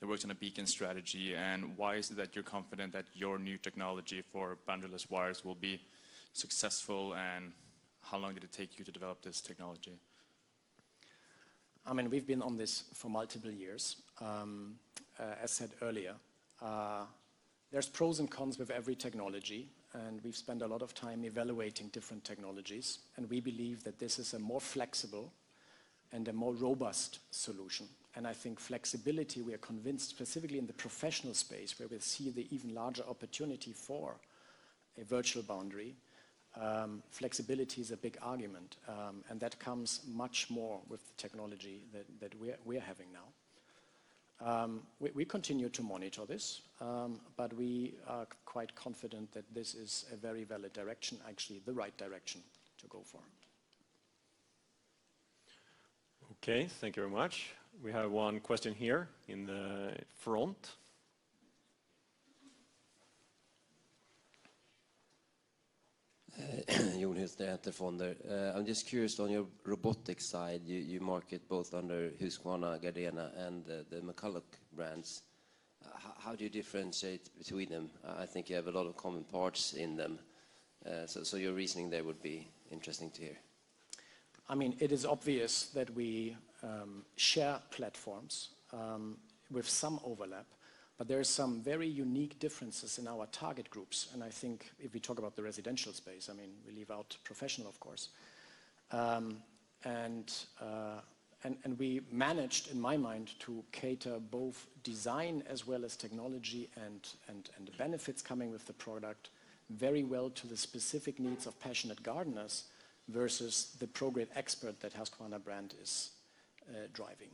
That works on a beacon strategy. Why is it that you're confident that your new technology for boundary-less wires will be successful, and how long did it take you to develop this technology? We've been on this for multiple years. As said earlier, there's pros and cons with every technology. We've spent a lot of time evaluating different technologies. We believe that this is a more flexible and a more robust solution. I think flexibility, we are convinced, specifically in the professional space where we'll see the even larger opportunity for a virtual boundary, flexibility is a big argument. That comes much more with the technology that we are having now. We continue to monitor this, but we are quite confident that this is a very valid direction, actually the right direction to go for. Okay. Thank you very much. We have one question here in the front. I'm just curious, on your robotics side, you market both under Husqvarna, Gardena, and the McCulloch brands. How do you differentiate between them? I think you have a lot of common parts in them, so your reasoning there would be interesting to hear. It is obvious that we share platforms with some overlap, but there are some very unique differences in our target groups, and I think if we talk about the residential space, we leave out professional of course. We managed, in my mind, to cater both design as well as technology and the benefits coming with the product very well to the specific needs of passionate gardeners versus the pro-grade expert that Husqvarna brand is driving.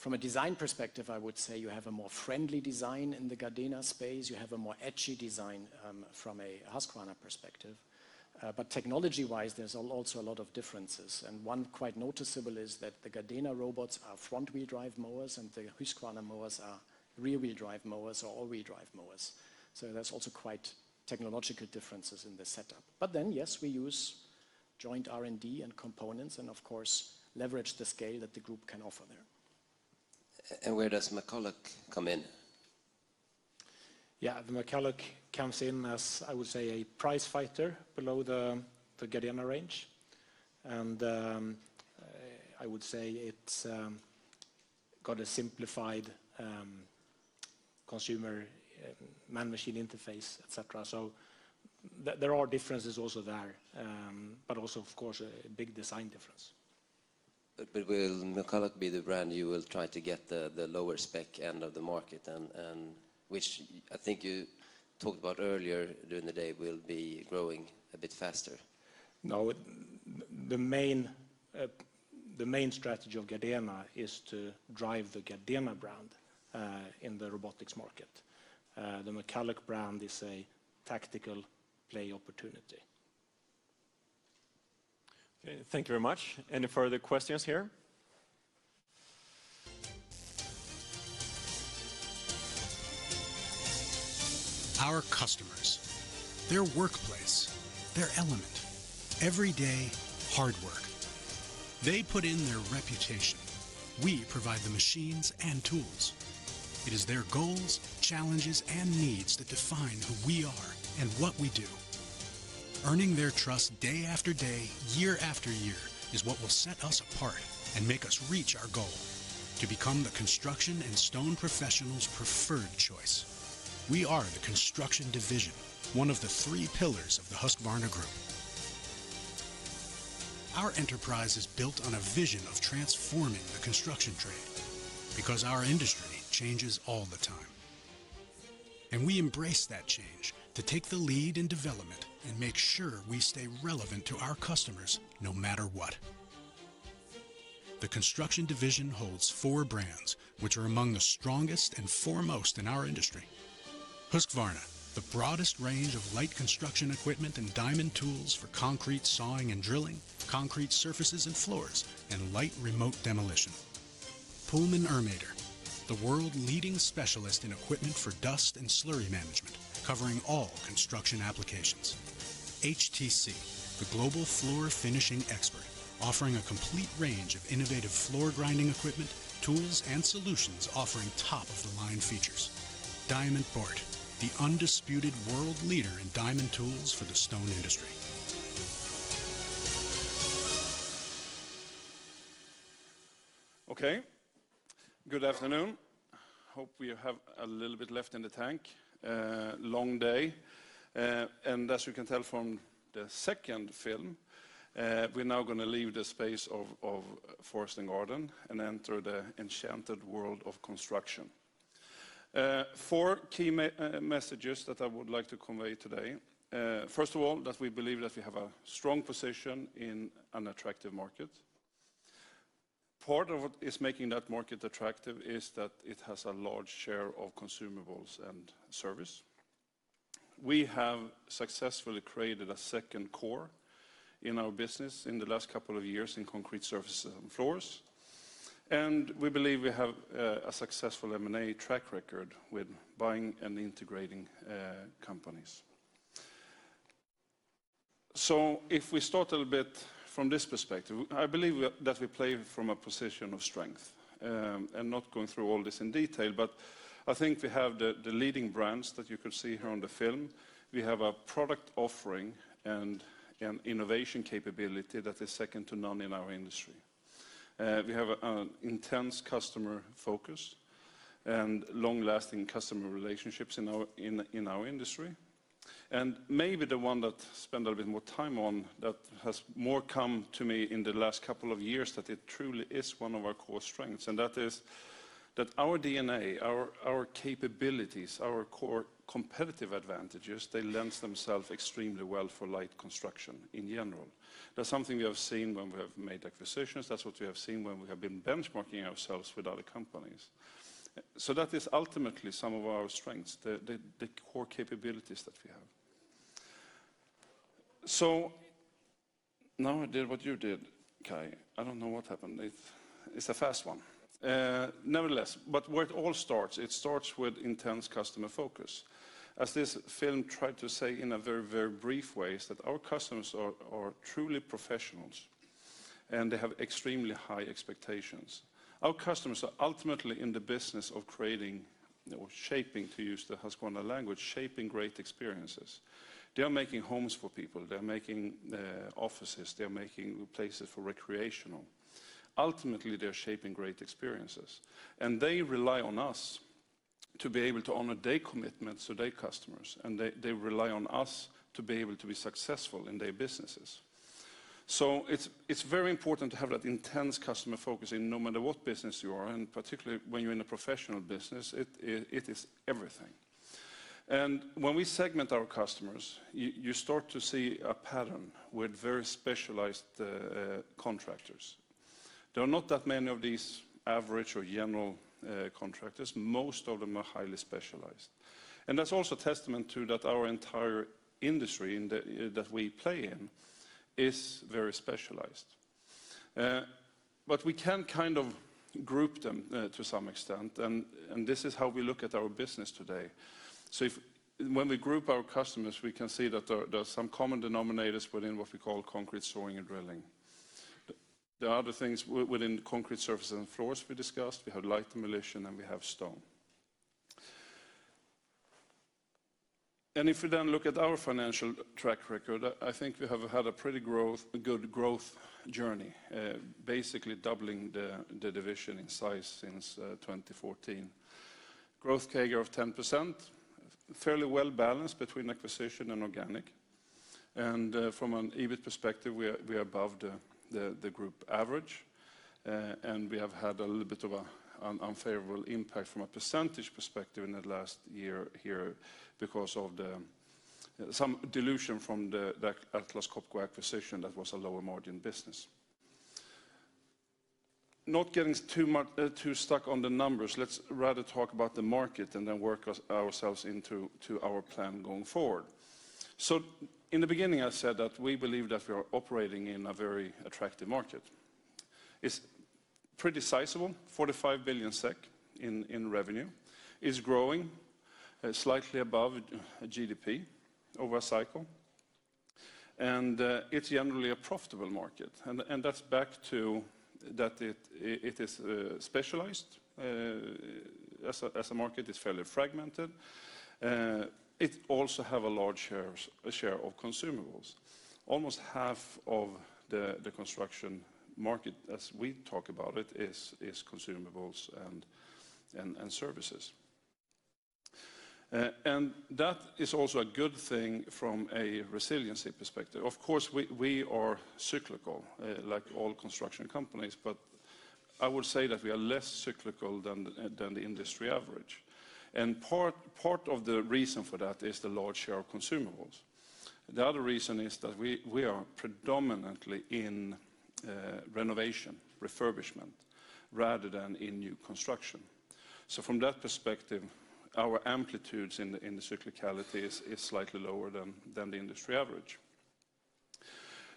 From a design perspective, I would say you have a more friendly design in the Gardena space. You have a more edgy design from a Husqvarna perspective. Technology-wise, there's also a lot of differences, and one quite noticeable is that the Gardena robots are front-wheel-drive mowers, and the Husqvarna mowers are rear-wheel-drive mowers or all-wheel-drive mowers. There's also quite technological differences in the setup. Yes, we use joint R&D and components and of course leverage the scale that the group can offer there. Where does McCulloch come in? Yeah. The McCulloch comes in as, I would say, a prize fighter below the Gardena range. I would say it's got a simplified consumer man-machine interface, et cetera. There are differences also there. Also, of course, a big design difference. Will McCulloch be the brand you will try to get the lower spec end of the market, and which I think you talked about earlier during the day will be growing a bit faster? No. The main strategy of Gardena is to drive the Gardena brand in the robotics market. The McCulloch brand is a tactical play opportunity. Okay. Thank you very much. Any further questions here? Our customers, their workplace, their element, everyday hard work. They put in their reputation. We provide the machines and tools. It is their goals, challenges, and needs that define who we are and what we do. Earning their trust day after day, year after year, is what will set us apart and make us reach our goal to become the construction and stone professional's preferred choice. We are the Construction Division, one of the three pillars of the Husqvarna Group. Our enterprise is built on a vision of transforming the construction trade, because our industry changes all the time. We embrace that change to take the lead in development and make sure we stay relevant to our customers, no matter what. The Construction Division holds four brands, which are among the strongest and foremost in our industry. Husqvarna, the broadest range of light construction equipment and diamond tools for concrete sawing and drilling, concrete surfaces and floors, and light remote demolition. Pullman Ermator, the world-leading specialist in equipment for dust and slurry management, covering all construction applications. HTC, the global floor finishing expert, offering a complete range of innovative floor grinding equipment, tools, and solutions offering top-of-the-line features. Diamant Boart, the undisputed world leader in diamond tools for the stone industry. Okay. Good afternoon. Hope you have a little bit left in the tank. Long day. As you can tell from the second film, we're now going to leave the space of Husqvarna Forest & Garden and enter the enchanted world of Husqvarna Construction. Four key messages that I would like to convey today. First of all, that we believe that we have a strong position in an attractive market. Part of what is making that market attractive is that it has a large share of consumables and service. We have successfully created a second core in our business in the last couple of years in concrete surface and floors. We believe we have a successful M&A track record with buying and integrating companies. If we start a little bit from this perspective, I believe that we play from a position of strength. I'm not going through all this in detail, but I think we have the leading brands that you can see here on the film. We have a product offering and an innovation capability that is second to none in our industry. We have an intense customer focus and long-lasting customer relationships in our industry. Maybe the one that I spend a little bit more time on, that has more come to me in the last couple of years, that it truly is one of our core strengths, and that is that our DNA, our capabilities, our core competitive advantages, they lend themselves extremely well for light construction in general. That's something we have seen when we have made acquisitions. That's what we have seen when we have been benchmarking ourselves with other companies. That is ultimately some of our strengths, the core capabilities that we have. Now I did what you did, Kai. I don't know what happened. It's a fast one. Nevertheless, where it all starts, it starts with intense customer focus. As this film tried to say in a very brief way, is that our customers are truly professionals, and they have extremely high expectations. Our customers are ultimately in the business of creating or shaping, to use the Husqvarna language, shaping great experiences. They're making homes for people. They're making offices. They're making places for recreational. Ultimately, they're shaping great experiences. They rely on us to be able to honor their commitments to their customers, and they rely on us to be able to be successful in their businesses. It's very important to have that intense customer focus no matter what business you are in, particularly when you're in a professional business, it is everything. When we segment our customers, you start to see a pattern with very specialized contractors. There are not that many of these average or general contractors. Most of them are highly specialized. That's also testament to that our entire industry that we play in is very specialized. We can kind of group them to some extent, and this is how we look at our business today. When we group our customers, we can see that there are some common denominators within what we call concrete sawing and drilling. There are other things within concrete surfaces and floors we discussed. We have light demolition, and we have stone. If we look at our financial track record, I think we have had a pretty good growth journey, basically doubling the division in size since 2014. Growth CAGR of 10%, fairly well-balanced between acquisition and organic. From an EBIT perspective, we are above the group average, and we have had a little bit of an unfavorable impact from a percentage perspective in the last year here because of some dilution from the Atlas Copco acquisition that was a lower margin business. Not getting too stuck on the numbers, let's rather talk about the market and then work ourselves into our plan going forward. In the beginning, I said that we believe that we are operating in a very attractive market. It's pretty sizable, 45 billion SEK in revenue, is growing slightly above GDP over a cycle, and it's generally a profitable market, and that's back to that it is specialized. As a market, it's fairly fragmented. It also have a large share of consumables. Almost half of the construction market, as we talk about it, is consumables and services. That is also a good thing from a resiliency perspective. Of course, we are cyclical like all construction companies, but I would say that we are less cyclical than the industry average. Part of the reason for that is the large share of consumables. The other reason is that we are predominantly in renovation, refurbishment, rather than in new construction. From that perspective, our amplitudes in the cyclicality is slightly lower than the industry average.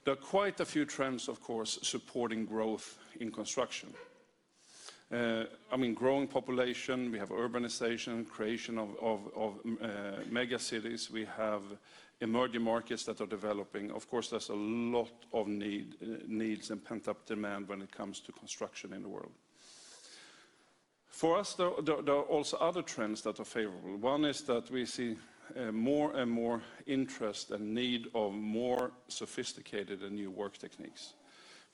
There are quite a few trends, of course, supporting growth in construction. Growing population, we have urbanization, creation of mega cities. We have emerging markets that are developing. Of course, there's a lot of needs and pent-up demand when it comes to construction in the world. For us, there are also other trends that are favorable. One is that we see more and more interest and need of more sophisticated and new work techniques.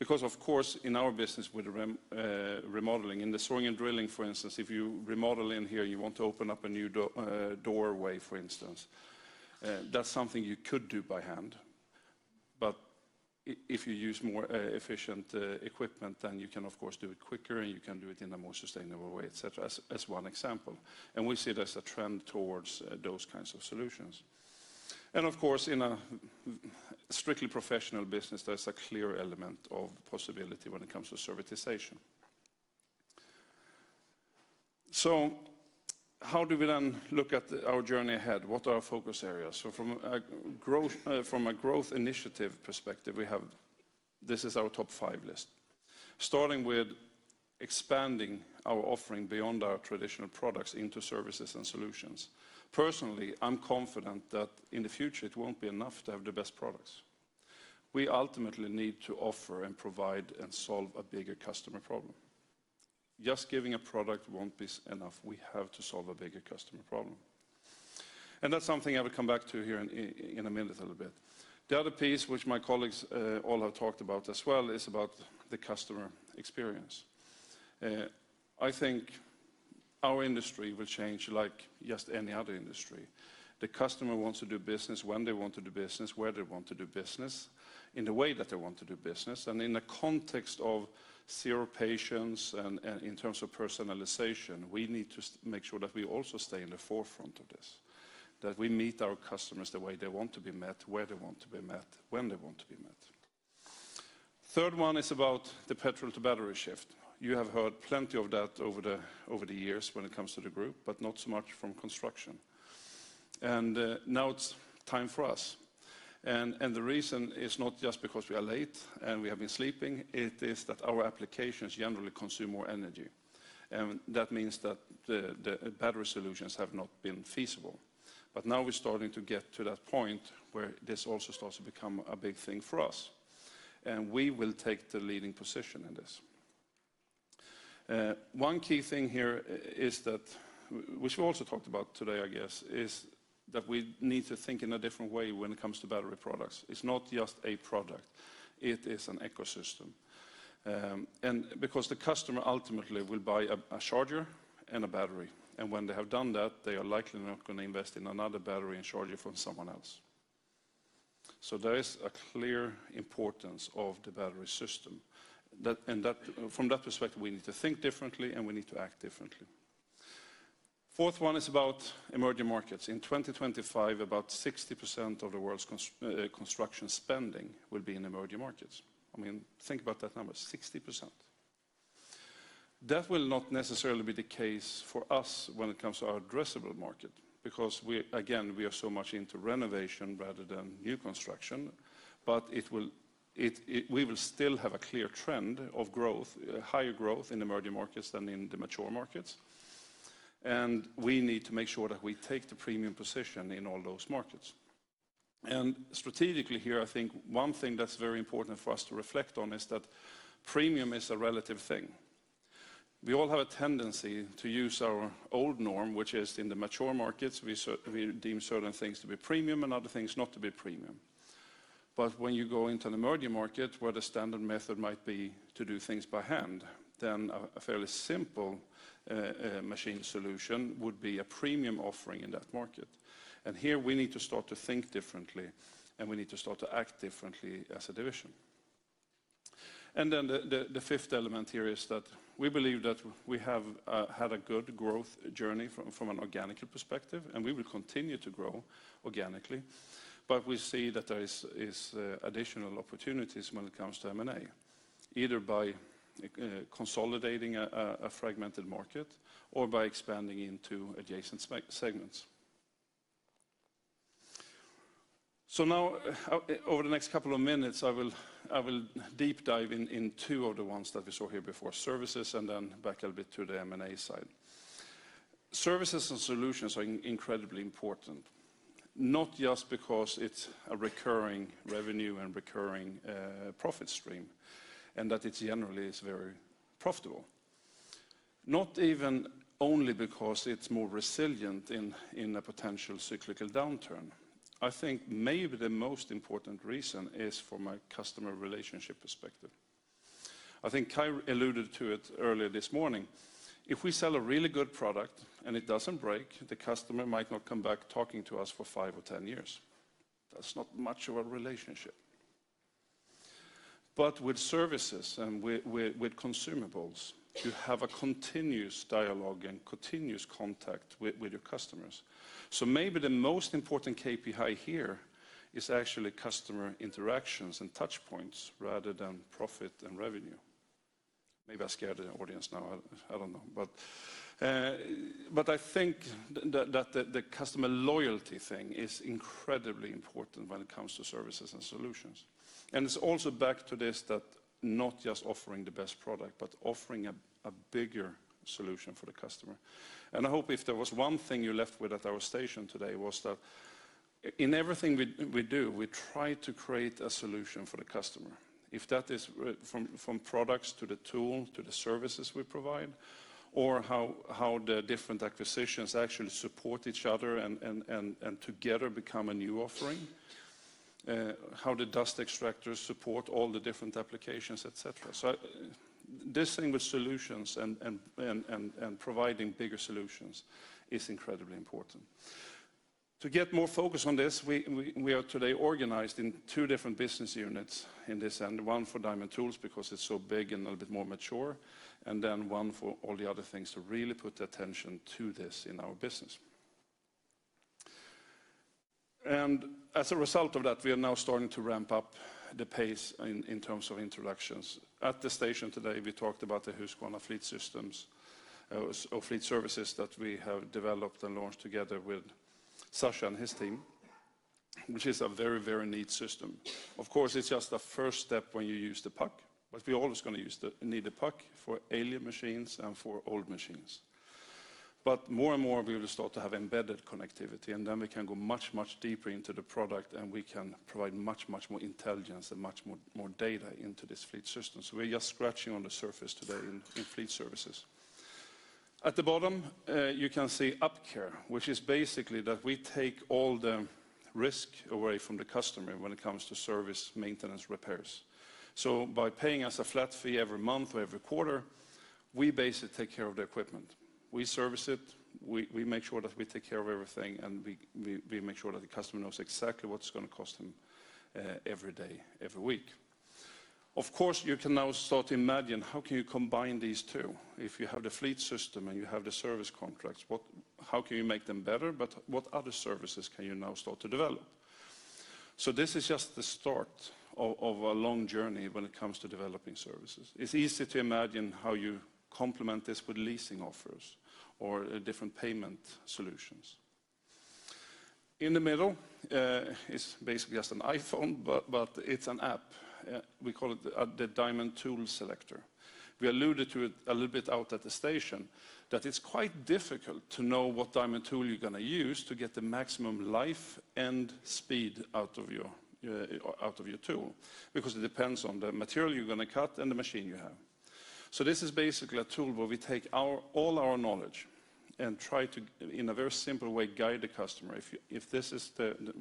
Of course, in our business with remodeling, in the sawing and drilling, for instance, if you remodel in here, you want to open up a new doorway, for instance. That's something you could do by hand, but if you use more efficient equipment, then you can of course do it quicker, and you can do it in a more sustainable way, et cetera, as one example. We see it as a trend towards those kinds of solutions. Of course, in a strictly professional business, there's a clear element of possibility when it comes to servitization. How do we then look at our journey ahead? What are our focus areas? From a growth initiative perspective, This is our top five list. Starting with expanding our offering beyond our traditional products into services and solutions. Personally, I'm confident that in the future it won't be enough to have the best products. We ultimately need to offer and provide and solve a bigger customer problem. Just giving a product won't be enough. We have to solve a bigger customer problem. That's something I will come back to here in a little bit. The other piece, which my colleagues all have talked about as well, is about the customer experience. I think our industry will change like just any other industry. The customer wants to do business when they want to do business, where they want to do business, in the way that they want to do business, and in the context of zero patience and in terms of personalization. We need to make sure that we also stay in the forefront of this, that we meet our customers the way they want to be met, where they want to be met, when they want to be met. Third one is about the petrol-to-battery shift. You have heard plenty of that over the years when it comes to the Group, but not so much from Construction. Now it's time for us. The reason is not just because we are late and we have been sleeping, it is that our applications generally consume more energy. That means that the battery solutions have not been feasible. Now we're starting to get to that point where this also starts to become a big thing for us, and we will take the leading position in this. One key thing here, which we also talked about today, I guess, is that we need to think in a different way when it comes to battery products. It's not just a product. It is an ecosystem. The customer ultimately will buy a charger and a battery. When they have done that, they are likely not going to invest in another battery and charger from someone else. There is a clear importance of the battery system. From that perspective, we need to think differently, and we need to act differently. Fourth one is about emerging markets. In 2025, about 60% of the world's construction spending will be in emerging markets. Think about that number, 60%. That will not necessarily be the case for us when it comes to our addressable market. Again, we are so much into renovation rather than new construction, we will still have a clear trend of higher growth in emerging markets than in the mature markets. We need to make sure that we take the premium position in all those markets. Strategically here, I think one thing that's very important for us to reflect on is that premium is a relative thing. We all have a tendency to use our old norm, which is in the mature markets, we deem certain things to be premium and other things not to be premium. When you go into an emerging market where the standard method might be to do things by hand, then a fairly simple machine solution would be a premium offering in that market. Here we need to start to think differently, and we need to start to act differently as a division. The fifth element here is that we believe that we have had a good growth journey from an organic perspective, and we will continue to grow organically. We see that there is additional opportunities when it comes to M&A, either by consolidating a fragmented market or by expanding into adjacent segments. Now, over the next couple of minutes, I will deep dive in two of the ones that we saw here before, services, and then back a little bit to the M&A side. Services and solutions are incredibly important, not just because it's a recurring revenue and recurring profit stream and that it's generally very profitable. Not even only because it's more resilient in a potential cyclical downturn. I think maybe the most important reason is from a customer relationship perspective. I think Kai alluded to it earlier this morning. If we sell a really good product and it doesn't break, the customer might not come back talking to us for five or 10 years. That's not much of a relationship. With services and with consumables, you have a continuous dialogue and continuous contact with your customers. Maybe the most important KPI here is actually customer interactions and touchpoints rather than profit and revenue. Maybe I scared the audience now, I don't know. I think that the customer loyalty thing is incredibly important when it comes to services and solutions. It's also back to this that not just offering the best product, but offering a bigger solution for the customer. I hope if there was one thing you left with at our station today was that in everything we do, we try to create a solution for the customer. If that is from products to the tool, to the services we provide, or how the different acquisitions actually support each other and together become a new offering, how the dust extractors support all the different applications, et cetera. This thing with solutions and providing bigger solutions is incredibly important. To get more focus on this, we are today organized in two different business units in this end, one for diamond tools because it's so big and a little bit more mature, and then one for all the other things to really put attention to this in our business. As a result of that, we are now starting to ramp up the pace in terms of introductions. At the station today, we talked about the Husqvarna Fleet Services that we have developed and launched together with Sascha and his team, which is a very neat system. Of course, it's just a first step when you use the puck. We're always going to need a puck for alien machines and for old machines. More and more, we will start to have embedded connectivity, and then we can go much deeper into the product, and we can provide much more intelligence and much more data into this fleet system. We're just scratching on the surface today in Fleet Services. At the bottom, you can see UpCare, which is basically that we take all the risk away from the customer when it comes to service maintenance repairs. By paying us a flat fee every month or every quarter, we basically take care of the equipment. We service it, we make sure that we take care of everything, and we make sure that the customer knows exactly what it's going to cost them every day, every week. Of course, you can now start to imagine how can you combine these two. If you have the fleet system and you have the service contracts, how can you make them better, but what other services can you now start to develop? This is just the start of a long journey when it comes to developing services. It's easy to imagine how you complement this with leasing offers or different payment solutions. In the middle, is basically just an iPhone, but it's an app. We call it the Diamond Tool Selector. We alluded to it a little bit out at the station, that it's quite difficult to know what diamond tool you're going to use to get the maximum life and speed out of your tool, because it depends on the material you're going to cut and the machine you have. This is basically a tool where we take all our knowledge and try to, in a very simple way, guide the customer. If this is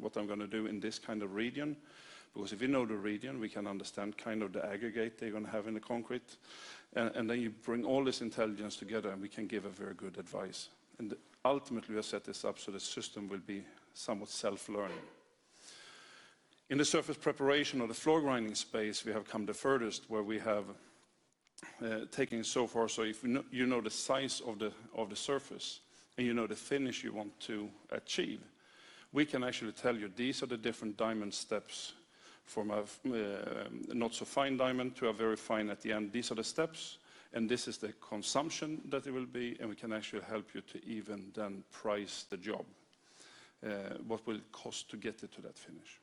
what I'm going to do in this kind of region, because if you know the region, we can understand the aggregate they're going to have in the concrete. Then you bring all this intelligence together, and we can give a very good advice. Ultimately, we set this up so the system will be somewhat self-learning. In the surface preparation or the floor grinding space, we have come the furthest where we have taken it so far. If you know the size of the surface and you know the finish you want to achieve, we can actually tell you these are the different diamond steps from a not-so-fine diamond to a very fine at the end. These are the steps, and this is the consumption that it will be, and we can actually help you to even then price the job, what will it cost to get it to that finish.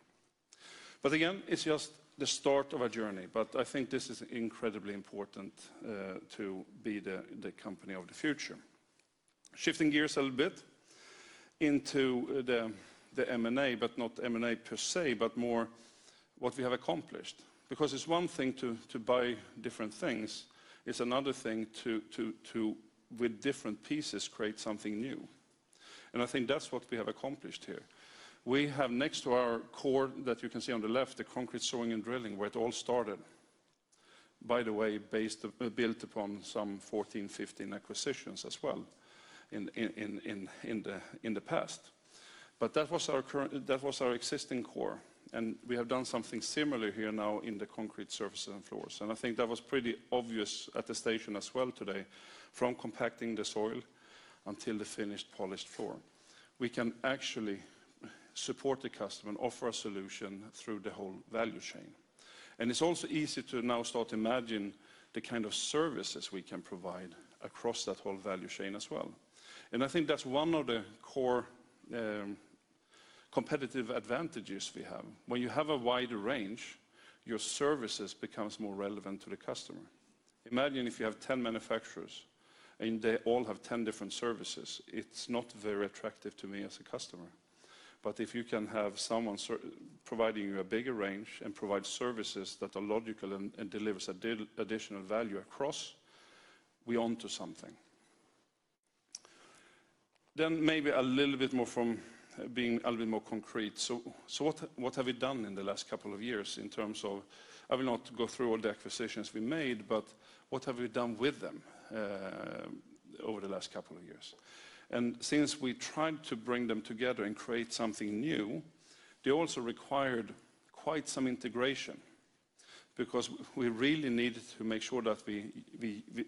Again, it's just the start of a journey, but I think this is incredibly important to be the company of the future. Shifting gears a little bit into the M&A, but not M&A per se, but more what we have accomplished. It's one thing to buy different things, it's another thing to, with different pieces, create something new. I think that's what we have accomplished here. We have next to our core that you can see on the left, the concrete sawing and drilling, where it all started. By the way, built upon some 14, 15 acquisitions as well in the past. That was our existing core, and we have done something similar here now in the concrete surfaces and floors. I think that was pretty obvious at the station as well today, from compacting the soil until the finished polished floor. We can actually support the customer and offer a solution through the whole value chain. It's also easy to now start to imagine the kind of services we can provide across that whole value chain as well. I think that's one of the core competitive advantages we have. When you have a wider range, your services becomes more relevant to the customer. Imagine if you have 10 manufacturers, and they all have 10 different services. It's not very attractive to me as a customer. If you can have someone providing you a bigger range and provide services that are logical and delivers additional value across, we're onto something. Maybe a little bit more from being a little bit more concrete. What have we done in the last couple of years in terms of, I will not go through all the acquisitions we made, but what have we done with them over the last couple of years? Since we tried to bring them together and create something new, they also required quite some integration because we really needed to make sure that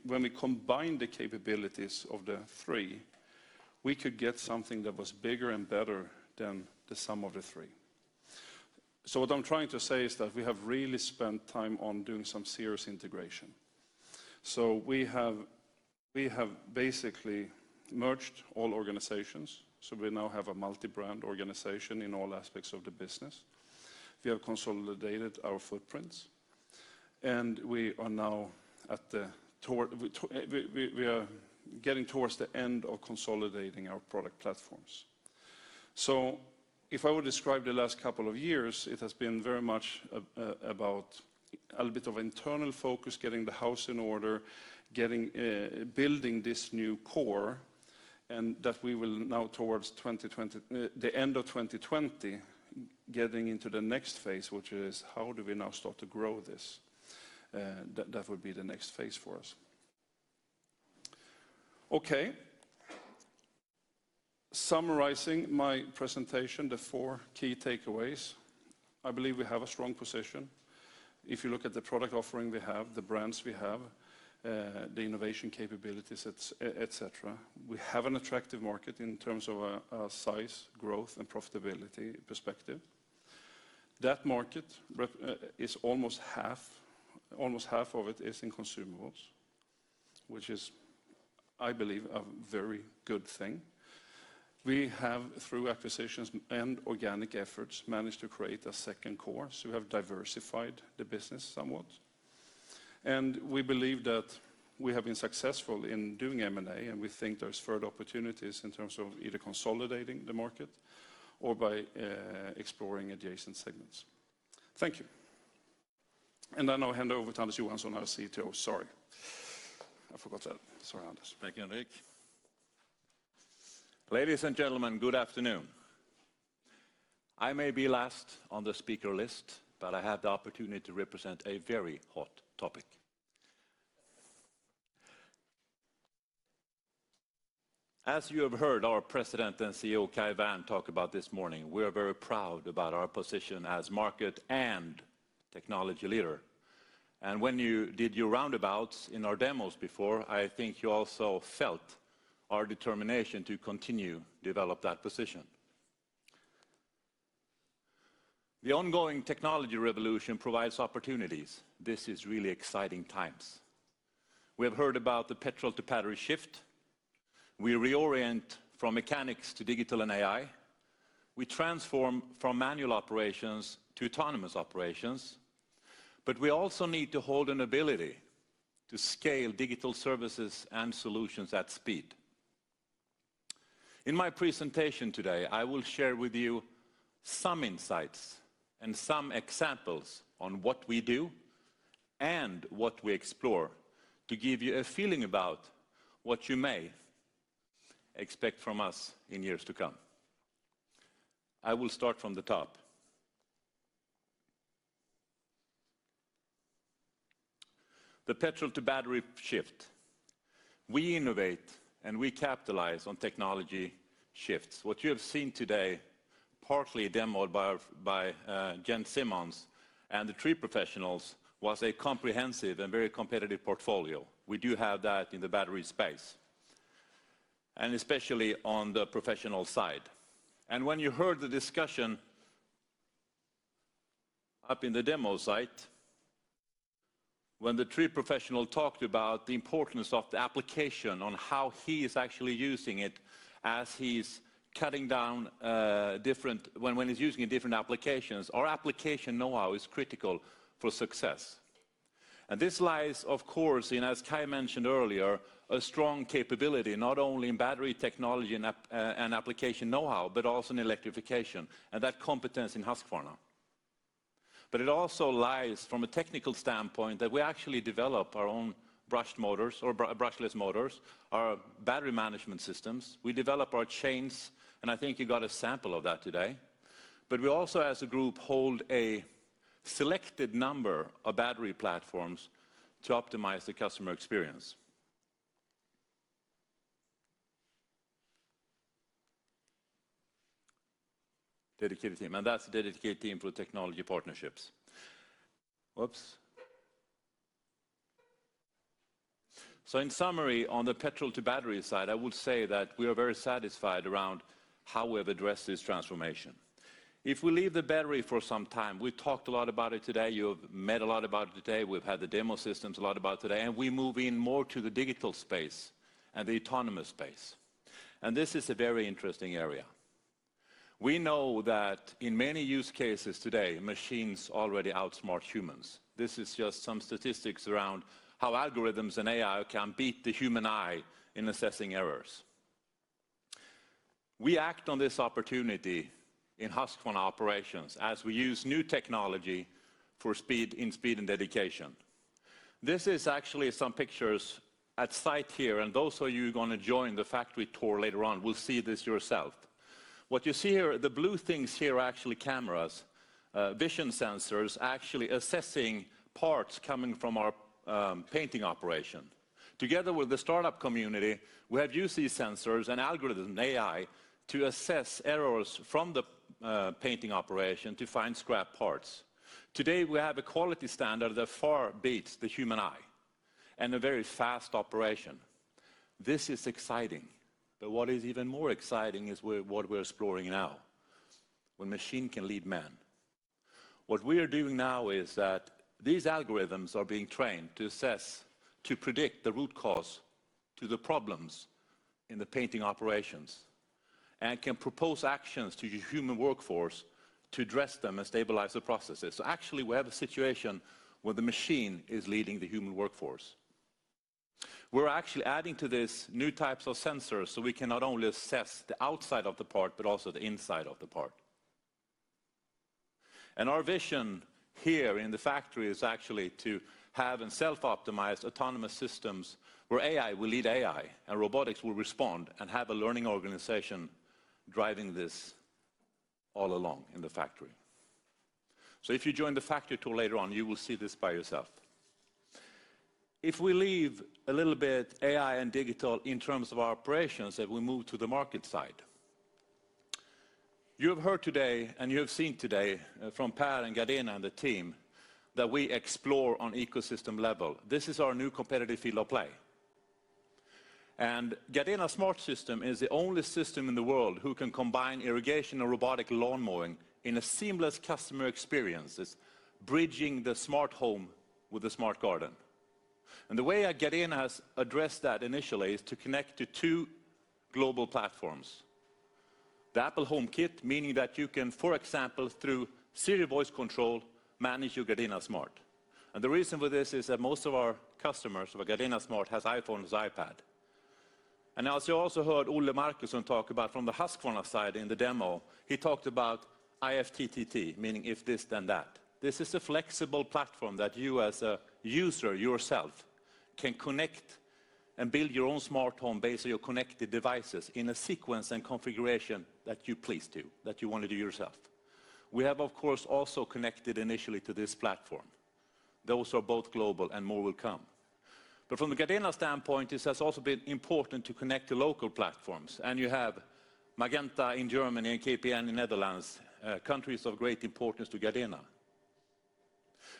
when we combine the capabilities of the three, we could get something that was bigger and better than the sum of the three. What I'm trying to say is that we have really spent time on doing some serious integration. We have basically merged all organizations. We now have a multi-brand organization in all aspects of the business. We have consolidated our footprints, and we are getting towards the end of consolidating our product platforms. If I would describe the last couple of years, it has been very much about a little bit of internal focus, getting the house in order, building this new core, and that we will now, towards the end of 2020, getting into the next phase, which is how do we now start to grow this? That would be the next phase for us. Okay. Summarizing my presentation, the four key takeaways. I believe we have a strong position. If you look at the product offering we have, the brands we have, the innovation capabilities, et cetera. We have an attractive market in terms of our size, growth, and profitability perspective. That market, almost half of it is in consumables, which is, I believe, a very good thing. We have, through acquisitions and organic efforts, managed to create a second core. We have diversified the business somewhat. We believe that we have been successful in doing M&A, and we think there's further opportunities in terms of either consolidating the market or by exploring adjacent segments. Thank you. I now hand over to Anders Johansson, our CTO. Sorry, I forgot that. Sorry, Anders. Thank you, Henric. Ladies and gentlemen, good afternoon. I may be last on the speaker list, but I have the opportunity to represent a very hot topic. As you have heard our President and CEO, Kai Wärn, talk about this morning, we are very proud about our position as market and technology leader. When you did your roundabouts in our demos before, I think you also felt our determination to continue develop that position. The ongoing technology revolution provides opportunities. This is really exciting times. We have heard about the petrol to battery shift. We reorient from mechanics to digital and AI. We transform from manual operations to autonomous operations. We also need to hold an ability to scale digital services and solutions at speed. In my presentation today, I will share with you some insights and some examples on what we do and what we explore to give you a feeling about what you may expect from us in years to come. I will start from the top. The petrol to battery shift. We innovate and we capitalize on technology shifts. What you have seen today, partly demoed by Jens Simonsen and the tree professionals, was a comprehensive and very competitive portfolio. We do have that in the battery space, and especially on the professional side. When you heard the discussion up in the demo site, when the tree professional talked about the importance of the application on how he is actually using it as he's cutting down when he's using different applications, our application knowhow is critical for success. This lies, of course, as Kai mentioned earlier, a strong capability, not only in battery technology and application knowhow, but also in electrification, and that competence in Husqvarna. It also lies from a technical standpoint that we actually develop our own brushed motors or brushless motors, our battery management systems. We develop our chains, and I think you got a sample of that today. We also, as a group, hold a selected number of battery platforms to optimize the customer experience. Dedicated team. That's a dedicated team for technology partnerships. Whoops. In summary, on the petrol to battery side, I would say that we are very satisfied around how we've addressed this transformation. If we leave the battery for some time, we talked a lot about it today, you've met a lot about it today, we've had the demo systems a lot about today. We move in more to the digital space and the autonomous space. This is a very interesting area. We know that in many use cases today, machines already outsmart humans. This is just some statistics around how algorithms and AI can beat the human eye in assessing errors. We act on this opportunity in Husqvarna operations as we use new technology for speed and dedication. This is actually some pictures at site here. Those of you who are going to join the factory tour later on will see this yourself. What you see here, the blue things here are actually cameras, vision sensors, actually assessing parts coming from our painting operation. Together with the startup community, we have used these sensors and algorithm and AI to assess errors from the painting operation to find scrap parts. Today, we have a quality standard that far beats the human eye in a very fast operation. This is exciting. What is even more exciting is what we're exploring now, when machine can lead man. What we are doing now is that these algorithms are being trained to assess, to predict the root cause to the problems in the painting operations, and can propose actions to the human workforce to address them and stabilize the processes. Actually, we have a situation where the machine is leading the human workforce. We're actually adding to this new types of sensors, so we can not only assess the outside of the part, but also the inside of the part. Our vision here in the factory is actually to have and self-optimize autonomous systems where AI will lead AI, and robotics will respond and have a learning organization driving this all along in the factory. If you join the factory tour later on, you will see this by yourself. If we leave a little bit AI and digital in terms of our operations, and we move to the market side. You have heard today, and you have seen today from Per and Gardena and the team that we explore on ecosystem level. This is our new competitive field of play. GARDENA smart system is the only system in the world which can combine irrigation and robotic lawn mowing in a seamless customer experience. It's bridging the smart home with the smart garden. The way Gardena has addressed that initially is to connect to two global platforms. The Apple HomeKit, meaning that you can, for example, through Siri voice control, manage your Gardena Smart. The reason for this is that most of our customers for Gardena Smart have iPhones, iPad. As you also heard Ole Markuson talk about from the Husqvarna side in the demo, he talked about IFTTT, meaning if this, then that. This is a flexible platform that you as a user yourself can connect and build your own smart home base or your connected devices in a sequence and configuration that you please to, that you want to do yourself. We have, of course, also connected initially to this platform. Those are both global, and more will come. From the Gardena standpoint, this has also been important to connect to local platforms. You have Magenta in Germany and KPN in the Netherlands, countries of great importance to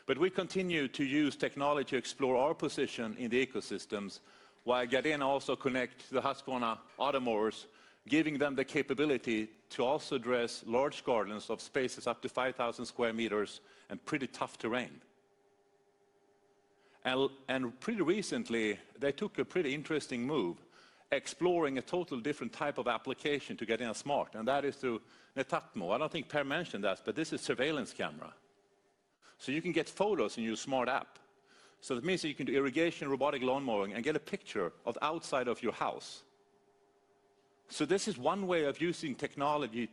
Gardena. We continue to use technology to explore our position in the ecosystems, while Gardena also connects the Husqvarna Automowers, giving them the capability to also address large gardens of spaces up to 5,000 sq m and pretty tough terrain. Pretty recently, they took a pretty interesting move, exploring a total different type of application to Gardena Smart, and that is through Netatmo. I don't think Per mentioned this, but this is a surveillance camera. You can get photos in your smart app. It means that you can do irrigation, robotic lawn mowing, and get a picture of outside of your house. This is one way of using technology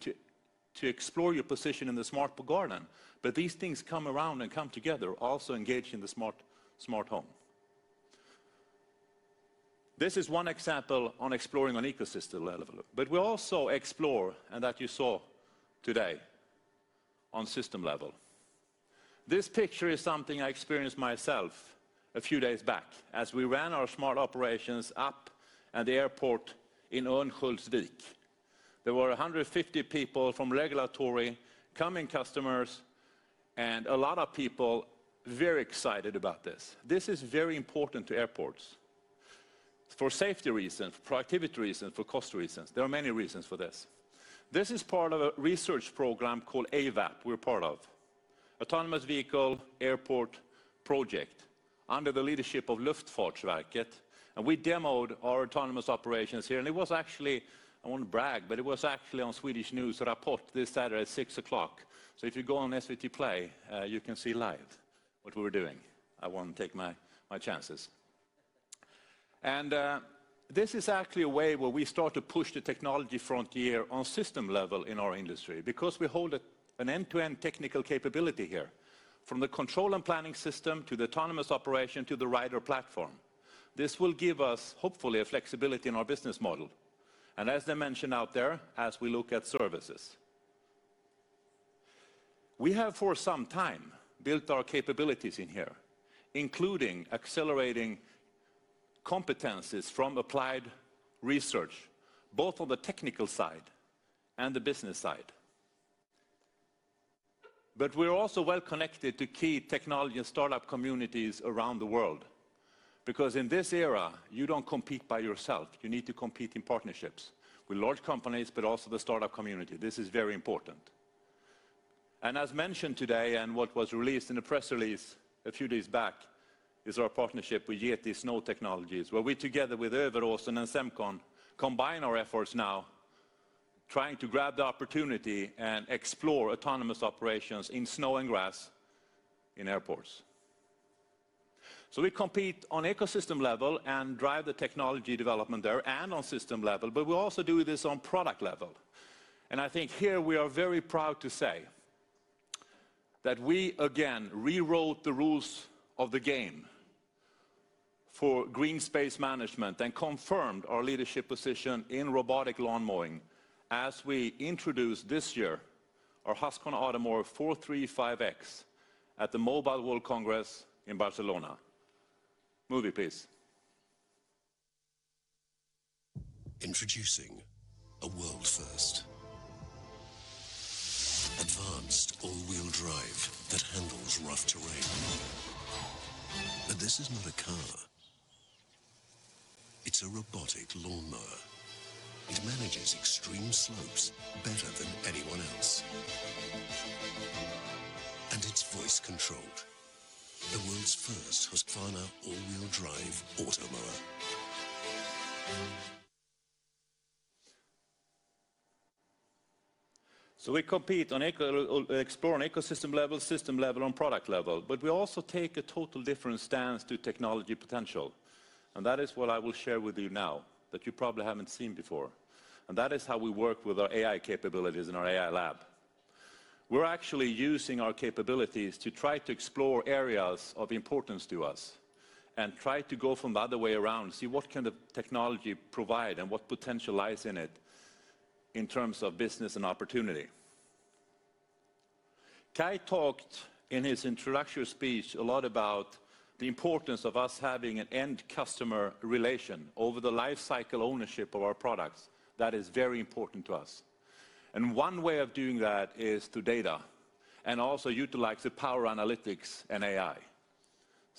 to explore your position in the smart garden. These things come around and come together, also engaged in the smart home. This is one example on exploring on ecosystem level. We also explore, and that you saw today, on system level. This picture is something I experienced myself a few days back as we ran our smart operations app at the airport in Örnsköldsvik. There were 150 people from regulatory, coming customers, and a lot of people very excited about this. This is very important to airports for safety reasons, for productivity reasons, for cost reasons. There are many reasons for this. This is part of a research program called AVAP we're part of, Autonomous Vehicle Airport Project, under the leadership of Luftfartsverket. We demoed our autonomous operations here. It was actually, I won't brag, but it was actually on Swedish news Rapport this Saturday at 6:00 P.M. If you go on SVT Play, you can see live what we were doing. I want to take my chances. This is actually a way where we start to push the technology frontier on system level in our industry because we hold an end-to-end technical capability here, from the control and planning system to the autonomous operation to the rider platform. This will give us, hopefully, a flexibility in our business model, and as I mentioned out there, as we look at services. We have for some time built our capabilities in here, including accelerating competencies from applied research, both on the technical side and the business side. We're also well connected to key technology and startup communities around the world. In this era, you don't compete by yourself. You need to compete in partnerships with large companies, but also the startup community. This is very important. As mentioned today, what was released in the press release a few days back, is our partnership with Yeti Snow Technology, where we together with Øveraasen and Semcon combine our efforts now, trying to grab the opportunity and explore autonomous operations in snow and grass in airports. We compete on ecosystem level and drive the technology development there and on system level, but we also do this on product level. I think here we are very proud to say that we again rewrote the rules of the game for green space management and confirmed our leadership position in robotic lawn mowing as we introduced this year our Husqvarna Automower 435X at the Mobile World Congress in Barcelona. Movie, please. Introducing a world first. Advanced all-wheel drive that handles rough terrain. This is not a car. It's a robotic lawnmower. It manages extreme slopes better than anyone else. It's voice controlled. The world's first Husqvarna all-wheel drive Automower. We compete on explore on ecosystem level, system level, and product level. We also take a total different stance to technology potential, and that is what I will share with you now that you probably haven't seen before. That is how we work with our AI capabilities in our AI lab. We're actually using our capabilities to try to explore areas of importance to us and try to go from the other way around, see what can the technology provide and what potential lies in it in terms of business and opportunity. Kai talked in his introductory speech a lot about the importance of us having an end customer relation over the life cycle ownership of our products. That is very important to us. One way of doing that is through data. Also utilize the power analytics and AI.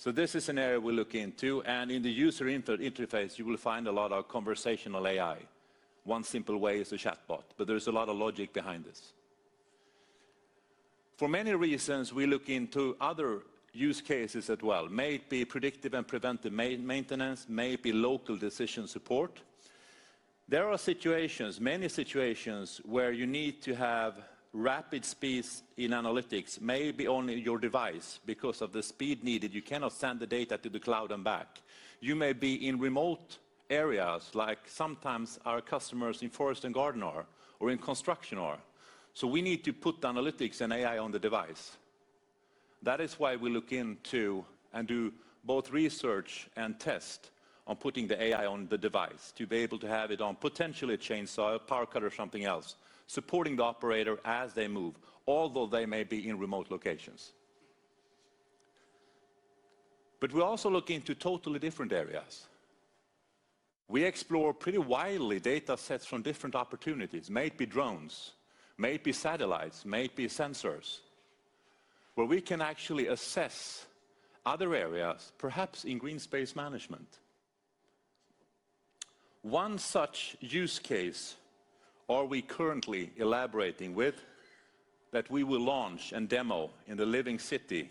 This is an area we look into, and in the user interface, you will find a lot of conversational AI. One simple way is a chatbot, but there is a lot of logic behind this. For many reasons, we look into other use cases as well. May it be predictive and preventive maintenance, may it be local decision support. There are many situations where you need to have rapid speeds in analytics, may it be only your device. Because of the speed needed, you cannot send the data to the cloud and back. You may be in remote areas, like sometimes our customers in forest and garden are, or in construction are. We need to put analytics and AI on the device. That is why we look into and do both research and test on putting the AI on the device to be able to have it on potentially a chainsaw, a power cutter, or something else, supporting the operator as they move, although they may be in remote locations. We're also looking into totally different areas. We explore pretty widely data sets from different opportunities. May it be drones, may it be satellites, may it be sensors, where we can actually assess other areas, perhaps in green space management. One such use case are we currently elaborating with that we will launch and demo in the Living City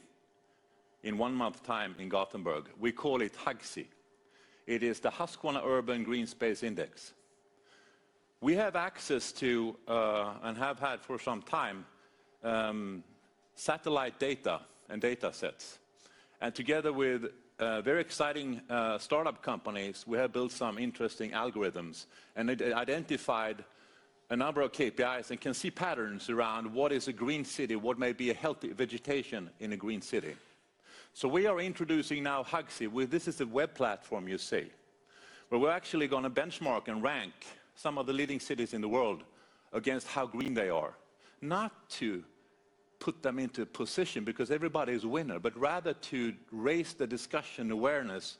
in one month time in Gothenburg. We call it HUGSI. It is the Husqvarna Urban Green Space Index. We have access to, and have had for some time, satellite data and data sets. Together with very exciting startup companies, we have built some interesting algorithms and identified a number of KPIs, and can see patterns around what is a green city, what may be a healthy vegetation in a green city. We are introducing now HUGSI. This is a web platform you see, where we're actually going to benchmark and rank some of the leading cities in the world against how green they are. Not to put them into a position, because everybody is a winner, but rather to raise the discussion awareness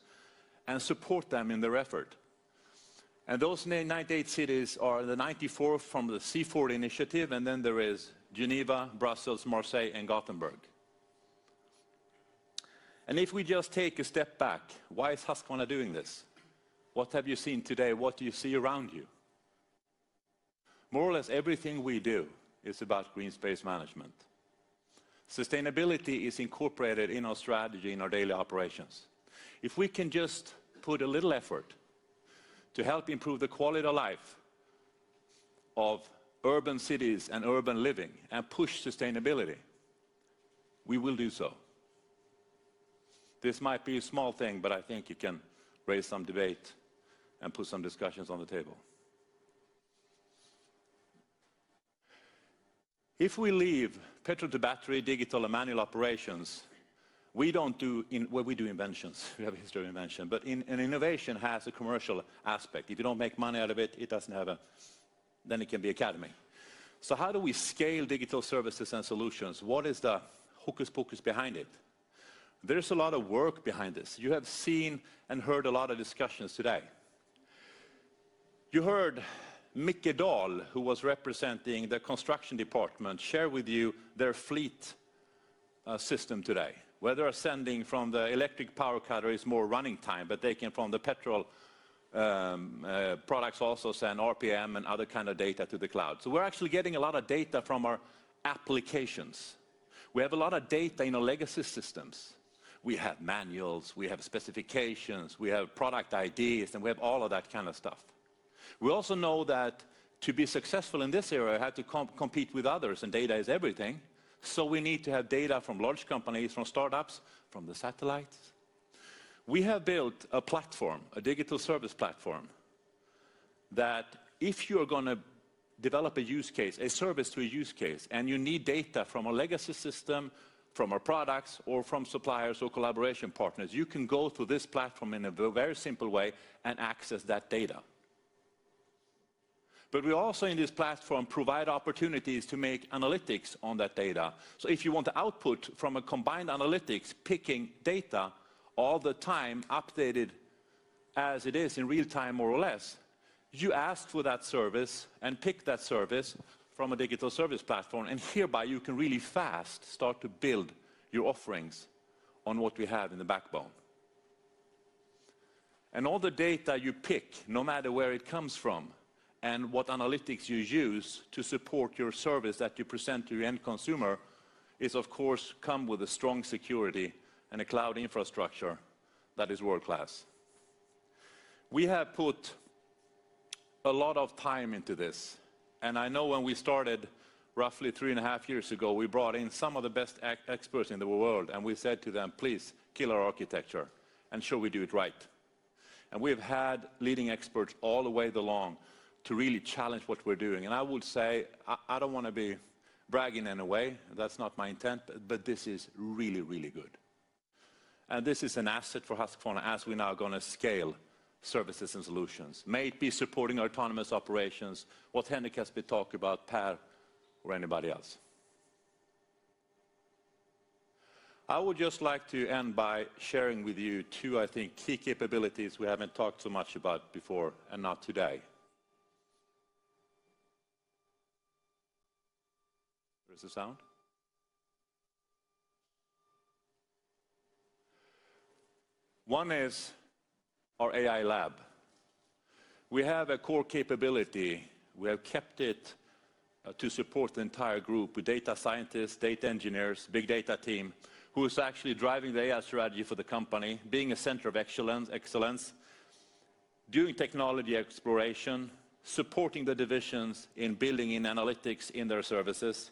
and support them in their effort. Those 98 cities are the 94 from the C40 initiative, and then there is Geneva, Brussels, Marseille, and Gothenburg. If we just take a step back, why is Husqvarna doing this? What have you seen today? What do you see around you? More or less everything we do is about green space management. Sustainability is incorporated in our strategy, in our daily operations. If we can just put a little effort to help improve the quality of life of urban cities and urban living and push sustainability, we will do so. This might be a small thing, but I think it can raise some debate and put some discussions on the table. If we leave petrol to battery, digital and manual operations, we do inventions. We have a history of invention. An innovation has a commercial aspect. If you don't make money out of it, then it can be academic. How do we scale digital services and solutions? What is the hocus pocus behind it? There's a lot of work behind this. You have seen and heard a lot of discussions today. You heard Micke Dahl, who was representing the construction department, share with you their fleet system today, where they are sending from the electric power cutter is more running time. They can from the petrol products also send RPM and other kind of data to the cloud. We're actually getting a lot of data from our applications. We have a lot of data in our legacy systems. We have manuals, we have specifications, we have product IDs, and we have all of that kind of stuff. We also know that to be successful in this area, we have to compete with others, and data is everything. We need to have data from large companies, from startups, from the satellites. We have built a platform, a digital service platform, that if you're going to develop a use case, a service to a use case, and you need data from a legacy system, from our products, or from suppliers or collaboration partners, you can go to this platform in a very simple way and access that data. We also in this platform provide opportunities to make analytics on that data. If you want the output from a combined analytics, picking data all the time, updated as it is in real time more or less, you ask for that service and pick that service from a digital service platform, hereby you can really fast start to build your offerings on what we have in the backbone. All the data you pick, no matter where it comes from and what analytics you use to support your service that you present to your end consumer, is of course come with a strong security and a cloud infrastructure that is world-class. We have put a lot of time into this, and I know when we started roughly three and a half years ago, we brought in some of the best experts in the world, and we said to them, "Please, kill our architecture, ensure we do it right." We have had leading experts all the way along to really challenge what we're doing. I would say, I don't want to be bragging in a way. That's not my intent, but this is really, really good. This is an asset for Husqvarna as we're now going to scale services and solutions. May it be supporting autonomous operations, what Henric has been talking about, Per, or anybody else. I would just like to end by sharing with you two, I think, key capabilities we haven't talked so much about before, and not today. Where is the sound? One is our AI lab. We have a core capability. We have kept it to support the entire group with data scientists, data engineers, big data team, who is actually driving the AI strategy for the company, being a center of excellence, doing technology exploration, supporting the divisions in building in analytics in their services,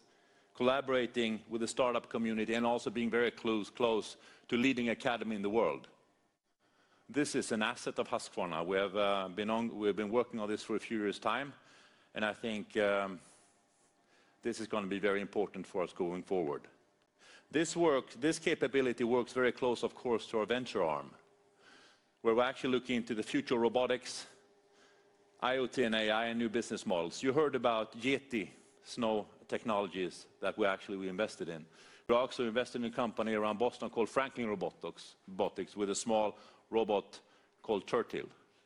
collaborating with the startup community, and also being very close to leading academy in the world. This is an asset of Husqvarna. We have been working on this for a few years' time, and I think this is going to be very important for us going forward. This capability works very close, of course, to our venture arm, where we're actually looking to the future of robotics, IoT and AI, and new business models. You heard about Yeti Snow Technology that we actually invested in. We also invested in a company around Boston called Franklin Robotics with a small robot called Tertill.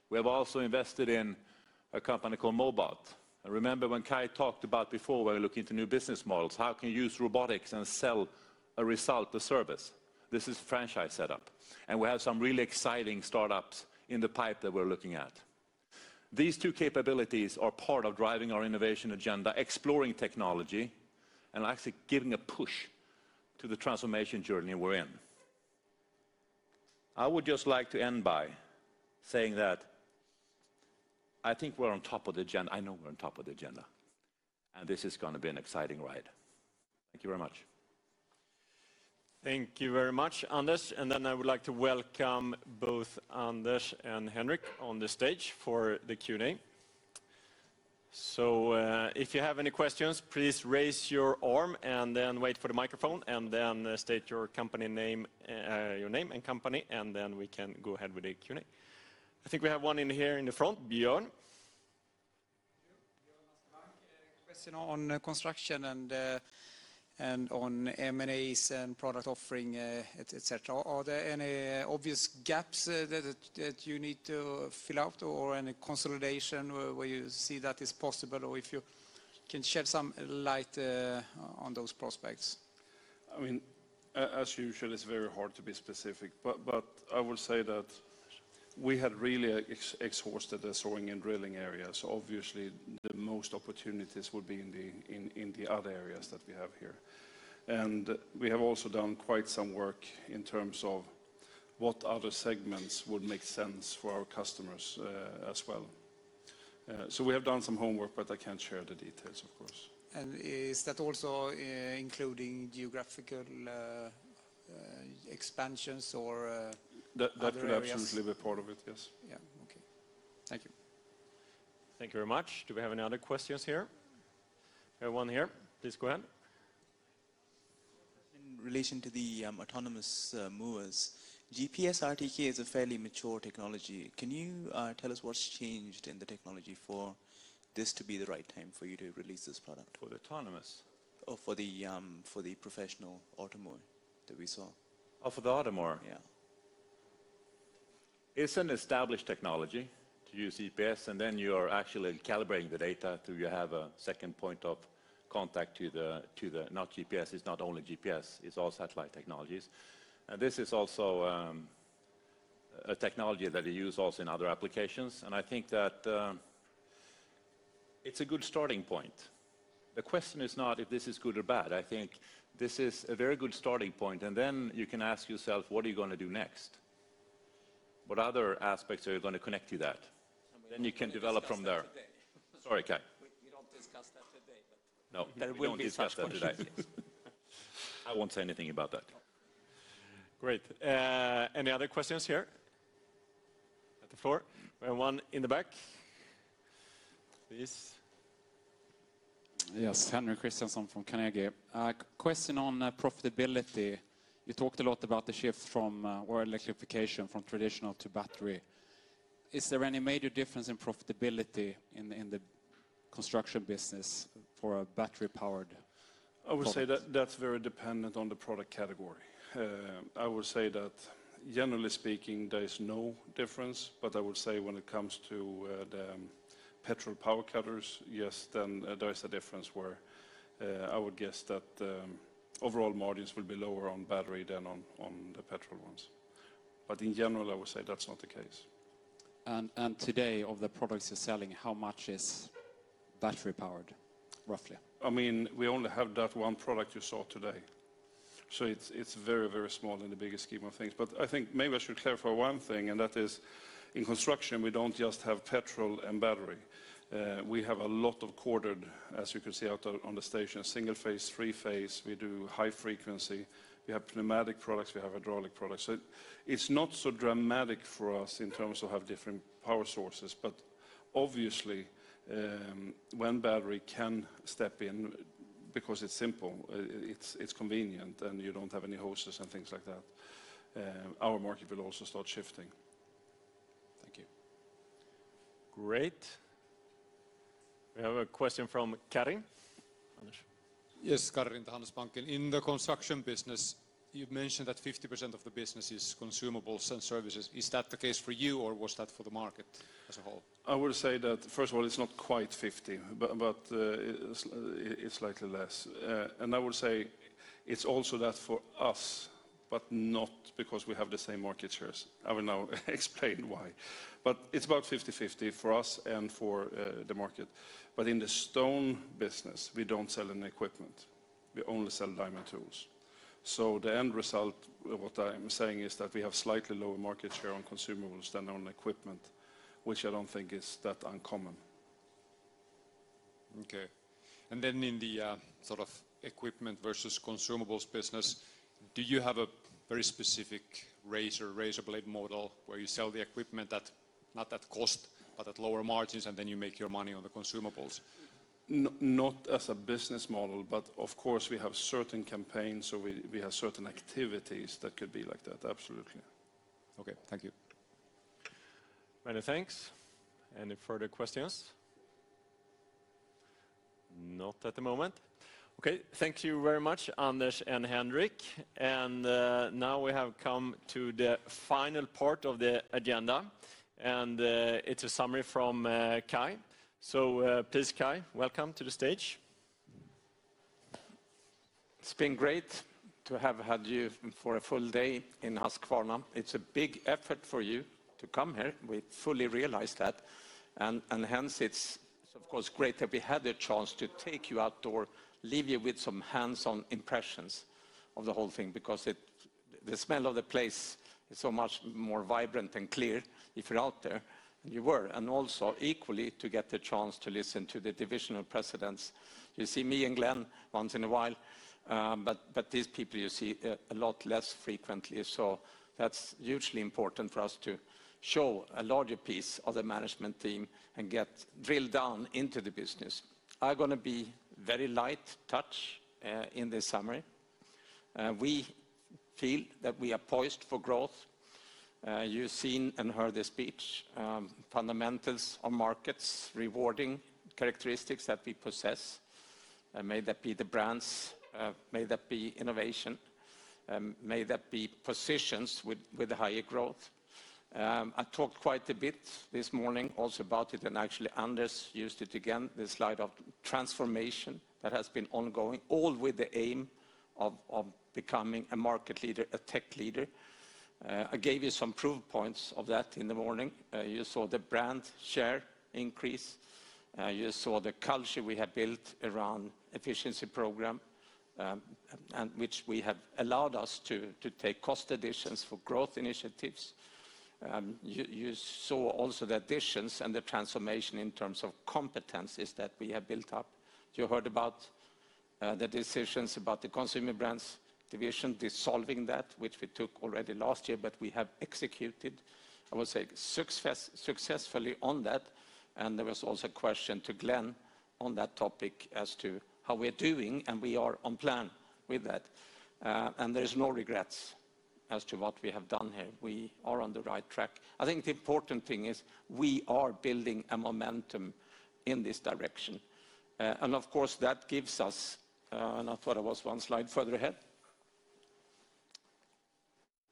We have also invested in a company called Mowbot. Remember when Kai talked about before, we were looking to new business models, how can you use robotics and sell a result, a service? This is franchise setup. We have some really exciting startups in the pipe that we're looking at. These two capabilities are part of driving our innovation agenda, exploring technology, and actually giving a push to the transformation journey we're in. I would just like to end by saying that I know we're on top of the agenda, and this is going to be an exciting ride. Thank you very much. Thank you very much, Anders. I would like to welcome both Anders and Henric on the stage for the Q&A. If you have any questions, please raise your arm, and then wait for the microphone, and then state your name and company, and then we can go ahead with the Q&A. I think we have one in here in the front. Björn? Thank you. Björn I would say that that's very dependent on the product category. I would say that generally speaking, there is no difference, but I would say when it comes to the petrol power cutters, yes, then there is a difference where I would guess that the overall margins will be lower on battery than on the petrol ones. In general, I would say that's not the case. Today, of the products you're selling, how much is battery powered, roughly? We only have that one product you saw today. It's very small in the bigger scheme of things. I think maybe I should clarify one thing, and that is in Construction, we don't just have petrol and battery. We have a lot of corded, as you can see out on the station, single phase, three phase. We do high frequency. We have pneumatic products. We have hydraulic products. It's not so dramatic for us in terms of having different power sources, but obviously, when battery can step in because it's simple, it's convenient, and you don't have any hoses and things like that, our market will also start shifting. Thank you. Great. We have a question from Kari. Anders? Yes, Kari at Handelsbanken. In the construction business, you've mentioned that 50% of the business is consumables and services. Is that the case for you, or was that for the market as a whole? I would say that, first of all, it's not quite 50, but it's slightly less. I would say it's also that for us, but not because we have the same market shares. I will now explain why. It's about 50/50 for us and for the market. In the stone business, we don't sell any equipment. We only sell diamond tools. The end result of what I'm saying is that we have slightly lower market share on consumables than on equipment, which I don't think is that uncommon. Okay. In the equipment versus consumables business, do you have a very specific razor blade model where you sell the equipment not at cost, but at lower margins, and then you make your money on the consumables? Not as a business model, but of course, we have certain campaigns, so we have certain activities that could be like that, absolutely. Okay. Thank you. Many thanks. Any further questions? Not at the moment. Okay. Thank you very much, Anders and Henric. Now we have come to the final part of the agenda, and it's a summary from Kai. Please, Kai, welcome to the stage. It's been great to have had you for a full day in Husqvarna. It's a big effort for you to come here. We fully realize that, and hence, it's of course great that we had a chance to take you outdoor, leave you with some hands-on impressions of the whole thing because the smell of the place is so much more vibrant and clear if you're out there, and you were. And also equally, to get the chance to listen to the divisional presidents. You see me and Glen once in a while, but these people you see a lot less frequently, so that's hugely important for us to show a larger piece of the management team and drill down into the business. I'm going to be very light touch in this summary. We feel that we are poised for growth. You've seen and heard the speech. Fundamentals of markets, rewarding characteristics that we possess, may that be the brands, may that be innovation, may that be positions with the higher growth. I talked quite a bit this morning also about it. Actually, Anders used it again, this slide of transformation that has been ongoing, all with the aim of becoming a market leader, a tech leader. I gave you some proof points of that in the morning. You saw the brand share increase. You saw the culture we have built around efficiency program, which we have allowed us to take cost additions for growth initiatives. You saw also the additions and the transformation in terms of competencies that we have built up. You heard about the decisions about the Consumer Brands Division, dissolving that, which we took already last year. We have executed, I would say, successfully on that. There was also a question to Glen on that topic as to how we're doing, and we are on plan with that. There's no regrets as to what we have done here. We are on the right track. I think the important thing is we are building a momentum in this direction. Of course, that gives us-- I thought I was one slide further ahead.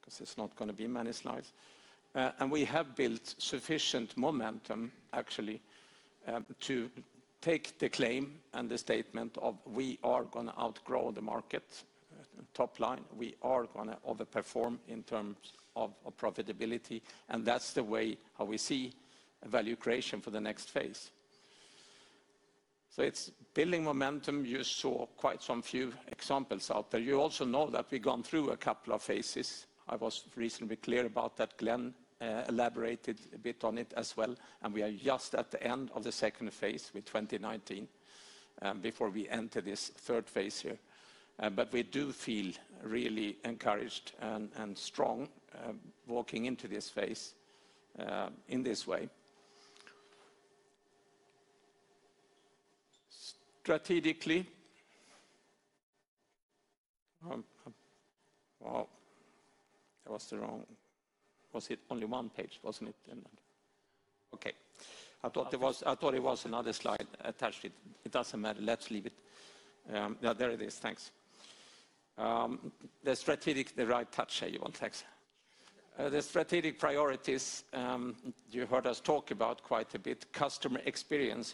Because it's not going to be many slides. We have built sufficient momentum, actually, to take the claim and the statement of we are going to outgrow the market top line. We are going to overperform in terms of profitability, and that's the way how we see value creation for the next phase. It's building momentum. You saw quite some few examples out there. You also know that we've gone through a couple of phases. I was reasonably clear about that. Glen elaborated a bit on it as well. We are just at the end of the second phase with 2019, before we enter this third phase here. We do feel really encouraged and strong walking into this phase in this way. Was it only one page, wasn't it? Okay. I thought it was another slide attached. It doesn't matter. Let's leave it. Yeah, there it is. Thanks. The strategic, the right touch you want. Thanks. The strategic priorities, you heard us talk about quite a bit. Customer experience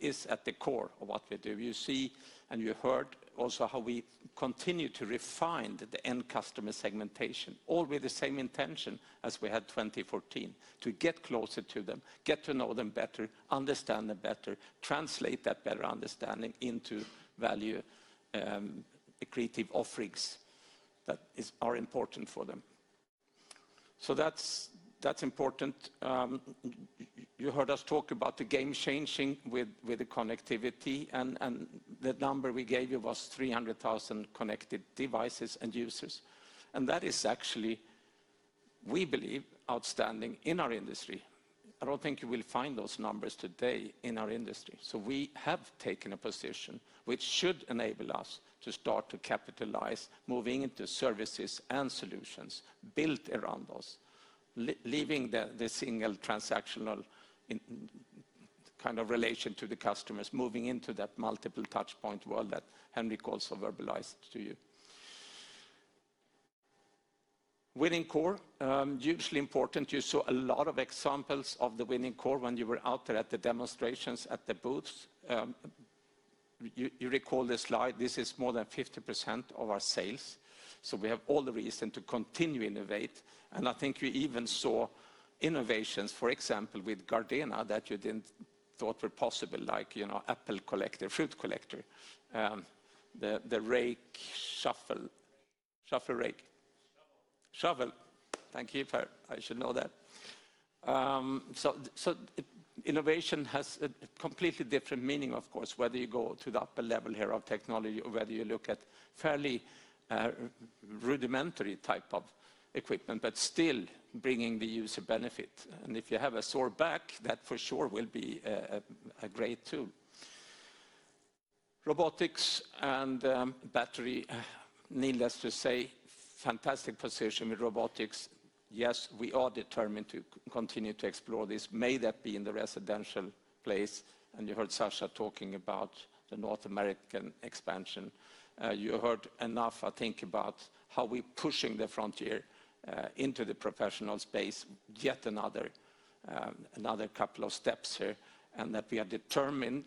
is at the core of what we do. You see, you heard also how we continue to refine the end customer segmentation, all with the same intention as we had 2014: to get closer to them, get to know them better, understand them better, translate that better understanding into value, creative offerings that are important for them. That's important. You heard us talk about the game-changing with the connectivity, and the number we gave you was 300,000 connected devices and users. That is actually, we believe, outstanding in our industry. I don't think you will find those numbers today in our industry. We have taken a position which should enable us to start to capitalize moving into services and solutions built around us, leaving the single transactional in-kind of relation to the customers moving into that multiple touch point world that Henric also verbalized to you. Winning core, hugely important. You saw a lot of examples of the winning core when you were out there at the demonstrations at the booths. You recall the slide. This is more than 50% of our sales. We have all the reason to continue innovate. I think you even saw innovations, for example, with Gardena, that you didn't think were possible like fruit collector, the shuffle rake. Shovel. Shovel. Thank you, Per. I should know that. Innovation has a completely different meaning, of course, whether you go to the upper level here of technology or whether you look at fairly rudimentary type of equipment, but still bringing the user benefit. If you have a sore back, that for sure will be a great tool. Robotics and battery, needless to say, fantastic position with robotics. Yes, we are determined to continue to explore this. May that be in the residential place, and you heard Sascha talking about the North American expansion. You heard enough, I think, about how we're pushing the frontier into the professional space yet another couple of steps here, and that we are determined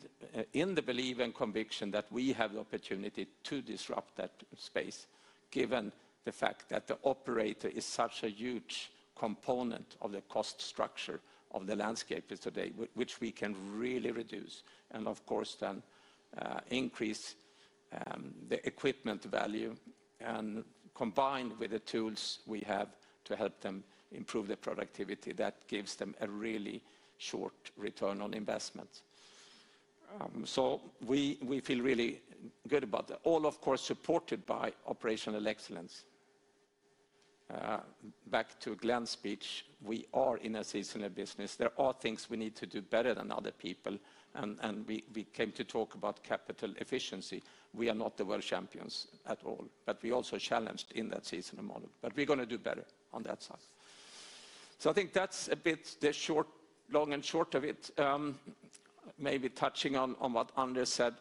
in the belief and conviction that we have the opportunity to disrupt that space, given the fact that the operator is such a huge component of the cost structure of the landscapers today, which we can really reduce and, of course, then increase the equipment value. Combined with the tools we have to help them improve their productivity, that gives them a really short return on investment. We feel really good about that. All, of course, supported by operational excellence. Back to Glen's speech, we are in a seasonal business. There are things we need to do better than other people. We came to talk about capital efficiency. We are not the world champions at all. We also challenged in that seasonal model, but we're going to do better on that side. I think that's a bit the long and short of it. Maybe touching on what Anders said,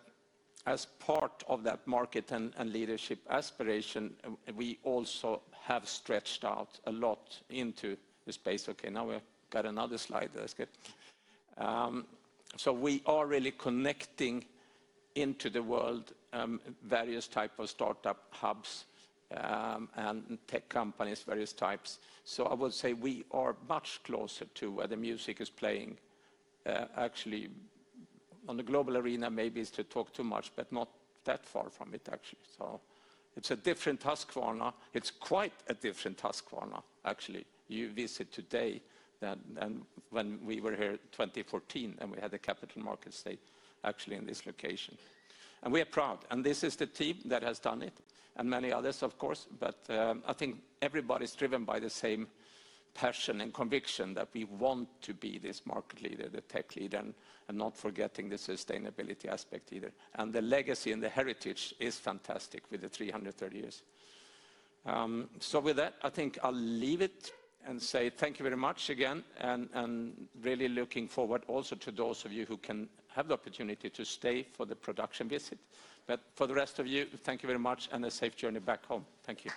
as part of that market and leadership aspiration, we also have stretched out a lot into the space. Okay, now we got another slide. That's good. We are really connecting into the world various type of startup hubs and tech companies, various types. I would say we are much closer to where the music is playing. Actually, on the global arena, maybe is to talk too much, but not that far from it, actually. It's a different Husqvarna. It's quite a different Husqvarna, actually, you visit today than when we were here 2014, and we had the capital market stay actually in this location. We are proud. This is the team that has done it, and many others, of course. I think everybody's driven by the same passion and conviction that we want to be this market leader, the tech leader, and not forgetting the sustainability aspect either. The legacy and the heritage is fantastic with the 330 years. With that, I think I'll leave it and say thank you very much again, and really looking forward also to those of you who can have the opportunity to stay for the production visit. For the rest of you, thank you very much and a safe journey back home. Thank you.